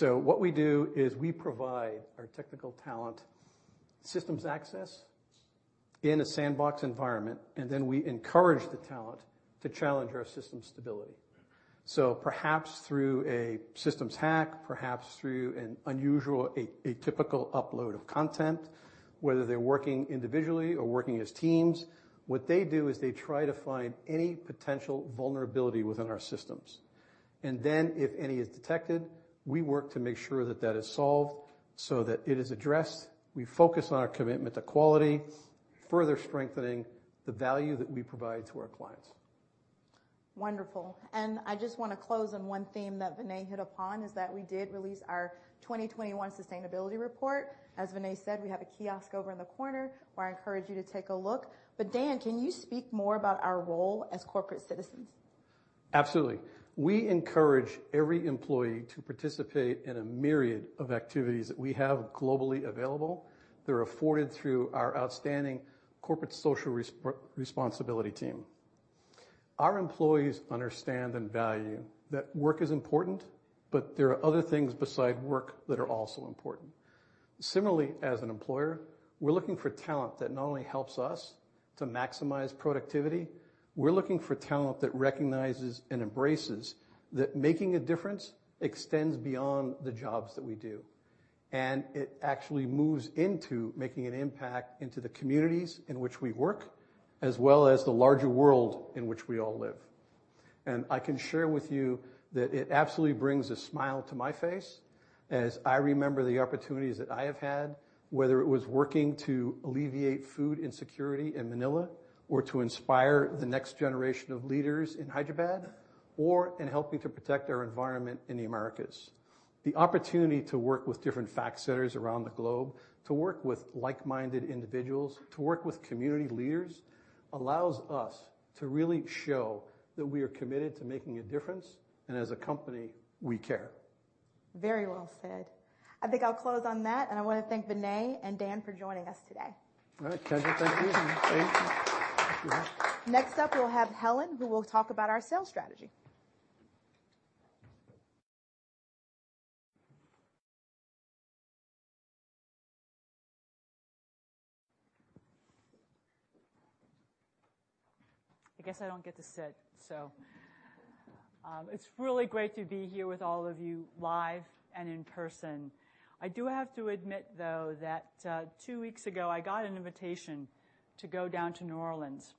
[SPEAKER 19] What we do is we provide our technical talent systems access in a sandbox environment, and then we encourage the talent to challenge our system stability. Perhaps through a systems hack, perhaps through an unusual, atypical upload of content, whether they're working individually or working as teams, what they do is they try to find any potential vulnerability within our systems. Then if any is detected, we work to make sure that that is solved so that it is addressed. We focus on our commitment to quality, further strengthening the value that we provide to our clients.
[SPEAKER 1] Wonderful. I just wanna close on one theme that Vinay hit upon, is that we did release our 2021 sustainability report. As Vinay said, we have a kiosk over in the corner where I encourage you to take a look. Dan, can you speak more about our role as corporate citizens?
[SPEAKER 19] Absolutely. We encourage every employee to participate in a myriad of activities that we have globally available. They're afforded through our outstanding corporate social responsibility team. Our employees understand and value that work is important, but there are other things besides work that are also important. Similarly, as an employer, we're looking for talent that not only helps us to maximize productivity, we're looking for talent that recognizes and embraces that making a difference extends beyond the jobs that we do. It actually moves into making an impact into the communities in which we work, as well as the larger world in which we all live. I can share with you that it absolutely brings a smile to my face as I remember the opportunities that I have had, whether it was working to alleviate food insecurity in Manila, or to inspire the next generation of leaders in Hyderabad, or in helping to protect our environment in the Americas. The opportunity to work with different FactSet centers around the globe, to work with like-minded individuals, to work with community leaders, allows us to really show that we are committed to making a difference, and as a company, we care.
[SPEAKER 1] Very well said. I think I'll close on that, and I wanna thank Vinay and Dan for joining us today.
[SPEAKER 3] All right. Pleasure. Thank you.
[SPEAKER 19] Thank you.
[SPEAKER 1] Next up, we'll have Helen, who will talk about our sales strategy.
[SPEAKER 20] I guess I don't get to sit. It's really great to be here with all of you live and in person. I do have to admit, though, that two weeks ago, I got an invitation to go down to New Orleans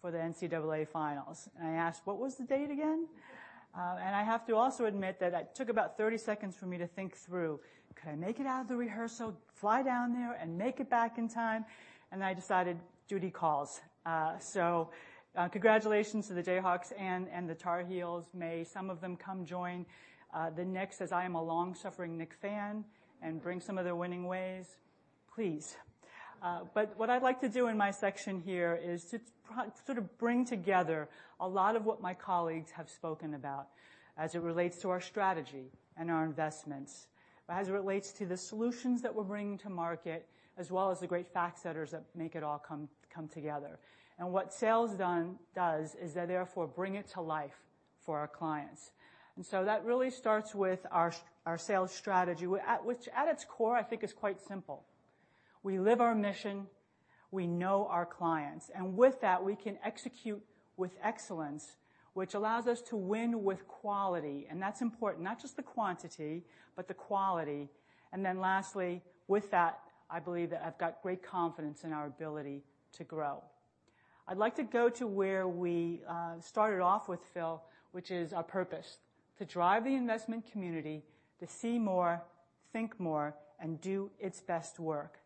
[SPEAKER 20] for the NCAA finals, and I asked, "What was the date again?" I have to also admit that it took about 30 seconds for me to think through, "Could I make it out of the rehearsal, fly down there and make it back in time?" I decided duty calls. Congratulations to the Jayhawks and the Tar Heels. May some of them come join the Knicks as I am a long-suffering Knick fan, and bring some of their winning ways, please. What I'd like to do in my section here is to sort of bring together a lot of what my colleagues have spoken about as it relates to our strategy and our investments, as it relates to the solutions that we're bringing to market, as well as the great FactSetters that make it all come together. What sales does is they therefore bring it to life for our clients. That really starts with our sales strategy, which at its core I think is quite simple. We live our mission, we know our clients, and with that, we can execute with excellence, which allows us to win with quality. That's important, not just the quantity, but the quality. Lastly, with that, I believe that I've got great confidence in our ability to grow. I'd like to go to where we started off with Phil, which is our purpose, to drive the investment community to see more, think more, and do its best work.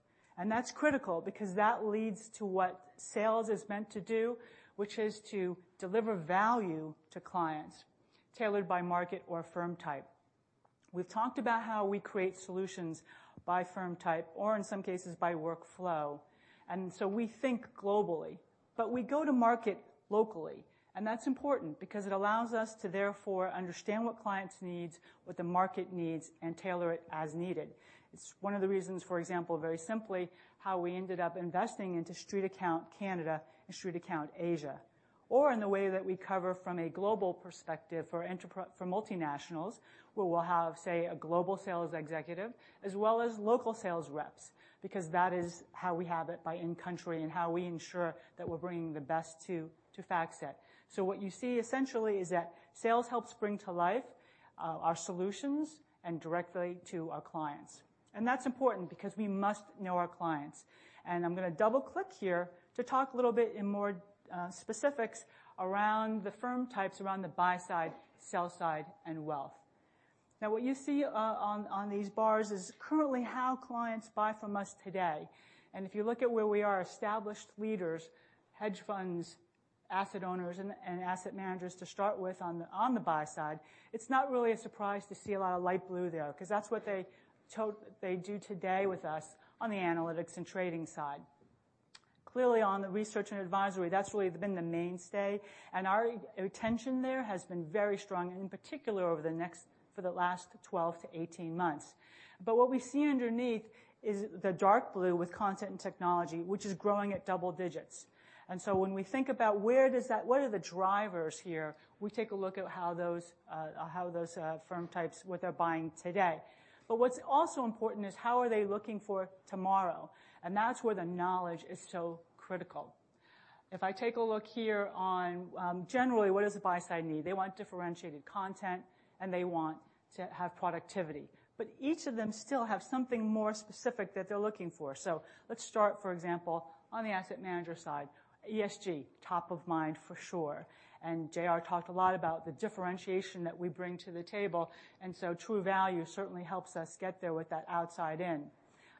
[SPEAKER 20] That's critical because that leads to what sales is meant to do, which is to deliver value to clients tailored by market or firm type. We've talked about how we create solutions by firm type or in some cases by workflow. We think globally, but we go to market locally, and that's important because it allows us to therefore understand what clients needs, what the market needs, and tailor it as needed. It's one of the reasons, for example, very simply, how we ended up investing into StreetAccount Canada and StreetAccount Asia, or in the way that we cover from a global perspective for multinationals, where we'll have, say, a global sales executive as well as local sales reps because that is how we have it buy in-country and how we ensure that we're bringing the best to FactSet. What you see essentially is that sales helps bring to life our solutions and directly to our clients. That's important because we must know our clients. I'm gonna double-click here to talk a little bit in more specifics around the firm types around the buy side, sell side, and wealth. Now, what you see on these bars is currently how clients buy from us today. If you look at where we are established leaders, hedge funds, asset owners and asset managers to start with on the buy side, it's not really a surprise to see a lot of light blue there 'cause that's what they do today with us on the analytics and trading side. Clearly, on the research and advisory, that's really been the mainstay and our retention there has been very strong, and in particular, for the last 12-18 months. What we see underneath is the dark blue with content and technology, which is growing at double digits. When we think about what are the drivers here, we take a look at how those firm types, what they're buying today. What's also important is how are they looking for tomorrow? That's where the knowledge is so critical. If I take a look here on generally, what does the buy side need? They want differentiated content, and they want to have productivity. Each of them still have something more specific that they're looking for. Let's start, for example, on the asset manager side, ESG, top of mind for sure. J.R. talked a lot about the differentiation that we bring to the table, and so Truvalue certainly helps us get there with that outside in.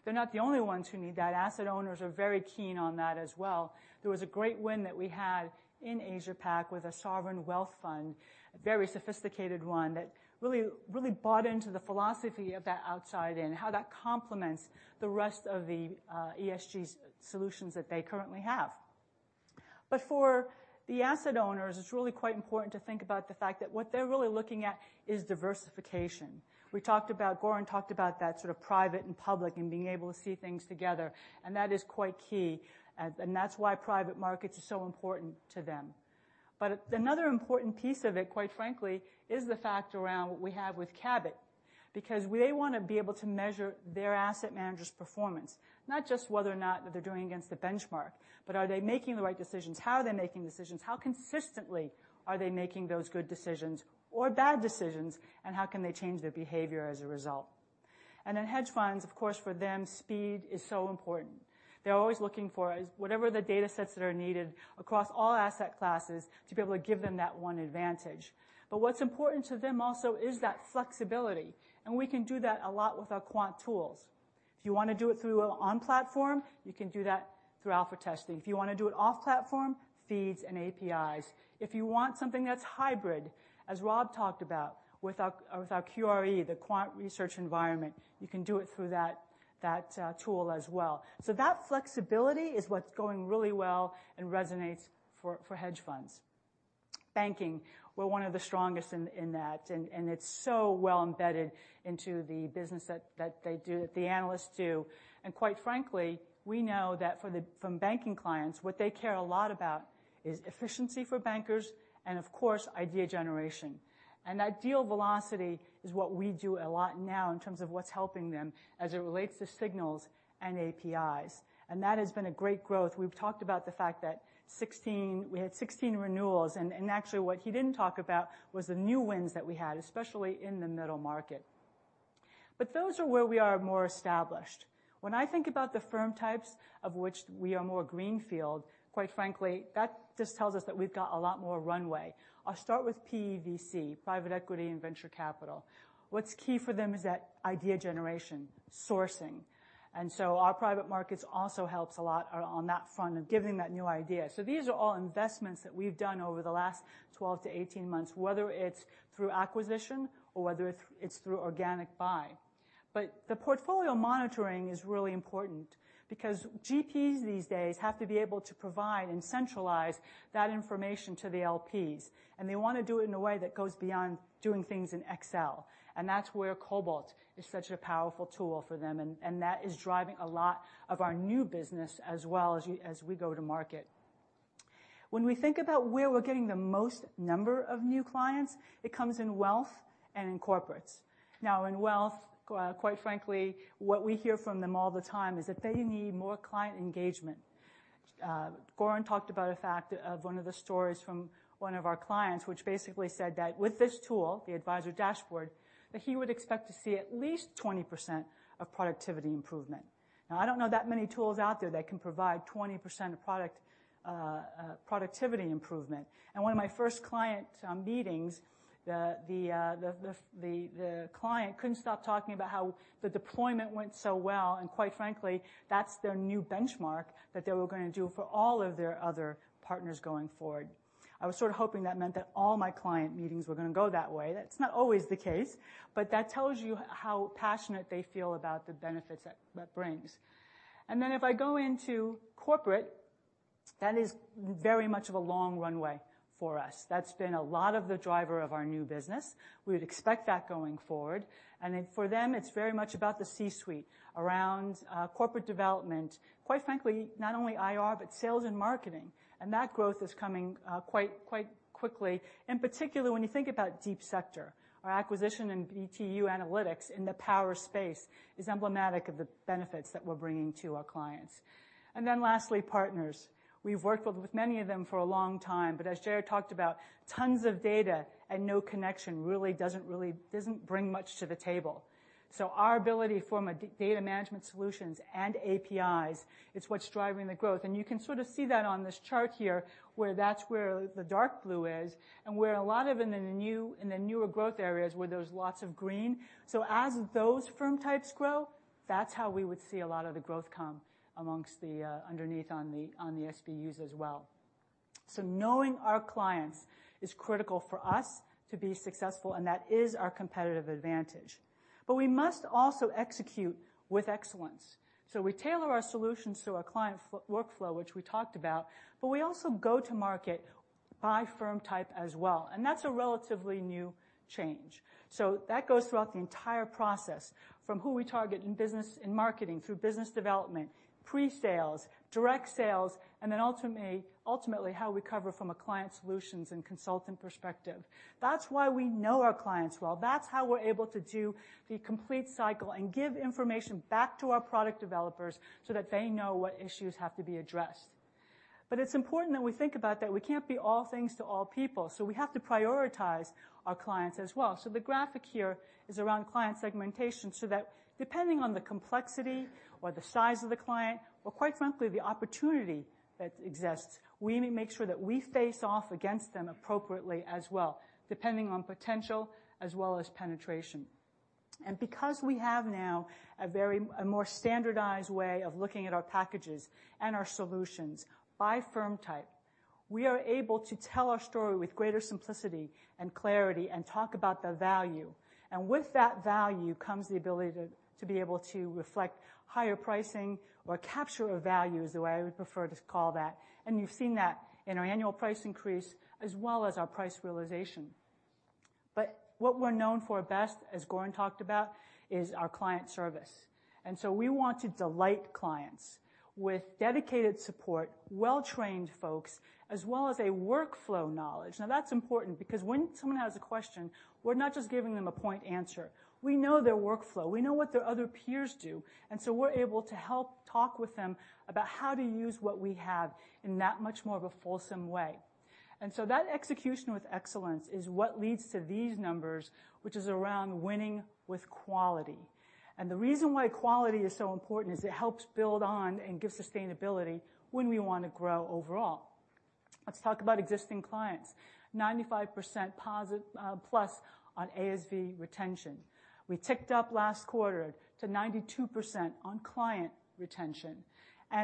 [SPEAKER 20] They're not the only ones who need that. Asset owners are very keen on that as well. There was a great win that we had in Asia Pac with a sovereign wealth fund, a very sophisticated one that really bought into the philosophy of that outside in, how that complements the rest of the ESG solutions that they currently have. For the asset owners, it's really quite important to think about the fact that what they're really looking at is diversification. Goran talked about that sort of private and public and being able to see things together, and that is quite key. That's why private markets are so important to them. Another important piece of it, quite frankly, is the fact around what we have with Cabot, because they wanna be able to measure their asset managers' performance, not just whether or not they're doing against the benchmark, but are they making the right decisions? How are they making decisions? How consistently are they making those good decisions or bad decisions, and how can they change their behavior as a result? Hedge funds, of course, for them, speed is so important. They're always looking for whatever the datasets that are needed across all asset classes to be able to give them that one advantage. What's important to them also is that flexibility. We can do that a lot with our quant tools. If you wanna do it through on-platform, you can do that through Alpha Testing. If you wanna do it off-platform, feeds and APIs. If you want something that's hybrid, as Rob talked about with our QRE, the Quantitative Research Environment, you can do it through that tool as well. That flexibility is what's going really well and resonates for hedge funds. Banking. We're one of the strongest in that, and it's so well embedded into the business that the analysts do. Quite frankly, we know that from banking clients, what they care a lot about is efficiency for bankers and of course, idea generation. Ideal velocity is what we do a lot now in terms of what's helping them as it relates to signals and APIs. That has been a great growth. We've talked about the fact that we had 16 renewals, and actually what he didn't talk about was the new wins that we had, especially in the middle market. Those are where we are more established. When I think about the firm types of which we are more greenfield, quite frankly, that just tells us that we've got a lot more runway. I'll start with PE/VC, private equity and venture capital. What's key for them is that idea generation, sourcing. Our private markets also helps a lot on that front of giving that new idea. These are all investments that we've done over the last 12-18 months, whether it's through acquisition or whether it's through organic buy. The portfolio monitoring is really important because GPs these days have to be able to provide and centralize that information to the LPs, and they wanna do it in a way that goes beyond doing things in Excel. That's where Cobalt is such a powerful tool for them, and that is driving a lot of our new business as well as we go to market. When we think about where we're getting the most number of new clients, it comes in wealth and in corporates. Now, in wealth, quite frankly, what we hear from them all the time is that they need more client engagement. Goran talked about a fact of one of the stories from one of our clients, which basically said that with this tool, the Advisor Dashboard, that he would expect to see at least 20% productivity improvement. Now, I don't know that many tools out there that can provide 20% productivity improvement. At one of my first client meetings, the client couldn't stop talking about how the deployment went so well, and quite frankly, that's their new benchmark that they were gonna do for all of their other partners going forward. I was sort of hoping that meant that all my client meetings were gonna go that way. That's not always the case, but that tells you how passionate they feel about the benefits that that brings. If I go into corporate, that is very much of a long runway for us. That's been a lot of the driver of our new business. We would expect that going forward. For them, it's very much about the C-suite, around corporate development, quite frankly, not only IR, but sales and marketing. That growth is coming quite quickly. In particular, when you think about deep sector, our acquisition in BTU Analytics in the power space is emblematic of the benefits that we're bringing to our clients. Lastly, partners. We've worked with many of them for a long time, but as JR talked about, tons of data and no connection really doesn't bring much to the table. Our ability in data management solutions and APIs, it's what's driving the growth. You can sort of see that on this chart here, where the dark blue is and where a lot in the newer growth areas where there's lots of green. As those firm types grow, that's how we would see a lot of the growth come in the SBUs as well. Knowing our clients is critical for us to be successful, and that is our competitive advantage. We must also execute with excellence. We tailor our solutions to our client workflow, which we talked about, but we also go to market by firm type as well. That's a relatively new change. That goes throughout the entire process from who we target in business and marketing, through business development, pre-sales, direct sales, and then ultimately, how we cover from a client solutions and consultant perspective. That's why we know our clients well. That's how we're able to do the complete cycle and give information back to our product developers so that they know what issues have to be addressed. It's important that we think about that we can't be all things to all people, so we have to prioritize our clients as well. The graphic here is around client segmentation, so that depending on the complexity or the size of the client or quite frankly, the opportunity that exists, we need to make sure that we face off against them appropriately as well, depending on potential as well as penetration. Because we have now a more standardized way of looking at our packages and our solutions by firm type, we are able to tell our story with greater simplicity and clarity and talk about the value. With that value comes the ability to be able to reflect higher pricing or capture a value, is the way I would prefer to call that. You've seen that in our annual price increase as well as our price realization. What we're known for best, as Goran talked about, is our client service. We want to delight clients with dedicated support, well-trained folks, as well as a workflow knowledge. Now, that's important because when someone has a question, we're not just giving them a point answer. We know their workflow, we know what their other peers do, and so we're able to help talk with them about how to use what we have in that much more of a fulsome way. That execution with excellence is what leads to these numbers, which is around winning with quality. The reason why quality is so important is it helps build on and give sustainability when we want to grow overall. Let's talk about existing clients. 95% plus on ASV retention. We ticked up last quarter to 92% on client retention.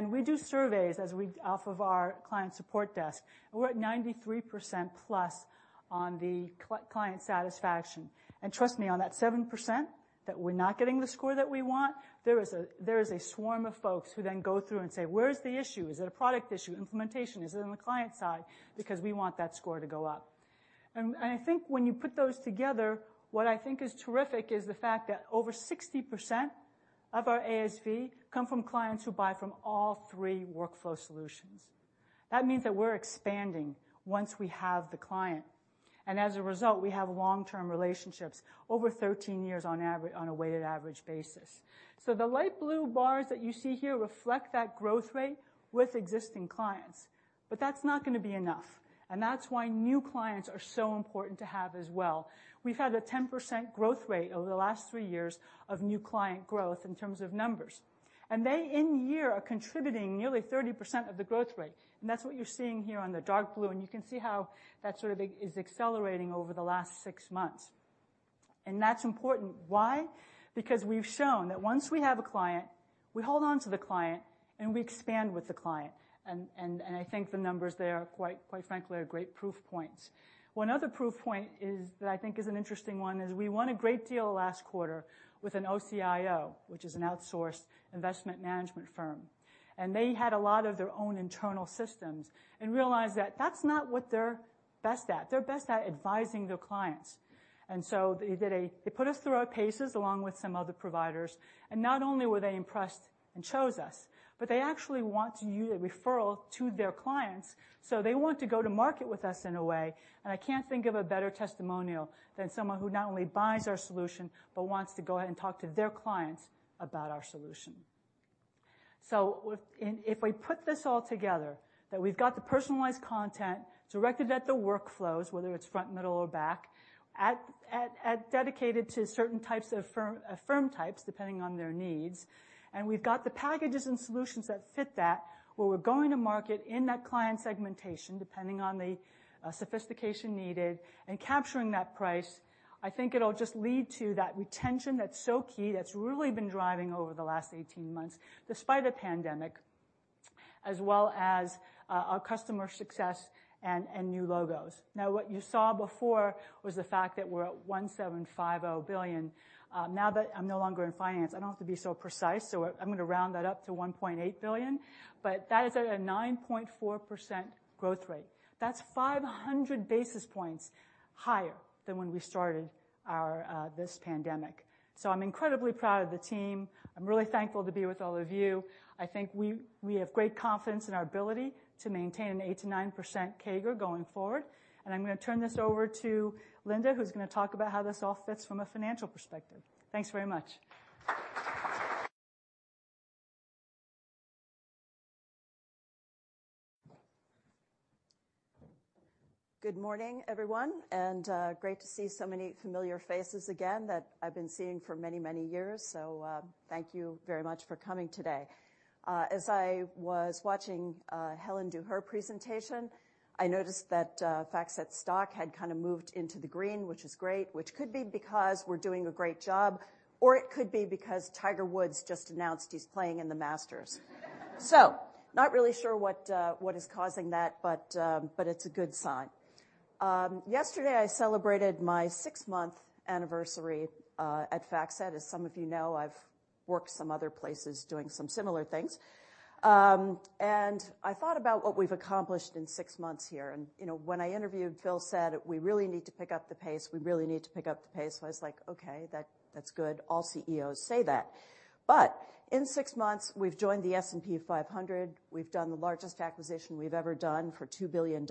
[SPEAKER 20] We do surveys off of our client support desk. We're at 93%+ on the client satisfaction. Trust me, on that 7% that we're not getting the score that we want, there is a swarm of folks who then go through and say, "Where's the issue? Is it a product issue? Implementation? Is it on the client side?" Because we want that score to go up. I think when you put those together, what I think is terrific is the fact that over 60% of our ASV come from clients who buy from all three workflow solutions. That means that we're expanding once we have the client, and as a result, we have long-term relationships, over 13 years on a weighted average basis. The light blue bars that you see here reflect that growth rate with existing clients. That's not gonna be enough, and that's why new clients are so important to have as well. We've had a 10% growth rate over the last three years of new client growth in terms of numbers, and they in year are contributing nearly 30% of the growth rate. That's what you're seeing here on the dark blue, and you can see how that sort of is accelerating over the last six months. That's important. Why? Because we've shown that once we have a client, we hold on to the client and we expand with the client. I think the numbers there are quite frankly, great proof points. One other proof point is that I think is an interesting one, we won a great deal last quarter with an OCIO, which is an outsourced investment management firm. They had a lot of their own internal systems and realized that that's not what they're best at. They're best at advising their clients. They put us through our paces along with some other providers, and not only were they impressed and chose us, but they actually want to use a referral to their clients. They want to go to market with us in a way, and I can't think of a better testimonial than someone who not only buys our solution, but wants to go ahead and talk to their clients about our solution. If we put this all together, that we've got the personalized content directed at the workflows, whether it's front, middle or back, at dedicated to certain types of firm types, depending on their needs. We've got the packages and solutions that fit that, where we're going to market in that client segmentation, depending on the sophistication needed and capturing that price. I think it'll just lead to that retention that's so key, that's really been driving over the last 18 months, despite a pandemic, as well as our customer success and new logos. Now, what you saw before was the fact that we're at $1.75 billion. Now that I'm no longer in finance, I don't have to be so precise, so I'm gonna round that up to $1.8 billion. But that is at a 9.4% growth rate. That's 500 basis points higher than when we started our this pandemic. I'm incredibly proud of the team. I'm really thankful to be with all of you. I think we have great confidence in our ability to maintain an 8%-9% CAGR going forward. I'm gonna turn this over to Linda, who's gonna talk about how this all fits from a financial perspective. Thanks very much.
[SPEAKER 21] Good morning, everyone, and great to see so many familiar faces again that I've been seeing for many, many years. Thank you very much for coming today. As I was watching Helen do her presentation, I noticed that FactSet's stock had kinda moved into the green, which is great, which could be because we're doing a great job, or it could be because Tiger Woods just announced he's playing in the Masters. Not really sure what is causing that, but it's a good sign. Yesterday, I celebrated my sixth-month anniversary at FactSet. As some of you know, I've worked some other places doing some similar things. I thought about what we've accomplished in six months here. You know, when I interviewed, Phil said, "We really need to pick up the pace. We really need to pick up the pace." I was like, "Okay, that's good." All CEOs say that. In six months, we've joined the S&P 500. We've done the largest acquisition we've ever done for $2 billion.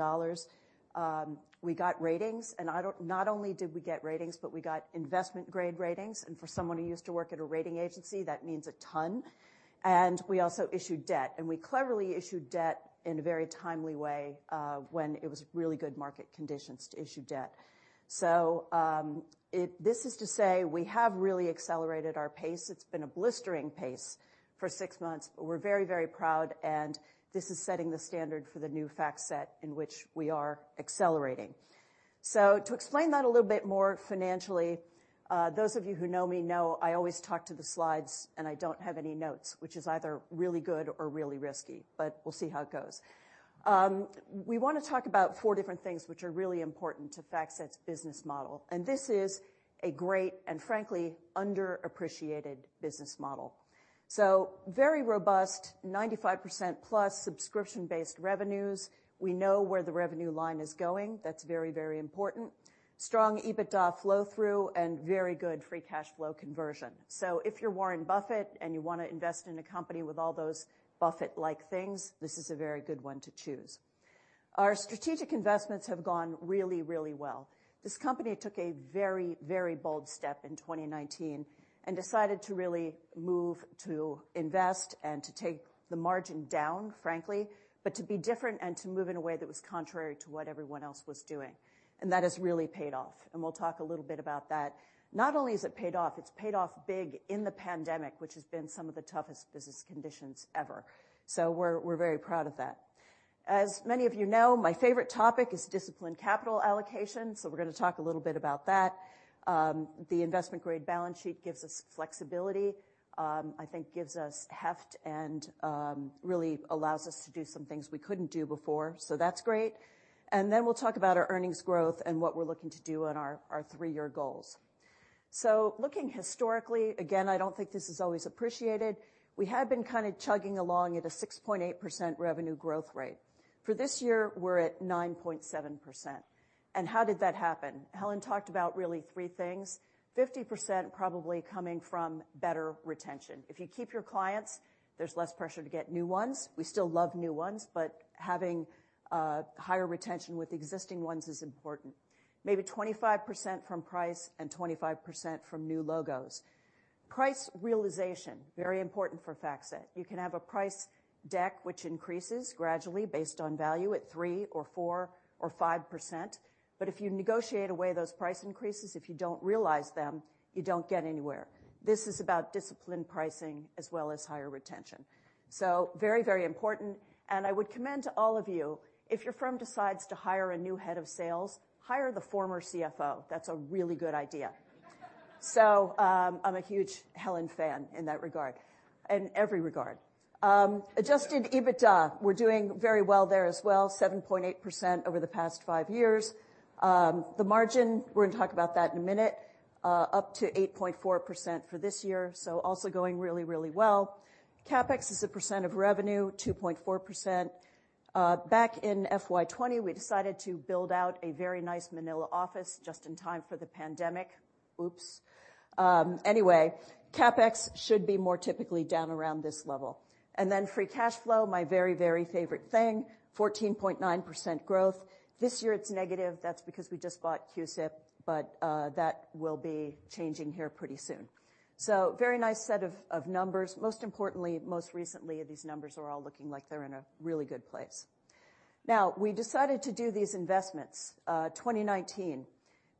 [SPEAKER 21] We got ratings, and not only did we get ratings, but we got investment-grade ratings. For someone who used to work at a rating agency, that means a ton. We also issued debt, and we cleverly issued debt in a very timely way, when it was really good market conditions to issue debt. This is to say we have really accelerated our pace. It's been a blistering pace for six months. We're very, very proud, and this is setting the standard for the new FactSet in which we are accelerating. To explain that a little bit more financially, those of you who know me know I always talk to the slides, and I don't have any notes, which is either really good or really risky, but we'll see how it goes. We wanna talk about four different things which are really important to FactSet's business model, and this is a great and frankly underappreciated business model. Very robust, 95% plus subscription-based revenues. We know where the revenue line is going. That's very, very important. Strong EBITDA flow-through and very good free cash flow conversion. If you're Warren Buffett and you wanna invest in a company with all those Buffett-like things, this is a very good one to choose. Our strategic investments have gone really, really well.
[SPEAKER 20] This company took a very, very bold step in 2019 and decided to really move to invest and to take the margin down, frankly, but to be different and to move in a way that was contrary to what everyone else was doing. That has really paid off, and we'll talk a little bit about that. Not only has it paid off, it's paid off big in the pandemic, which has been some of the toughest business conditions ever. We're very proud of that. As many of you know, my favorite topic is disciplined capital allocation, so we're gonna talk a little bit about that. The investment-grade balance sheet gives us flexibility, I think gives us heft and, really allows us to do some things we couldn't do before. That's great.
[SPEAKER 21] We'll talk about our earnings growth and what we're looking to do on our three-year goals. Looking historically, again, I don't think this is always appreciated. We had been kinda chugging along at a 6.8% revenue growth rate. For this year, we're at 9.7%. How did that happen? Helen talked about really three things. 50% probably coming from better retention. If you keep your clients, there's less pressure to get new ones. We still love new ones, but having higher retention with existing ones is important. Maybe 25% from price and 25% from new logos. Price realization, very important for FactSet. You can have a price deck which increases gradually based on value at 3%, 4%, or 5%. If you negotiate away those price increases, if you don't realize them, you don't get anywhere. This is about disciplined pricing as well as higher retention. Very, very important. I would commend to all of you, if your firm decides to hire a new head of sales, hire the former CFO. That's a really good idea. I'm a huge Helen fan in that regard, in every regard. Adjusted EBITDA, we're doing very well there as well, 7.8% over the past five years. The margin, we're gonna talk about that in a minute, up to 8.4% for this year, so also going really, really well. CapEx as a percent of revenue, 2.4%. Back in FY 2020, we decided to build out a very nice Manila office just in time for the pandemic. Oops. Anyway, CapEx should be more typically down around this level. Free cash flow, my very, very favorite thing, 14.9% growth. This year it's negative. That's because we just bought CUSIP, but that will be changing here pretty soon. Very nice set of numbers. Most importantly, most recently, these numbers are all looking like they're in a really good place. Now, we decided to do these investments, 2019.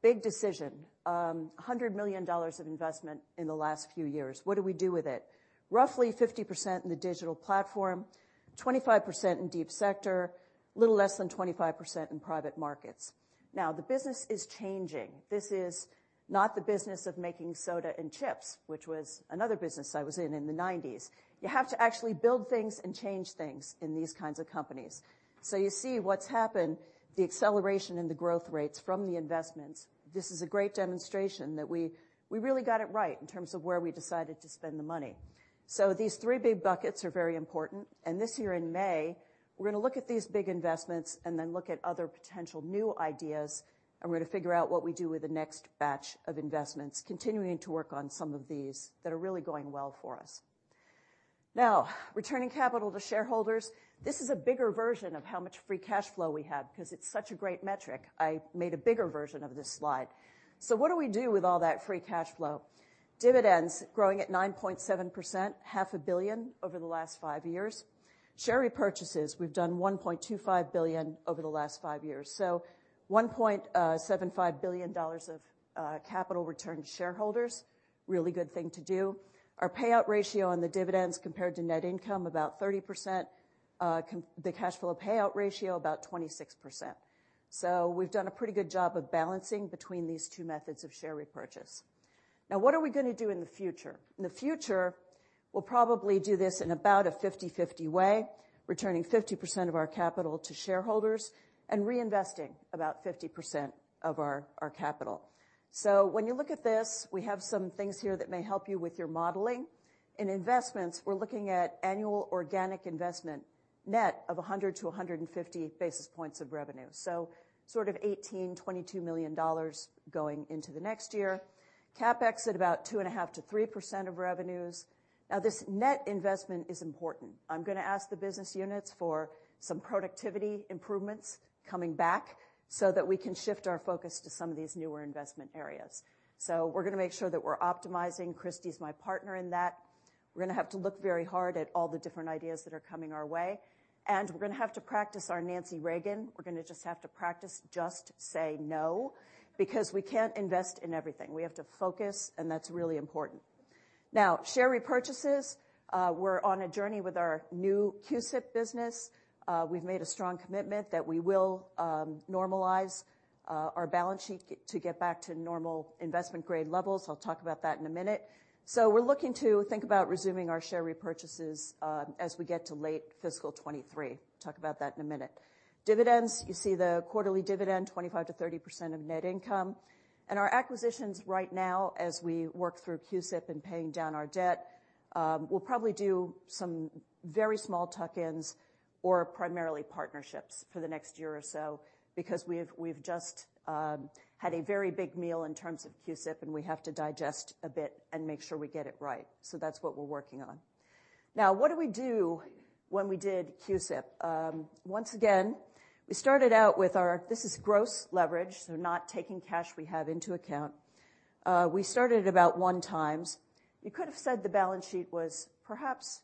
[SPEAKER 21] Big decision. $100 million of investment in the last few years. What do we do with it? Roughly 50% in the digital platform, 25% in deep sector, a little less than 25% in private markets. Now, the business is changing. This is not the business of making soda and chips, which was another business I was in in the 1990s. You have to actually build things and change things in these kinds of companies. You see what's happened, the acceleration in the growth rates from the investments. This is a great demonstration that we really got it right in terms of where we decided to spend the money. These three big buckets are very important. This year in May, we're gonna look at these big investments and then look at other potential new ideas, and we're gonna figure out what we do with the next batch of investments, continuing to work on some of these that are really going well for us. Now, returning capital to shareholders. This is a bigger version of how much free cash flow we have 'cause it's such a great metric. I made a bigger version of this slide. What do we do with all that free cash flow? Dividends growing at 9.7%, half a billion over the last five years. Share repurchases, we've done $1.25 billion over the last five years. So $1.75 billion dollars of capital returned to shareholders. Really good thing to do. Our payout ratio on the dividends compared to net income, about 30%. The cash flow payout ratio, about 26%. So we've done a pretty good job of balancing between these two methods of share repurchase. Now, what are we gonna do in the future? In the future, we'll probably do this in about a 50-50 way, returning 50% of our capital to shareholders and reinvesting about 50% of our capital. So when you look at this, we have some things here that may help you with your modeling. In investments, we're looking at annual organic investment net of 100 to 150 basis points of revenue. Sort of $18-$22 million going into the next year. CapEx at about 2.5%-3% of revenues. This net investment is important. I'm gonna ask the business units for some productivity improvements coming back so that we can shift our focus to some of these newer investment areas. We're gonna make sure that we're optimizing. Kristy is my partner in that. We're gonna have to look very hard at all the different ideas that are coming our way, and we're gonna have to practice our Nancy Reagan. We're gonna just have to practice, just say no, because we can't invest in everything. We have to focus, and that's really important. Share repurchases, we're on a journey with our new CUSIP business. We've made a strong commitment that we will normalize our balance sheet to get back to normal investment grade levels. I'll talk about that in a minute. We're looking to think about resuming our share repurchases as we get to late fiscal 2023. Talk about that in a minute. Dividends, you see the quarterly dividend, 25%-30% of net income. Our acquisitions right now as we work through CUSIP and paying down our debt, we'll probably do some very small tuck-ins or primarily partnerships for the next year or so because we've just had a very big meal in terms of CUSIP, and we have to digest a bit and make sure we get it right. That's what we're working on. Now, what did we do when we did CUSIP? This is gross leverage, so not taking cash we have into account. We started about 1x. You could have said the balance sheet was perhaps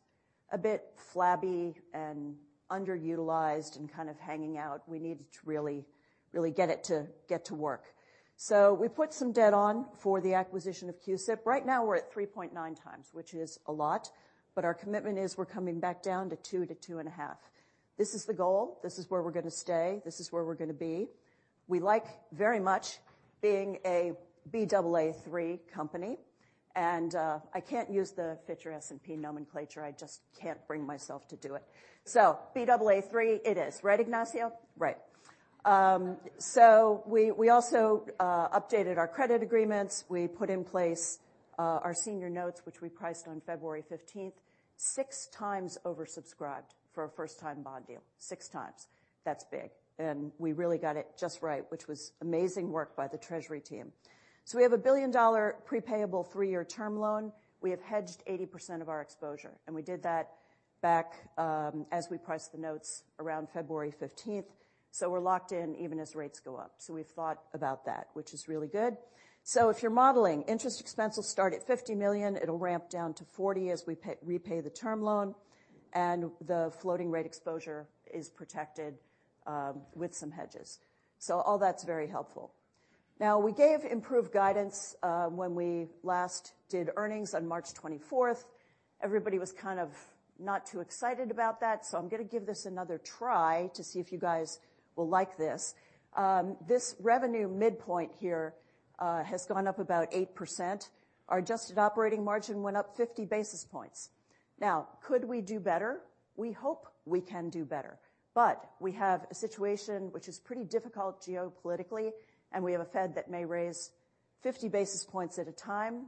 [SPEAKER 21] a bit flabby and underutilized and kind of hanging out. We needed to really get it to work. So we put some debt on for the acquisition of CUSIP. Right now, we're at 3.9x, which is a lot, but our commitment is we're coming back down to 2-2.5x. This is the goal. This is where we're gonna stay. This is where we're gonna be. We like very much being a Baa3 company. I can't use the Fitch or S&P nomenclature. I just can't bring myself to do it. So Baa3 it is. Right, Ignacio? Right. We also updated our credit agreements. We put in place our senior notes, which we priced on February 15, 6x oversubscribed for a first-time bond deal. 6x. That's big. We really got it just right, which was amazing work by the treasury team. We have a billion-dollar prepayable three-year term loan. We have hedged 80% of our exposure, and we did that back as we priced the notes around February 15. We're locked in even as rates go up. We've thought about that, which is really good. If you're modeling, interest expense will start at $50 million. It'll ramp down to $40 million as we repay the term loan, and the floating rate exposure is protected with some hedges. All that's very helpful. Now, we gave improved guidance when we last did earnings on March 24. Everybody was kind of not too excited about that, so I'm gonna give this another try to see if you guys will like this. This revenue midpoint here has gone up about 8%. Our adjusted operating margin went up 50 basis points. Now, could we do better? We hope we can do better, but we have a situation which is pretty difficult geopolitically, and we have a Fed that may raise 50 basis points at a time.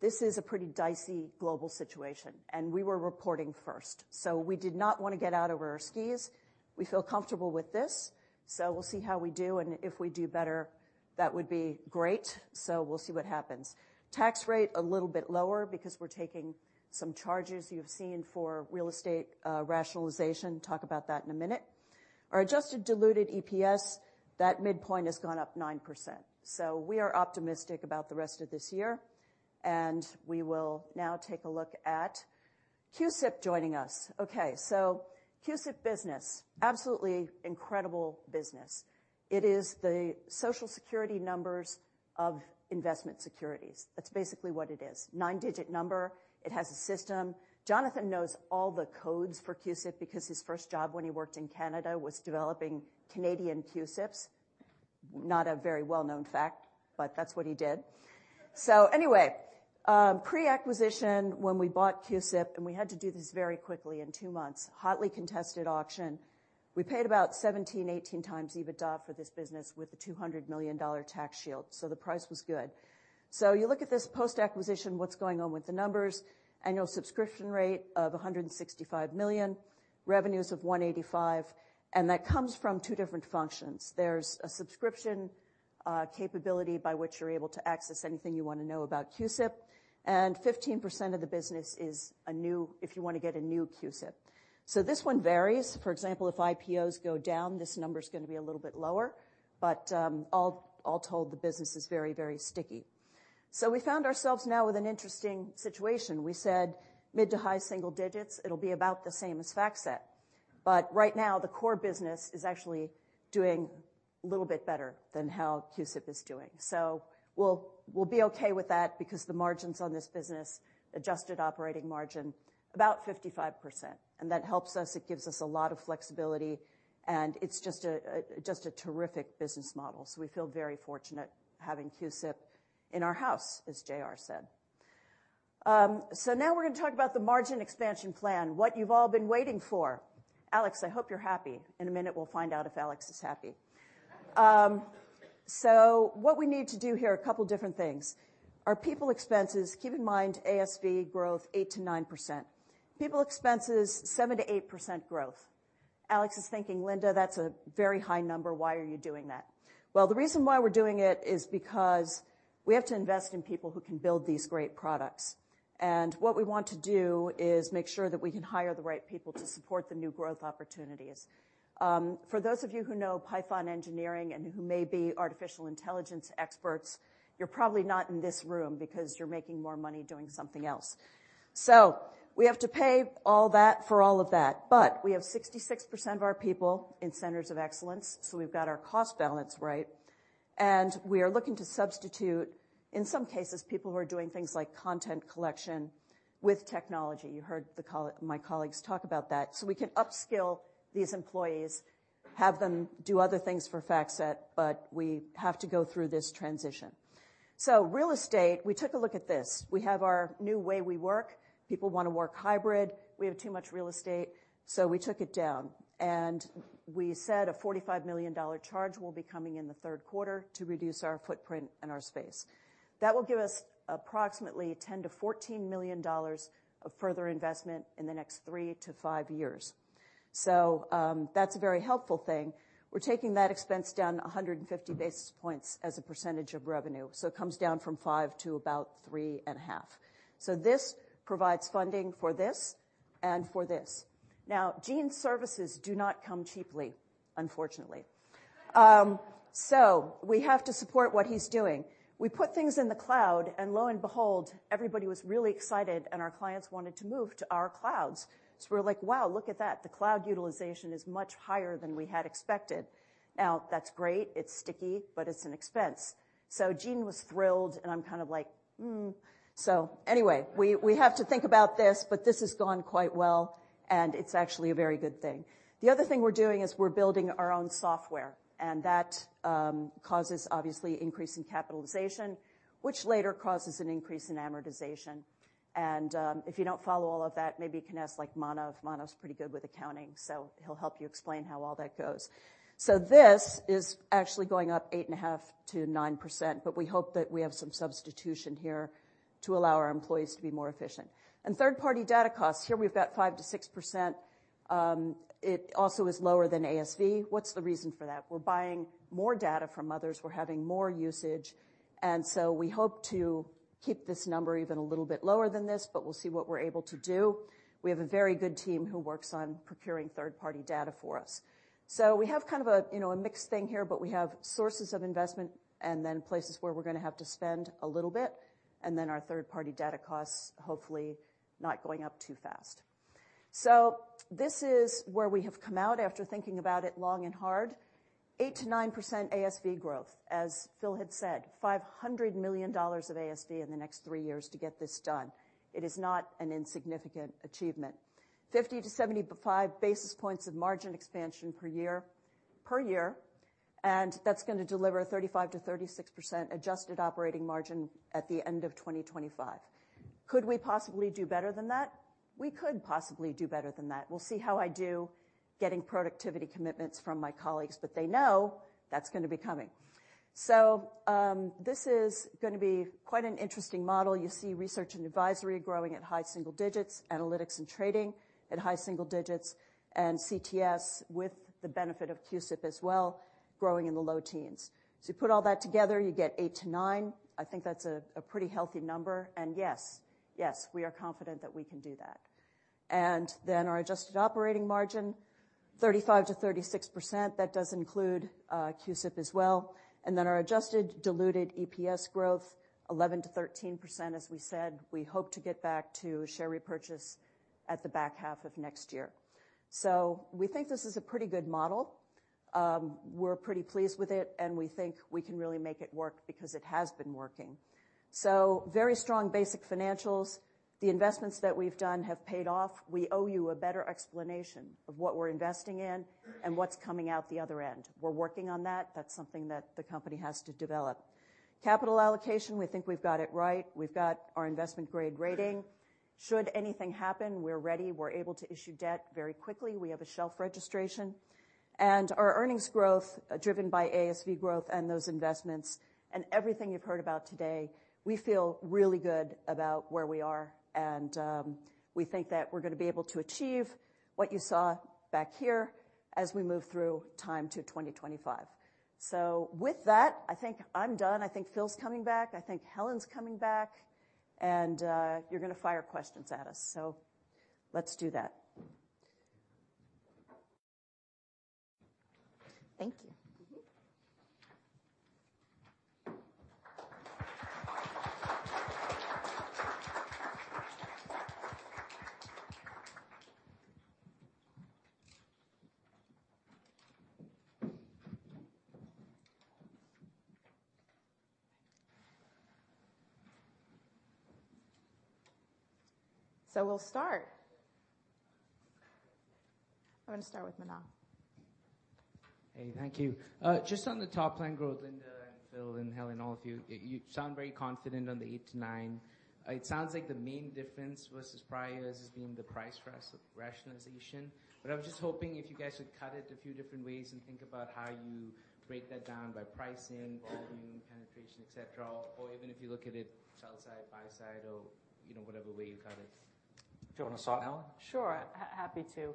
[SPEAKER 21] This is a pretty dicey global situation, and we were reporting first, so we did not wanna get out over our skis. We feel comfortable with this, so we'll see how we do, and if we do better, that would be great. We'll see what happens. Tax rate a little bit lower because we're taking some charges you've seen for real estate rationalization. Talk about that in a minute. Our adjusted diluted EPS, that midpoint has gone up 9%. We are optimistic about the rest of this year, and we will now take a look at CUSIP joining us. Okay, CUSIP business, absolutely incredible business. It is the Social Security numbers of investment securities. That's basically what it is. Nine-digit number. It has a system. Jonathan knows all the codes for CUSIP because his first job when he worked in Canada was developing Canadian CUSIPs. Not a very well-known fact, but that's what he did. Anyway, pre-acquisition, when we bought CUSIP, and we had to do this very quickly in two months, hotly contested auction, we paid about 17-18x EBITDA for this business with a $200 million tax shield. The price was good. You look at this post-acquisition, what's going on with the numbers. Annual subscription rate of $165 million, revenues of $185 million, and that comes from two different functions. There's a subscription capability by which you're able to access anything you wanna know about CUSIP, and 15% of the business is if you wanna get a new CUSIP. This one varies. For example, if IPOs go down, this number is gonna be a little bit lower. But all told, the business is very sticky. We found ourselves now with an interesting situation. We said mid- to high-single digits, it'll be about the same as FactSet. Right now, the core business is actually doing a little bit better than how CUSIP is doing. We'll be okay with that because the margins on this business, adjusted operating margin, about 55%, and that helps us. It gives us a lot of flexibility, and it's just a terrific business model. We feel very fortunate having CUSIP in our house, as J.R. said. Now we're gonna talk about the margin expansion plan, what you've all been waiting for. Alex, I hope you're happy. In a minute, we'll find out if Alex is happy. What we need to do here, a couple different things. Our people expenses, keep in mind, ASV growth, 8%-9%. People expenses, 7%-8% growth. Alex is thinking, "Linda, that's a very high number. Why are you doing that?" Well, the reason why we're doing it is because we have to invest in people who can build these great products. What we want to do is make sure that we can hire the right people to support the new growth opportunities. For those of you who know Python engineering and who may be artificial intelligence experts, you're probably not in this room because you're making more money doing something else. So we have to pay all that for all of that. We have 66% of our people in centers of excellence, so we've got our cost balance right. We are looking to substitute, in some cases, people who are doing things like content collection with technology. You heard my colleagues talk about that. We can upskill these employees, have them do other things for FactSet, but we have to go through this transition. Real estate, we took a look at this. We have our new way we work. People wanna work hybrid. We have too much real estate, so we took it down. We said a $45 million charge will be coming in the third quarter to reduce our footprint and our space. That will give us approximately $10 million-$14 million of further investment in the next three to five years. That's a very helpful thing. We're taking that expense down 150 basis points as a percentage of revenue. It comes down from 5% to about 3.5%. This provides funding for this and for this. Now, Gene's services do not come cheaply, unfortunately. We have to support what he's doing. We put things in the cloud, and lo and behold, everybody was really excited, and our clients wanted to move to our clouds. We're like, "Wow, look at that. The cloud utilization is much higher than we had expected." Now, that's great, it's sticky, but it's an expense. Gene was thrilled, and I'm kind of like, "Hmm." Anyway, we have to think about this, but this has gone quite well, and it's actually a very good thing. The other thing we're doing is we're building our own software, and that causes obviously increase in capitalization, which later causes an increase in amortization. If you don't follow all of that, maybe you can ask like Manav. Manav's pretty good with accounting, so he'll help you explain how all that goes. This is actually going up 8.5%-9%, but we hope that we have some substitution here to allow our employees to be more efficient. Third-party data costs, here we've got 5%-6%. It also is lower than ASV. What's the reason for that? We're buying more data from others. We're having more usage. We hope to keep this number even a little bit lower than this, but we'll see what we're able to do. We have a very good team who works on procuring third-party data for us. We have kind of a, you know, a mixed thing here, but we have sources of investment and then places where we're gonna have to spend a little bit, and then our third-party data costs, hopefully, not going up too fast. This is where we have come out after thinking about it long and hard. 8%-9% ASV growth. As Phil had said, $500 million of ASV in the next 3 years to get this done. It is not an insignificant achievement. 50 to 75 basis points of margin expansion per year, and that's gonna deliver 35%-36% adjusted operating margin at the end of 2025. Could we possibly do better than that? We could possibly do better than that. We'll see how I do getting productivity commitments from my colleagues, but they know that's gonna be coming. This is gonna be quite an interesting model. You see Research and Advisory growing at high single digits, Analytics and Trading at high single digits, and CTS with the benefit of CUSIP as well, growing in the low teens. You put all that together, you get 8%-9%. I think that's a pretty healthy number. Yes, we are confident that we can do that. Our adjusted operating margin, 35%-36%. That does include CUSIP as well. Our adjusted diluted EPS growth, 11%-13%. As we said, we hope to get back to share repurchase at the back half of next year. We think this is a pretty good model. We're pretty pleased with it, and we think we can really make it work because it has been working. Very strong basic financials. The investments that we've done have paid off. We owe you a better explanation of what we're investing in and what's coming out the other end. We're working on that. That's something that the company has to develop. Capital allocation, we think we've got it right. We've got our investment grade rating. Should anything happen, we're ready. We're able to issue debt very quickly. We have a shelf registration. Our earnings growth, driven by ASV growth and those investments and everything you've heard about today, we feel really good about where we are. We think that we're gonna be able to achieve what you saw back here as we move through time to 2025. With that, I think I'm done. I think Phil's coming back. I think Helen's coming back. You're gonna fire questions at us, so let's do that. Thank you.
[SPEAKER 1] We'll start. I'm gonna start with Manav.
[SPEAKER 22] Hey, thank you. Just on the top-line growth, Linda and Phil and Helen, all of you. You sound very confident on the 8%-9%. It sounds like the main difference versus prior is being the price rationalization. I was just hoping if you guys could cut it a few different ways and think about how you break that down by pricing, volume, penetration, et cetera, or even if you look at it sell side, buy side or, you know, whatever way you cut it.
[SPEAKER 2] Do you wanna start, Helen?
[SPEAKER 20] Happy to.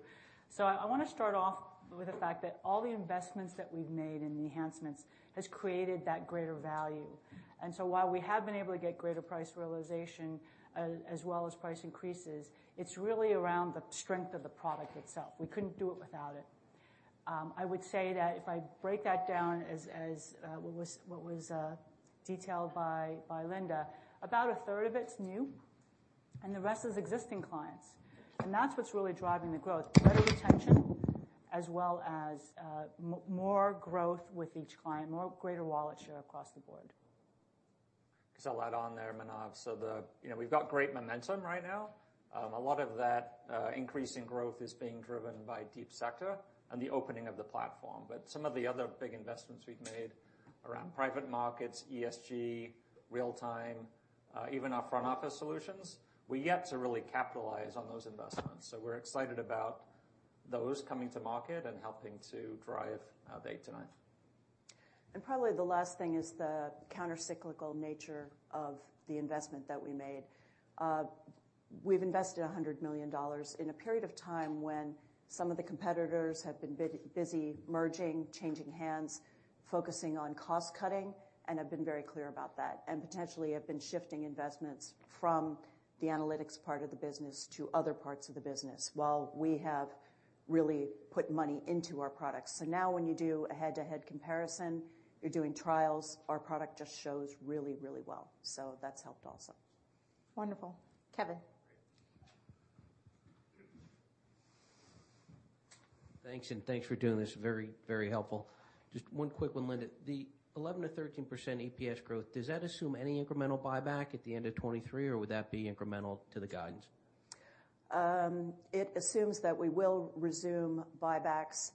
[SPEAKER 20] I want to start off with the fact that all the investments that we've made and the enhancements has created that greater value. While we have been able to get greater price realization, as well as price increases, it's really around the strength of the product itself. We couldn't do it without it. I would say that if I break that down as what was detailed by Linda, about a third of it's new, and the rest is existing clients. That's what's really driving the growth. Better retention, as well as more growth with each client, more greater wallet share across the board.
[SPEAKER 2] 'Cause I'll add on there, Manav. You know, we've got great momentum right now. A lot of that increase in growth is being driven by deep sector and the opening of the platform. Some of the other big investments we've made around private markets, ESG, real-time, even our front office solutions, we're yet to really capitalize on those investments. We're excited about those coming to market and helping to drive our data.
[SPEAKER 21] Probably the last thing is the counter-cyclical nature of the investment that we made. We've invested $100 million in a period of time when some of the competitors have been busy merging, changing hands, focusing on cost-cutting, and have been very clear about that. Potentially have been shifting investments from the analytics part of the business to other parts of the business while we have really put money into our products. Now when you do a head-to-head comparison, you're doing trials, our product just shows really, really well. That's helped also.
[SPEAKER 1] Wonderful. Kevin.
[SPEAKER 23] Thanks, and thanks for doing this. Very, very helpful. Just one quick one, Linda. The 11%-13% EPS growth, does that assume any incremental buyback at the end of 2023, or would that be incremental to the guidance?
[SPEAKER 21] It assumes that we will resume buybacks,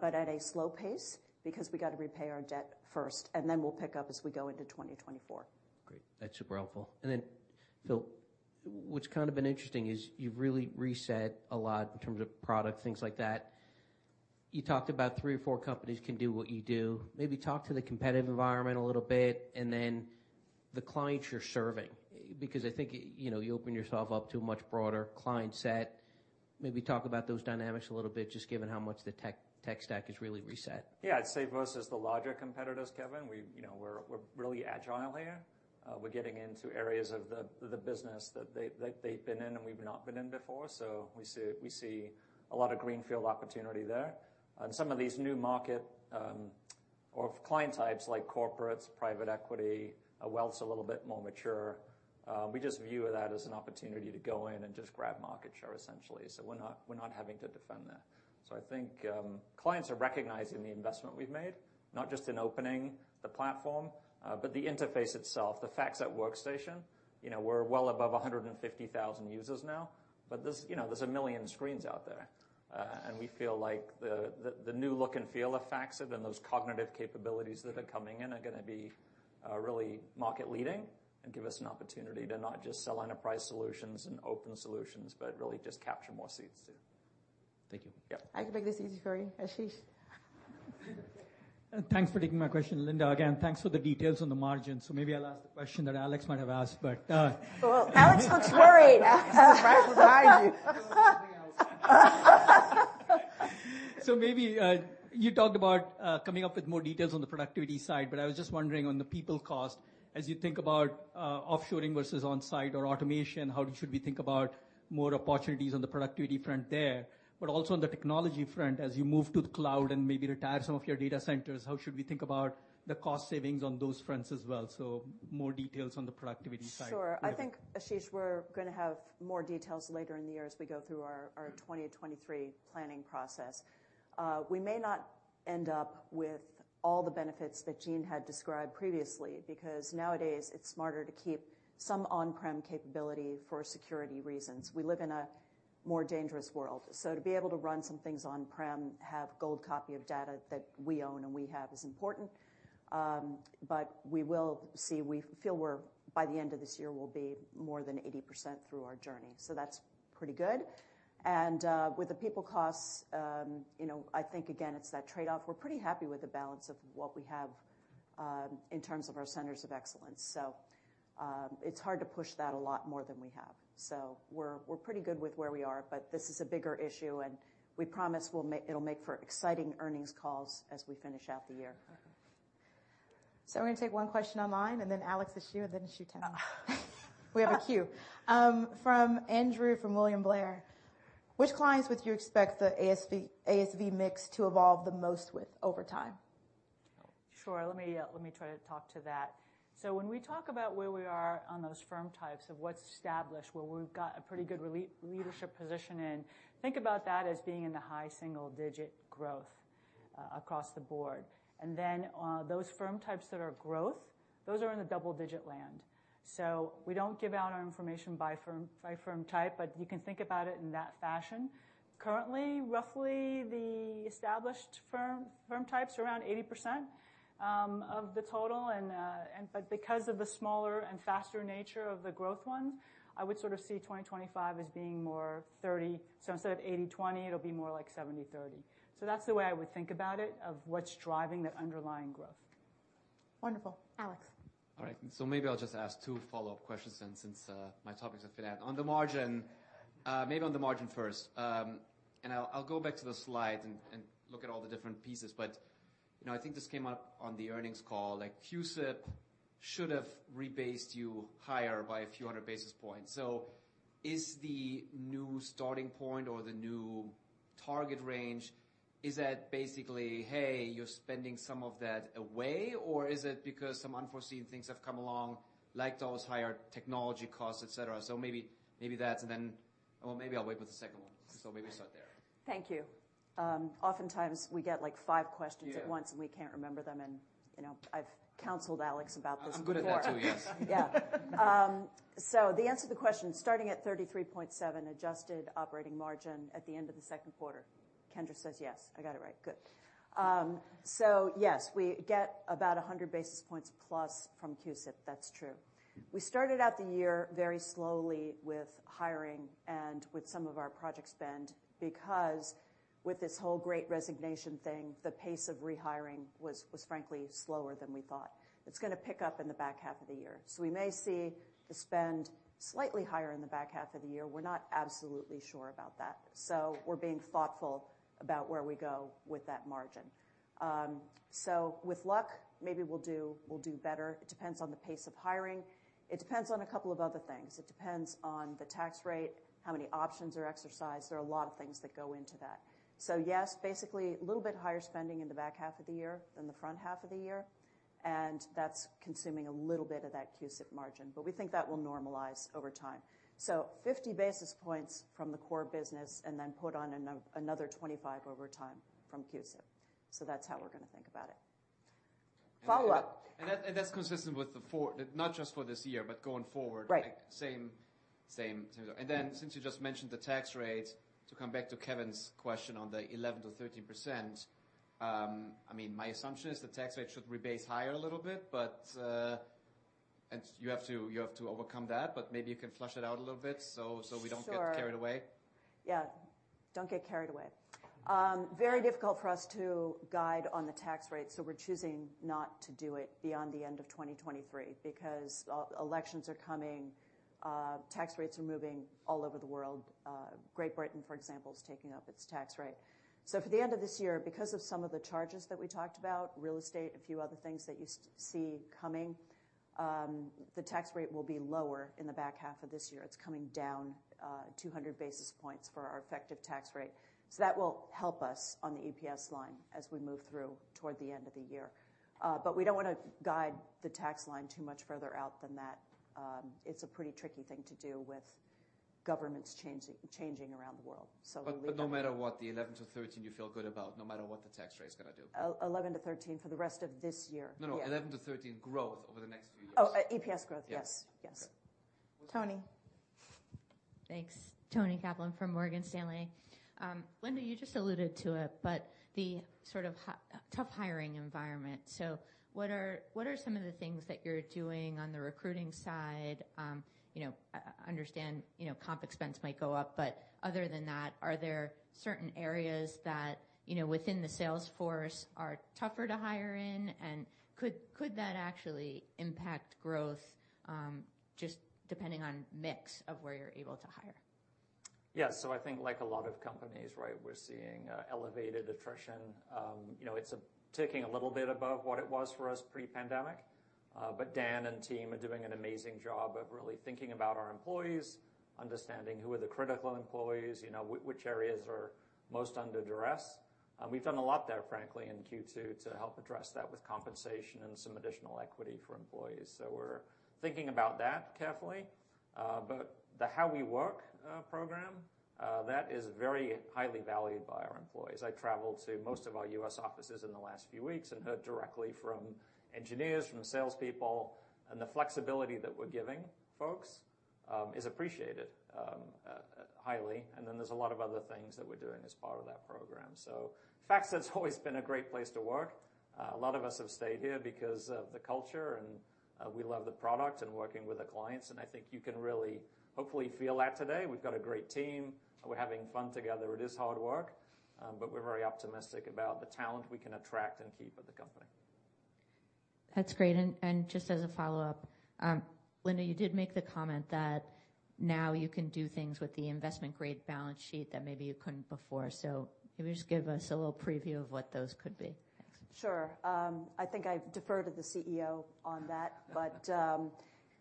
[SPEAKER 21] but at a slow pace because we gotta repay our debt first, and then we'll pick up as we go into 2024.
[SPEAKER 23] Great. That's super helpful. Then Phil, what's kind of been interesting is you've really reset a lot in terms of product, things like that. You talked about three or four companies can do what you do. Maybe talk to the competitive environment a little bit, and then the clients you're serving, because I think, you know, you open yourself up to a much broader client set. Maybe talk about those dynamics a little bit, just given how much the tech stack has really reset.
[SPEAKER 2] Yeah. I'd say versus the larger competitors, Kevin, we, you know, we're really agile here. We're getting into areas of the business that they've been in and we've not been in before. We see a lot of greenfield opportunity there. On some of these new market or client types like corporates, private equity, our wealth's a little bit more mature, we just view that as an opportunity to go in and just grab market share, essentially. We're not having to defend that. I think clients are recognizing the investment we've made, not just in opening the platform, but the interface itself. The FactSet Workstation, you know, we're well above 150,000 users now, but there's, you know, there's 1 million screens out there. We feel like the new look and feel of FactSet and those cognitive capabilities that are coming in are gonna be really market leading and give us an opportunity to not just sell enterprise solutions and open solutions, but really just capture more seats too.
[SPEAKER 23] Thank you.
[SPEAKER 2] Yeah.
[SPEAKER 1] I can make this easy for you. Ashish.
[SPEAKER 24] Thanks for taking my question, Linda. Again, thanks for the details on the margins. Maybe I'll ask the question that Alex might have asked, but
[SPEAKER 21] Whoa. Alex looks worried.
[SPEAKER 25] He's right behind you.
[SPEAKER 24] Maybe you talked about coming up with more details on the productivity side, but I was just wondering on the people cost, as you think about offshoring versus on-site or automation, how should we think about more opportunities on the productivity front there? Also on the technology front, as you move to the cloud and maybe retire some of your data centers, how should we think about the cost savings on those fronts as well? More details on the productivity side.
[SPEAKER 25] Sure. I think, Ashish, we're gonna have more details later in the year as we go through our 2023 planning process. We may not end up with all the benefits that Gene had described previously, because nowadays it's smarter to keep some on-prem capability for security reasons. We live in a more dangerous world. To be able to run some things on-prem, have gold copy of data that we own and we have is important. But we will see. We feel we're by the end of this year, we'll be more than 80% through our journey, so that's pretty good. With the people costs, you know, I think again, it's that trade-off. We're pretty happy with the balance of what we have in terms of our centers of excellence.
[SPEAKER 21] It's hard to push that a lot more than we have. We're pretty good with where we are, but this is a bigger issue, and we promise it'll make for exciting earnings calls as we finish out the year.
[SPEAKER 1] We're gonna take one question online, and then Alex Kramm is here, then [Shutana]. We have a queue. From Andrew from William Blair. Which clients would you expect the ASV mix to evolve the most with over time?
[SPEAKER 21] Sure. Let me try to talk to that. When we talk about where we are on those firm types of what's established, where we've got a pretty good leadership position in, think about that as being in the high single digit growth across the board. Those firm types that are growth, those are in the double digit land. We don't give out our information by firm, by firm type, but you can think about it in that fashion. Currently, roughly the established firm type's around 80% of the total. But because of the smaller and faster nature of the growth ones, I would sort of see 2025 as being more 30. Instead of 80/20, it'll be more like 70/30. That's the way I would think about it, of what's driving the underlying growth.
[SPEAKER 1] Wonderful. Alex?
[SPEAKER 8] All right. Maybe I'll just ask two follow-up questions then, since my topics are finite. On the margin, maybe on the margin first. I'll go back to the slide and look at all the different pieces. You know, I think this came up on the earnings call, like, CUSIP should have rebased you higher by a few hundred basis points. Is the new starting point or the new target range, is that basically, hey, you're spending some of that away, or is it because some unforeseen things have come along, like those higher technology costs, et cetera? Maybe that's then. Maybe I'll wait with the second one. Maybe start there.
[SPEAKER 26] Thank you. Oftentimes we get, like, five questions at once and we can't remember them and, you know, I've counseled Alex about this before.
[SPEAKER 8] I'm good at that too. Yes.
[SPEAKER 21] Yeah. The answer to the question, starting at 33.7 adjusted operating margin at the end of the second quarter. Kendra says, yes. I got it right. Good. Yes, we get about 100 basis points plus from CUSIP. That's true. We started out the year very slowly with hiring and with some of our project spend because with this whole Great Resignation thing, the pace of rehiring was frankly slower than we thought. It's gonna pick up in the back half of the year. We may see the spend slightly higher in the back half of the year. We're not absolutely sure about that. We're being thoughtful about where we go with that margin. With luck, maybe we'll do better. It depends on the pace of hiring. It depends on a couple of other things. It depends on the tax rate, how many options are exercised. There are a lot of things that go into that. Yes, basically a little bit higher spending in the back half of the year than the front half of the year, and that's consuming a little bit of that CUSIP margin. We think that will normalize over time. 50 basis points from the core business and then put on another 25 over time from CUSIP. That's how we're gonna think about it. Follow up.
[SPEAKER 8] That's consistent with not just for this year, but going forward.
[SPEAKER 21] Right.
[SPEAKER 8] Like, same. Then since you just mentioned the tax rate, to come back to Kevin's question on the 11%-13%, I mean, my assumption is the tax rate should rebase higher a little bit, but and you have to overcome that, but maybe you can flesh it out a little bit so we don't get carried away.
[SPEAKER 21] Yeah, don't get carried away. Very difficult for us to guide on the tax rate, so we're choosing not to do it beyond the end of 2023 because elections are coming, tax rates are moving all over the world. Great Britain, for example, is taking up its tax rate. For the end of this year, because of some of the charges that we talked about, real estate, a few other things that you see coming, the tax rate will be lower in the back half of this year. It's coming down 200 basis points for our effective tax rate. That will help us on the EPS line as we move through toward the end of the year. We don't wanna guide the tax line too much further out than that. It's a pretty tricky thing to do with governments changing around the world.
[SPEAKER 8] No matter what, the 11-13 you feel good about no matter what the tax rate's gonna do.
[SPEAKER 21] 11-13 for the rest of this year.
[SPEAKER 8] No.
[SPEAKER 21] Yeah.
[SPEAKER 8] 11%-13% growth over the next few years.
[SPEAKER 21] Oh, EPS growth.
[SPEAKER 8] Yes.
[SPEAKER 1] Yes. Yes. Toni.
[SPEAKER 27] Thanks. Toni Kaplan from Morgan Stanley. Linda, you just alluded to it, but the sort of tough hiring environment. What are some of the things that you're doing on the recruiting side? You know, you understand, you know, comp expense might go up, but other than that, are there certain areas that, you know, within the sales force are tougher to hire in, and could that actually impact growth, just depending on mix of where you're able to hire?
[SPEAKER 2] Yeah. I think like a lot of companies, right, we're seeing elevated attrition. You know, it's ticking a little bit above what it was for us pre-pandemic. But Dan and team are doing an amazing job of really thinking about our employees, understanding who are the critical employees, you know, which areas are most under duress. We've done a lot there, frankly, in Q2 to help address that with compensation and some additional equity for employees. We're thinking about that carefully. But the How We Work program that is very highly valued by our employees. I traveled to most of our U.S. offices in the last few weeks and heard directly from engineers, from salespeople, and the flexibility that we're giving folks is appreciated highly. There's a lot of other things that we're doing as part of that program. FactSet's always been a great place to work. A lot of us have stayed here because of the culture, and we love the product and working with the clients, and I think you can really, hopefully feel that today. We've got a great team. We're having fun together. It is hard work, but we're very optimistic about the talent we can attract and keep at the company.
[SPEAKER 27] That's great. Just as a follow-up, Linda, you did make the comment that now you can do things with the investment-grade balance sheet that maybe you couldn't before. Can you just give us a little preview of what those could be? Thanks.
[SPEAKER 21] Sure. I think I defer to the CEO on that.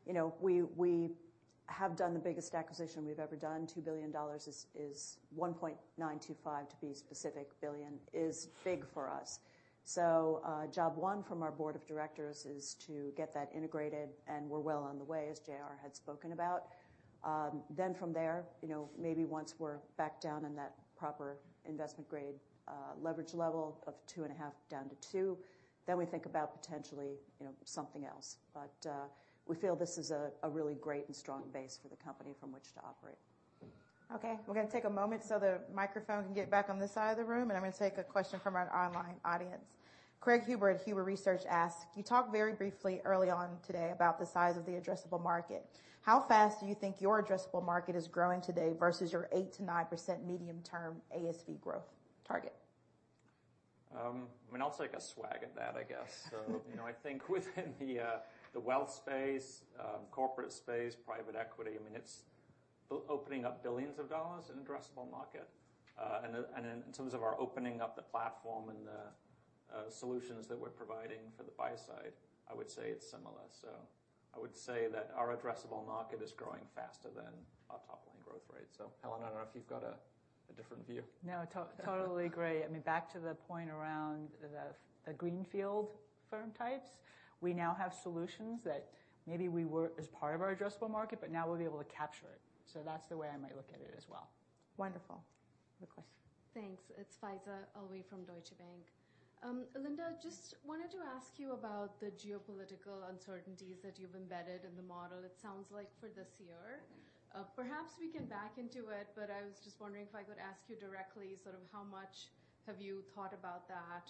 [SPEAKER 21] You know, we have done the biggest acquisition we've ever done. $2 billion is $1.925 billion, to be specific. Billion is big for us. Job one from our board of directors is to get that integrated, and we're well on the way, as JR had spoken about. From there, you know, maybe once we're back down in that proper investment-grade leverage level of 2.5-two, we think about potentially, you know, something else. We feel this is a really great and strong base for the company from which to operate.
[SPEAKER 1] Okay, we're gonna take a moment so the microphone can get back on this side of the room, and I'm gonna take a question from our online audience. Craig Huber at Huber Research asked, "You talked very briefly early on today about the size of the addressable market. How fast do you think your addressable market is growing today versus your 8%-9% medium-term ASV growth target?
[SPEAKER 2] I mean, I'll take a swag at that, I guess. You know, I think within the wealth space, corporate space, private equity, I mean, it's opening up billions of dollars in addressable market. And in terms of our opening up the platform and the solutions that we're providing for the buy side, I would say it's similar. I would say that our addressable market is growing faster than our top line growth rate. Helen, I don't know if you've got a different view.
[SPEAKER 21] No, totally agree. I mean, back to the point around the greenfield firm types, we now have solutions that maybe we were as part of our addressable market, but now we'll be able to capture it. That's the way I might look at it as well.
[SPEAKER 1] Wonderful. Good question.
[SPEAKER 17] Thanks. It's Faiza Alwy from Deutsche Bank. Linda, just wanted to ask you about the geopolitical uncertainties that you've embedded in the model, it sounds like, for this year. Perhaps we can back into it, but I was just wondering if I could ask you directly, sort of how much have you thought about that?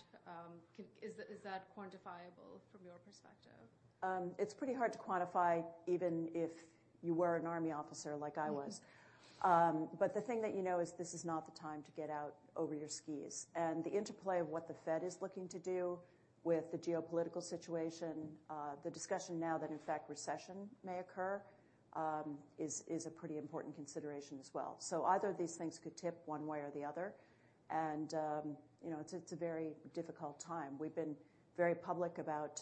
[SPEAKER 17] Is that quantifiable from your perspective?
[SPEAKER 21] It's pretty hard to quantify, even if you were an Army officer, like I was. The thing that you know is this is not the time to get out over your skis. The interplay of what the Fed is looking to do with the geopolitical situation, the discussion now that in fact recession may occur, is a pretty important consideration as well. Either of these things could tip one way or the other. You know, it's a very difficult time. We've been very public about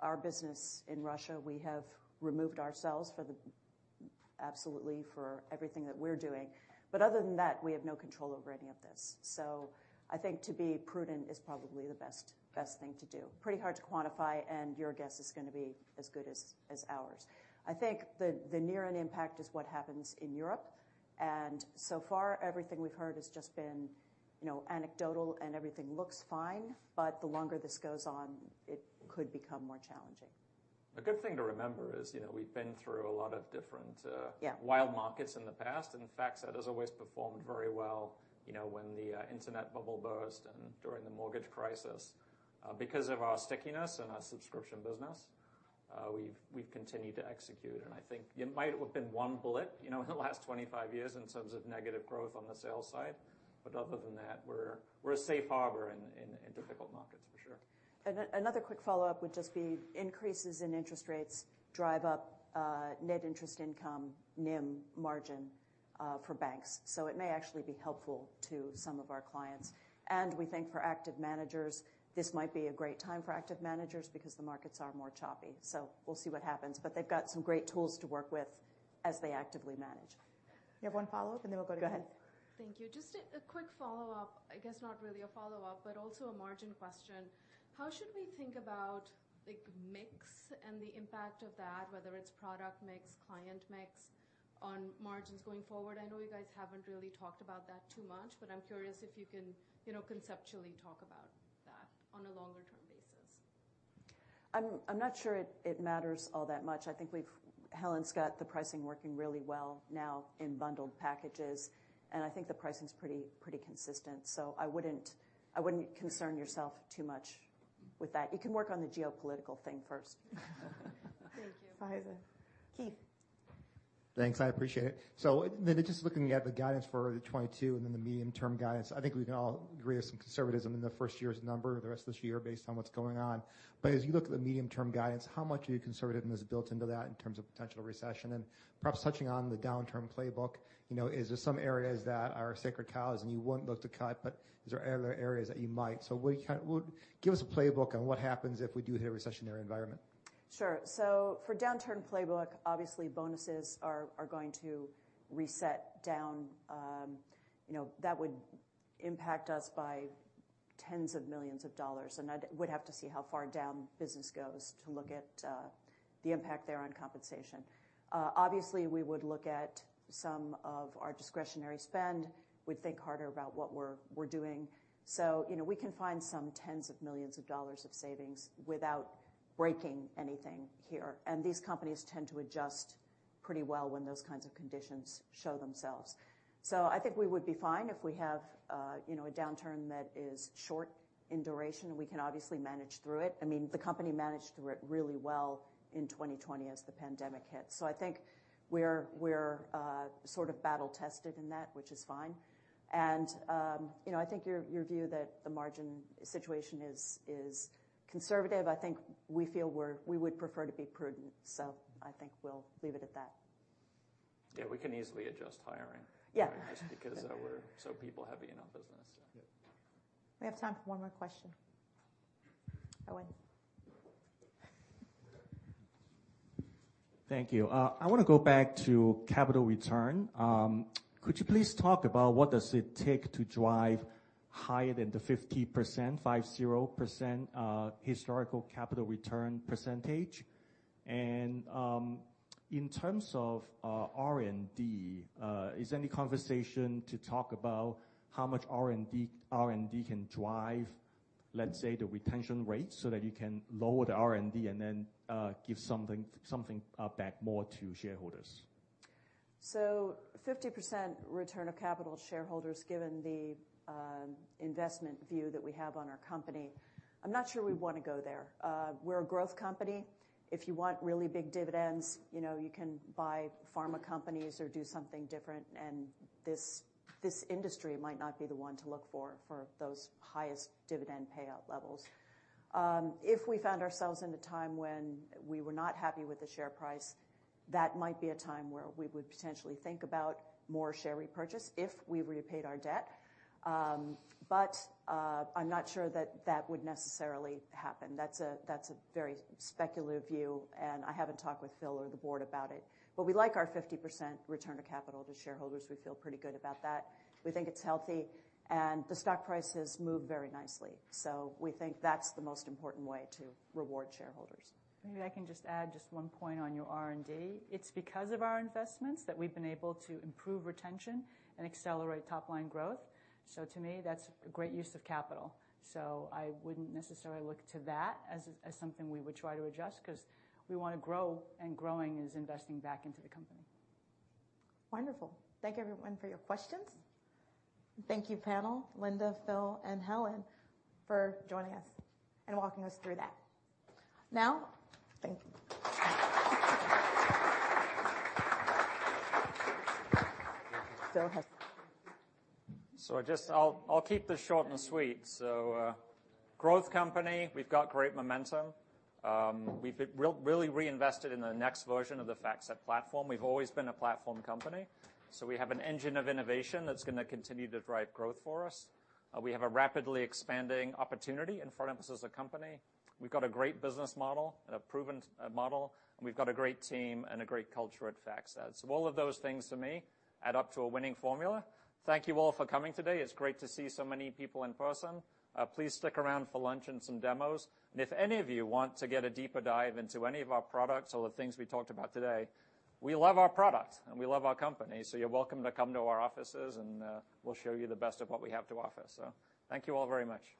[SPEAKER 21] our business in Russia. We have removed ourselves absolutely for everything that we're doing. Other than that, we have no control over any of this. I think to be prudent is probably the best thing to do. Pretty hard to quantify, and your guess is gonna be as good as ours. I think the near-term impact is what happens in Europe, and so far everything we've heard has just been, you know, anecdotal, and everything looks fine, but the longer this goes on, it could become more challenging.
[SPEAKER 2] A good thing to remember is, you know, we've been through a lot of different. Wild markets in the past. FactSet has always performed very well, you know, when the internet bubble burst and during the mortgage crisis. Because of our stickiness and our subscription business, we've continued to execute. I think it might have been one blip, you know, in the last 25 years in terms of negative growth on the sales side, but other than that, we're a safe harbor in difficult markets for sure.
[SPEAKER 21] Another quick follow-up would just be increases in interest rates drive up net interest income, NIM, margin for banks. It may actually be helpful to some of our clients. We think for active managers, this might be a great time for active managers because the markets are more choppy. We'll see what happens. They've got some great tools to work with as they actively manage.
[SPEAKER 1] You have one follow-up, and then we'll go. Go ahead.
[SPEAKER 17] Thank you. Just a quick follow-up. I guess not really a follow-up, but also a margin question. How should we think about like mix and the impact of that, whether it's product mix, client mix, on margins going forward? I know you guys haven't really talked about that too much, but I'm curious if you can, you know, conceptually talk about that on a longer term basis.
[SPEAKER 21] I'm not sure it matters all that much. I think Helen's got the pricing working really well now in bundled packages, and I think the pricing's pretty consistent. I wouldn't concern yourself too much with that. You can work on the geopolitical thing first.
[SPEAKER 17] Thank you.
[SPEAKER 1] Faiza. Keith.
[SPEAKER 28] Thanks, I appreciate it. Just looking at the guidance for 2022 and then the medium-term guidance, I think we can all agree with some conservatism in the first year's number, the rest of this year based on what's going on. As you look at the medium-term guidance, how much of your conservatism is built into that in terms of potential recession? Perhaps touching on the downturn playbook, you know, is there some areas that are sacred cows, and you wouldn't look to cut, but is there other areas that you might? What do you give us a playbook on what happens if we do hit a recessionary environment.
[SPEAKER 21] Sure. For downturn playbook, obviously bonuses are going to reset down. You know, that would impact us by $ tens of millions, and we'd have to see how far down business goes to look at the impact there on compensation. Obviously we would look at some of our discretionary spend. We'd think harder about what we're doing. You know, we can find some $ tens of millions of savings without breaking anything here, and these companies tend to adjust pretty well when those kinds of conditions show themselves. I think we would be fine if we have you know, a downturn that is short in duration. We can obviously manage through it. I mean, the company managed through it really well in 2020 as the pandemic hit. I think we're sort of battle tested in that, which is fine. You know, I think your view that the margin situation is conservative. I think we feel we would prefer to be prudent. I think we'll leave it at that.
[SPEAKER 2] Yeah, we can easily adjust hiring. Just because we're so people heavy in our business.
[SPEAKER 1] We have time for one more question. Owen.
[SPEAKER 9] Thank you. I wanna go back to capital return. Could you please talk about what does it take to drive higher than the 50% historical capital return percentage? In terms of R&D, is there any conversation to talk about how much R&D can drive, let's say, the retention rate so that you can lower the R&D and then give something back more to shareholders?
[SPEAKER 21] 50% return of capital to shareholders given the investment view that we have on our company, I'm not sure we wanna go there. We're a growth company. If you want really big dividends, you know, you can buy pharma companies or do something different and this industry might not be the one to look for those highest dividend payout levels. If we found ourselves in a time when we were not happy with the share price, that might be a time where we would potentially think about more share repurchase if we've repaid our debt. I'm not sure that would necessarily happen. That's a very speculative view, and I haven't talked with Phil or the board about it. We like our 50% return of capital to shareholders. We feel pretty good about that. We think it's healthy, and the stock price has moved very nicely. We think that's the most important way to reward shareholders.
[SPEAKER 20] Maybe I can just add one point on your R&D. It's because of our investments that we've been able to improve retention and accelerate top line growth. To me, that's a great use of capital. I wouldn't necessarily look to that as something we would try to adjust, 'cause we wanna grow, and growing is investing back into the company.
[SPEAKER 1] Wonderful. Thank everyone for your questions. Thank you, panel, Linda, Phil, and Helen, for joining us and walking us through that. Thank you. Phil, go ahead.
[SPEAKER 2] I'll keep this short and sweet. Growth company, we've got great momentum. We've really reinvested in the next version of the FactSet platform. We've always been a platform company. We have an engine of innovation that's gonna continue to drive growth for us. We have a rapidly expanding opportunity in front of us as a company. We've got a great business model, a proven model, and we've got a great team and a great culture at FactSet. All of those things to me add up to a winning formula. Thank you all for coming today. It's great to see so many people in person. Please stick around for lunch and some demos. If any of you want to get a deeper dive into any of our products or the things we talked about today, we love our products and we love our company, so you're welcome to come to our offices and we'll show you the best of what we have to offer. Thank you all very much.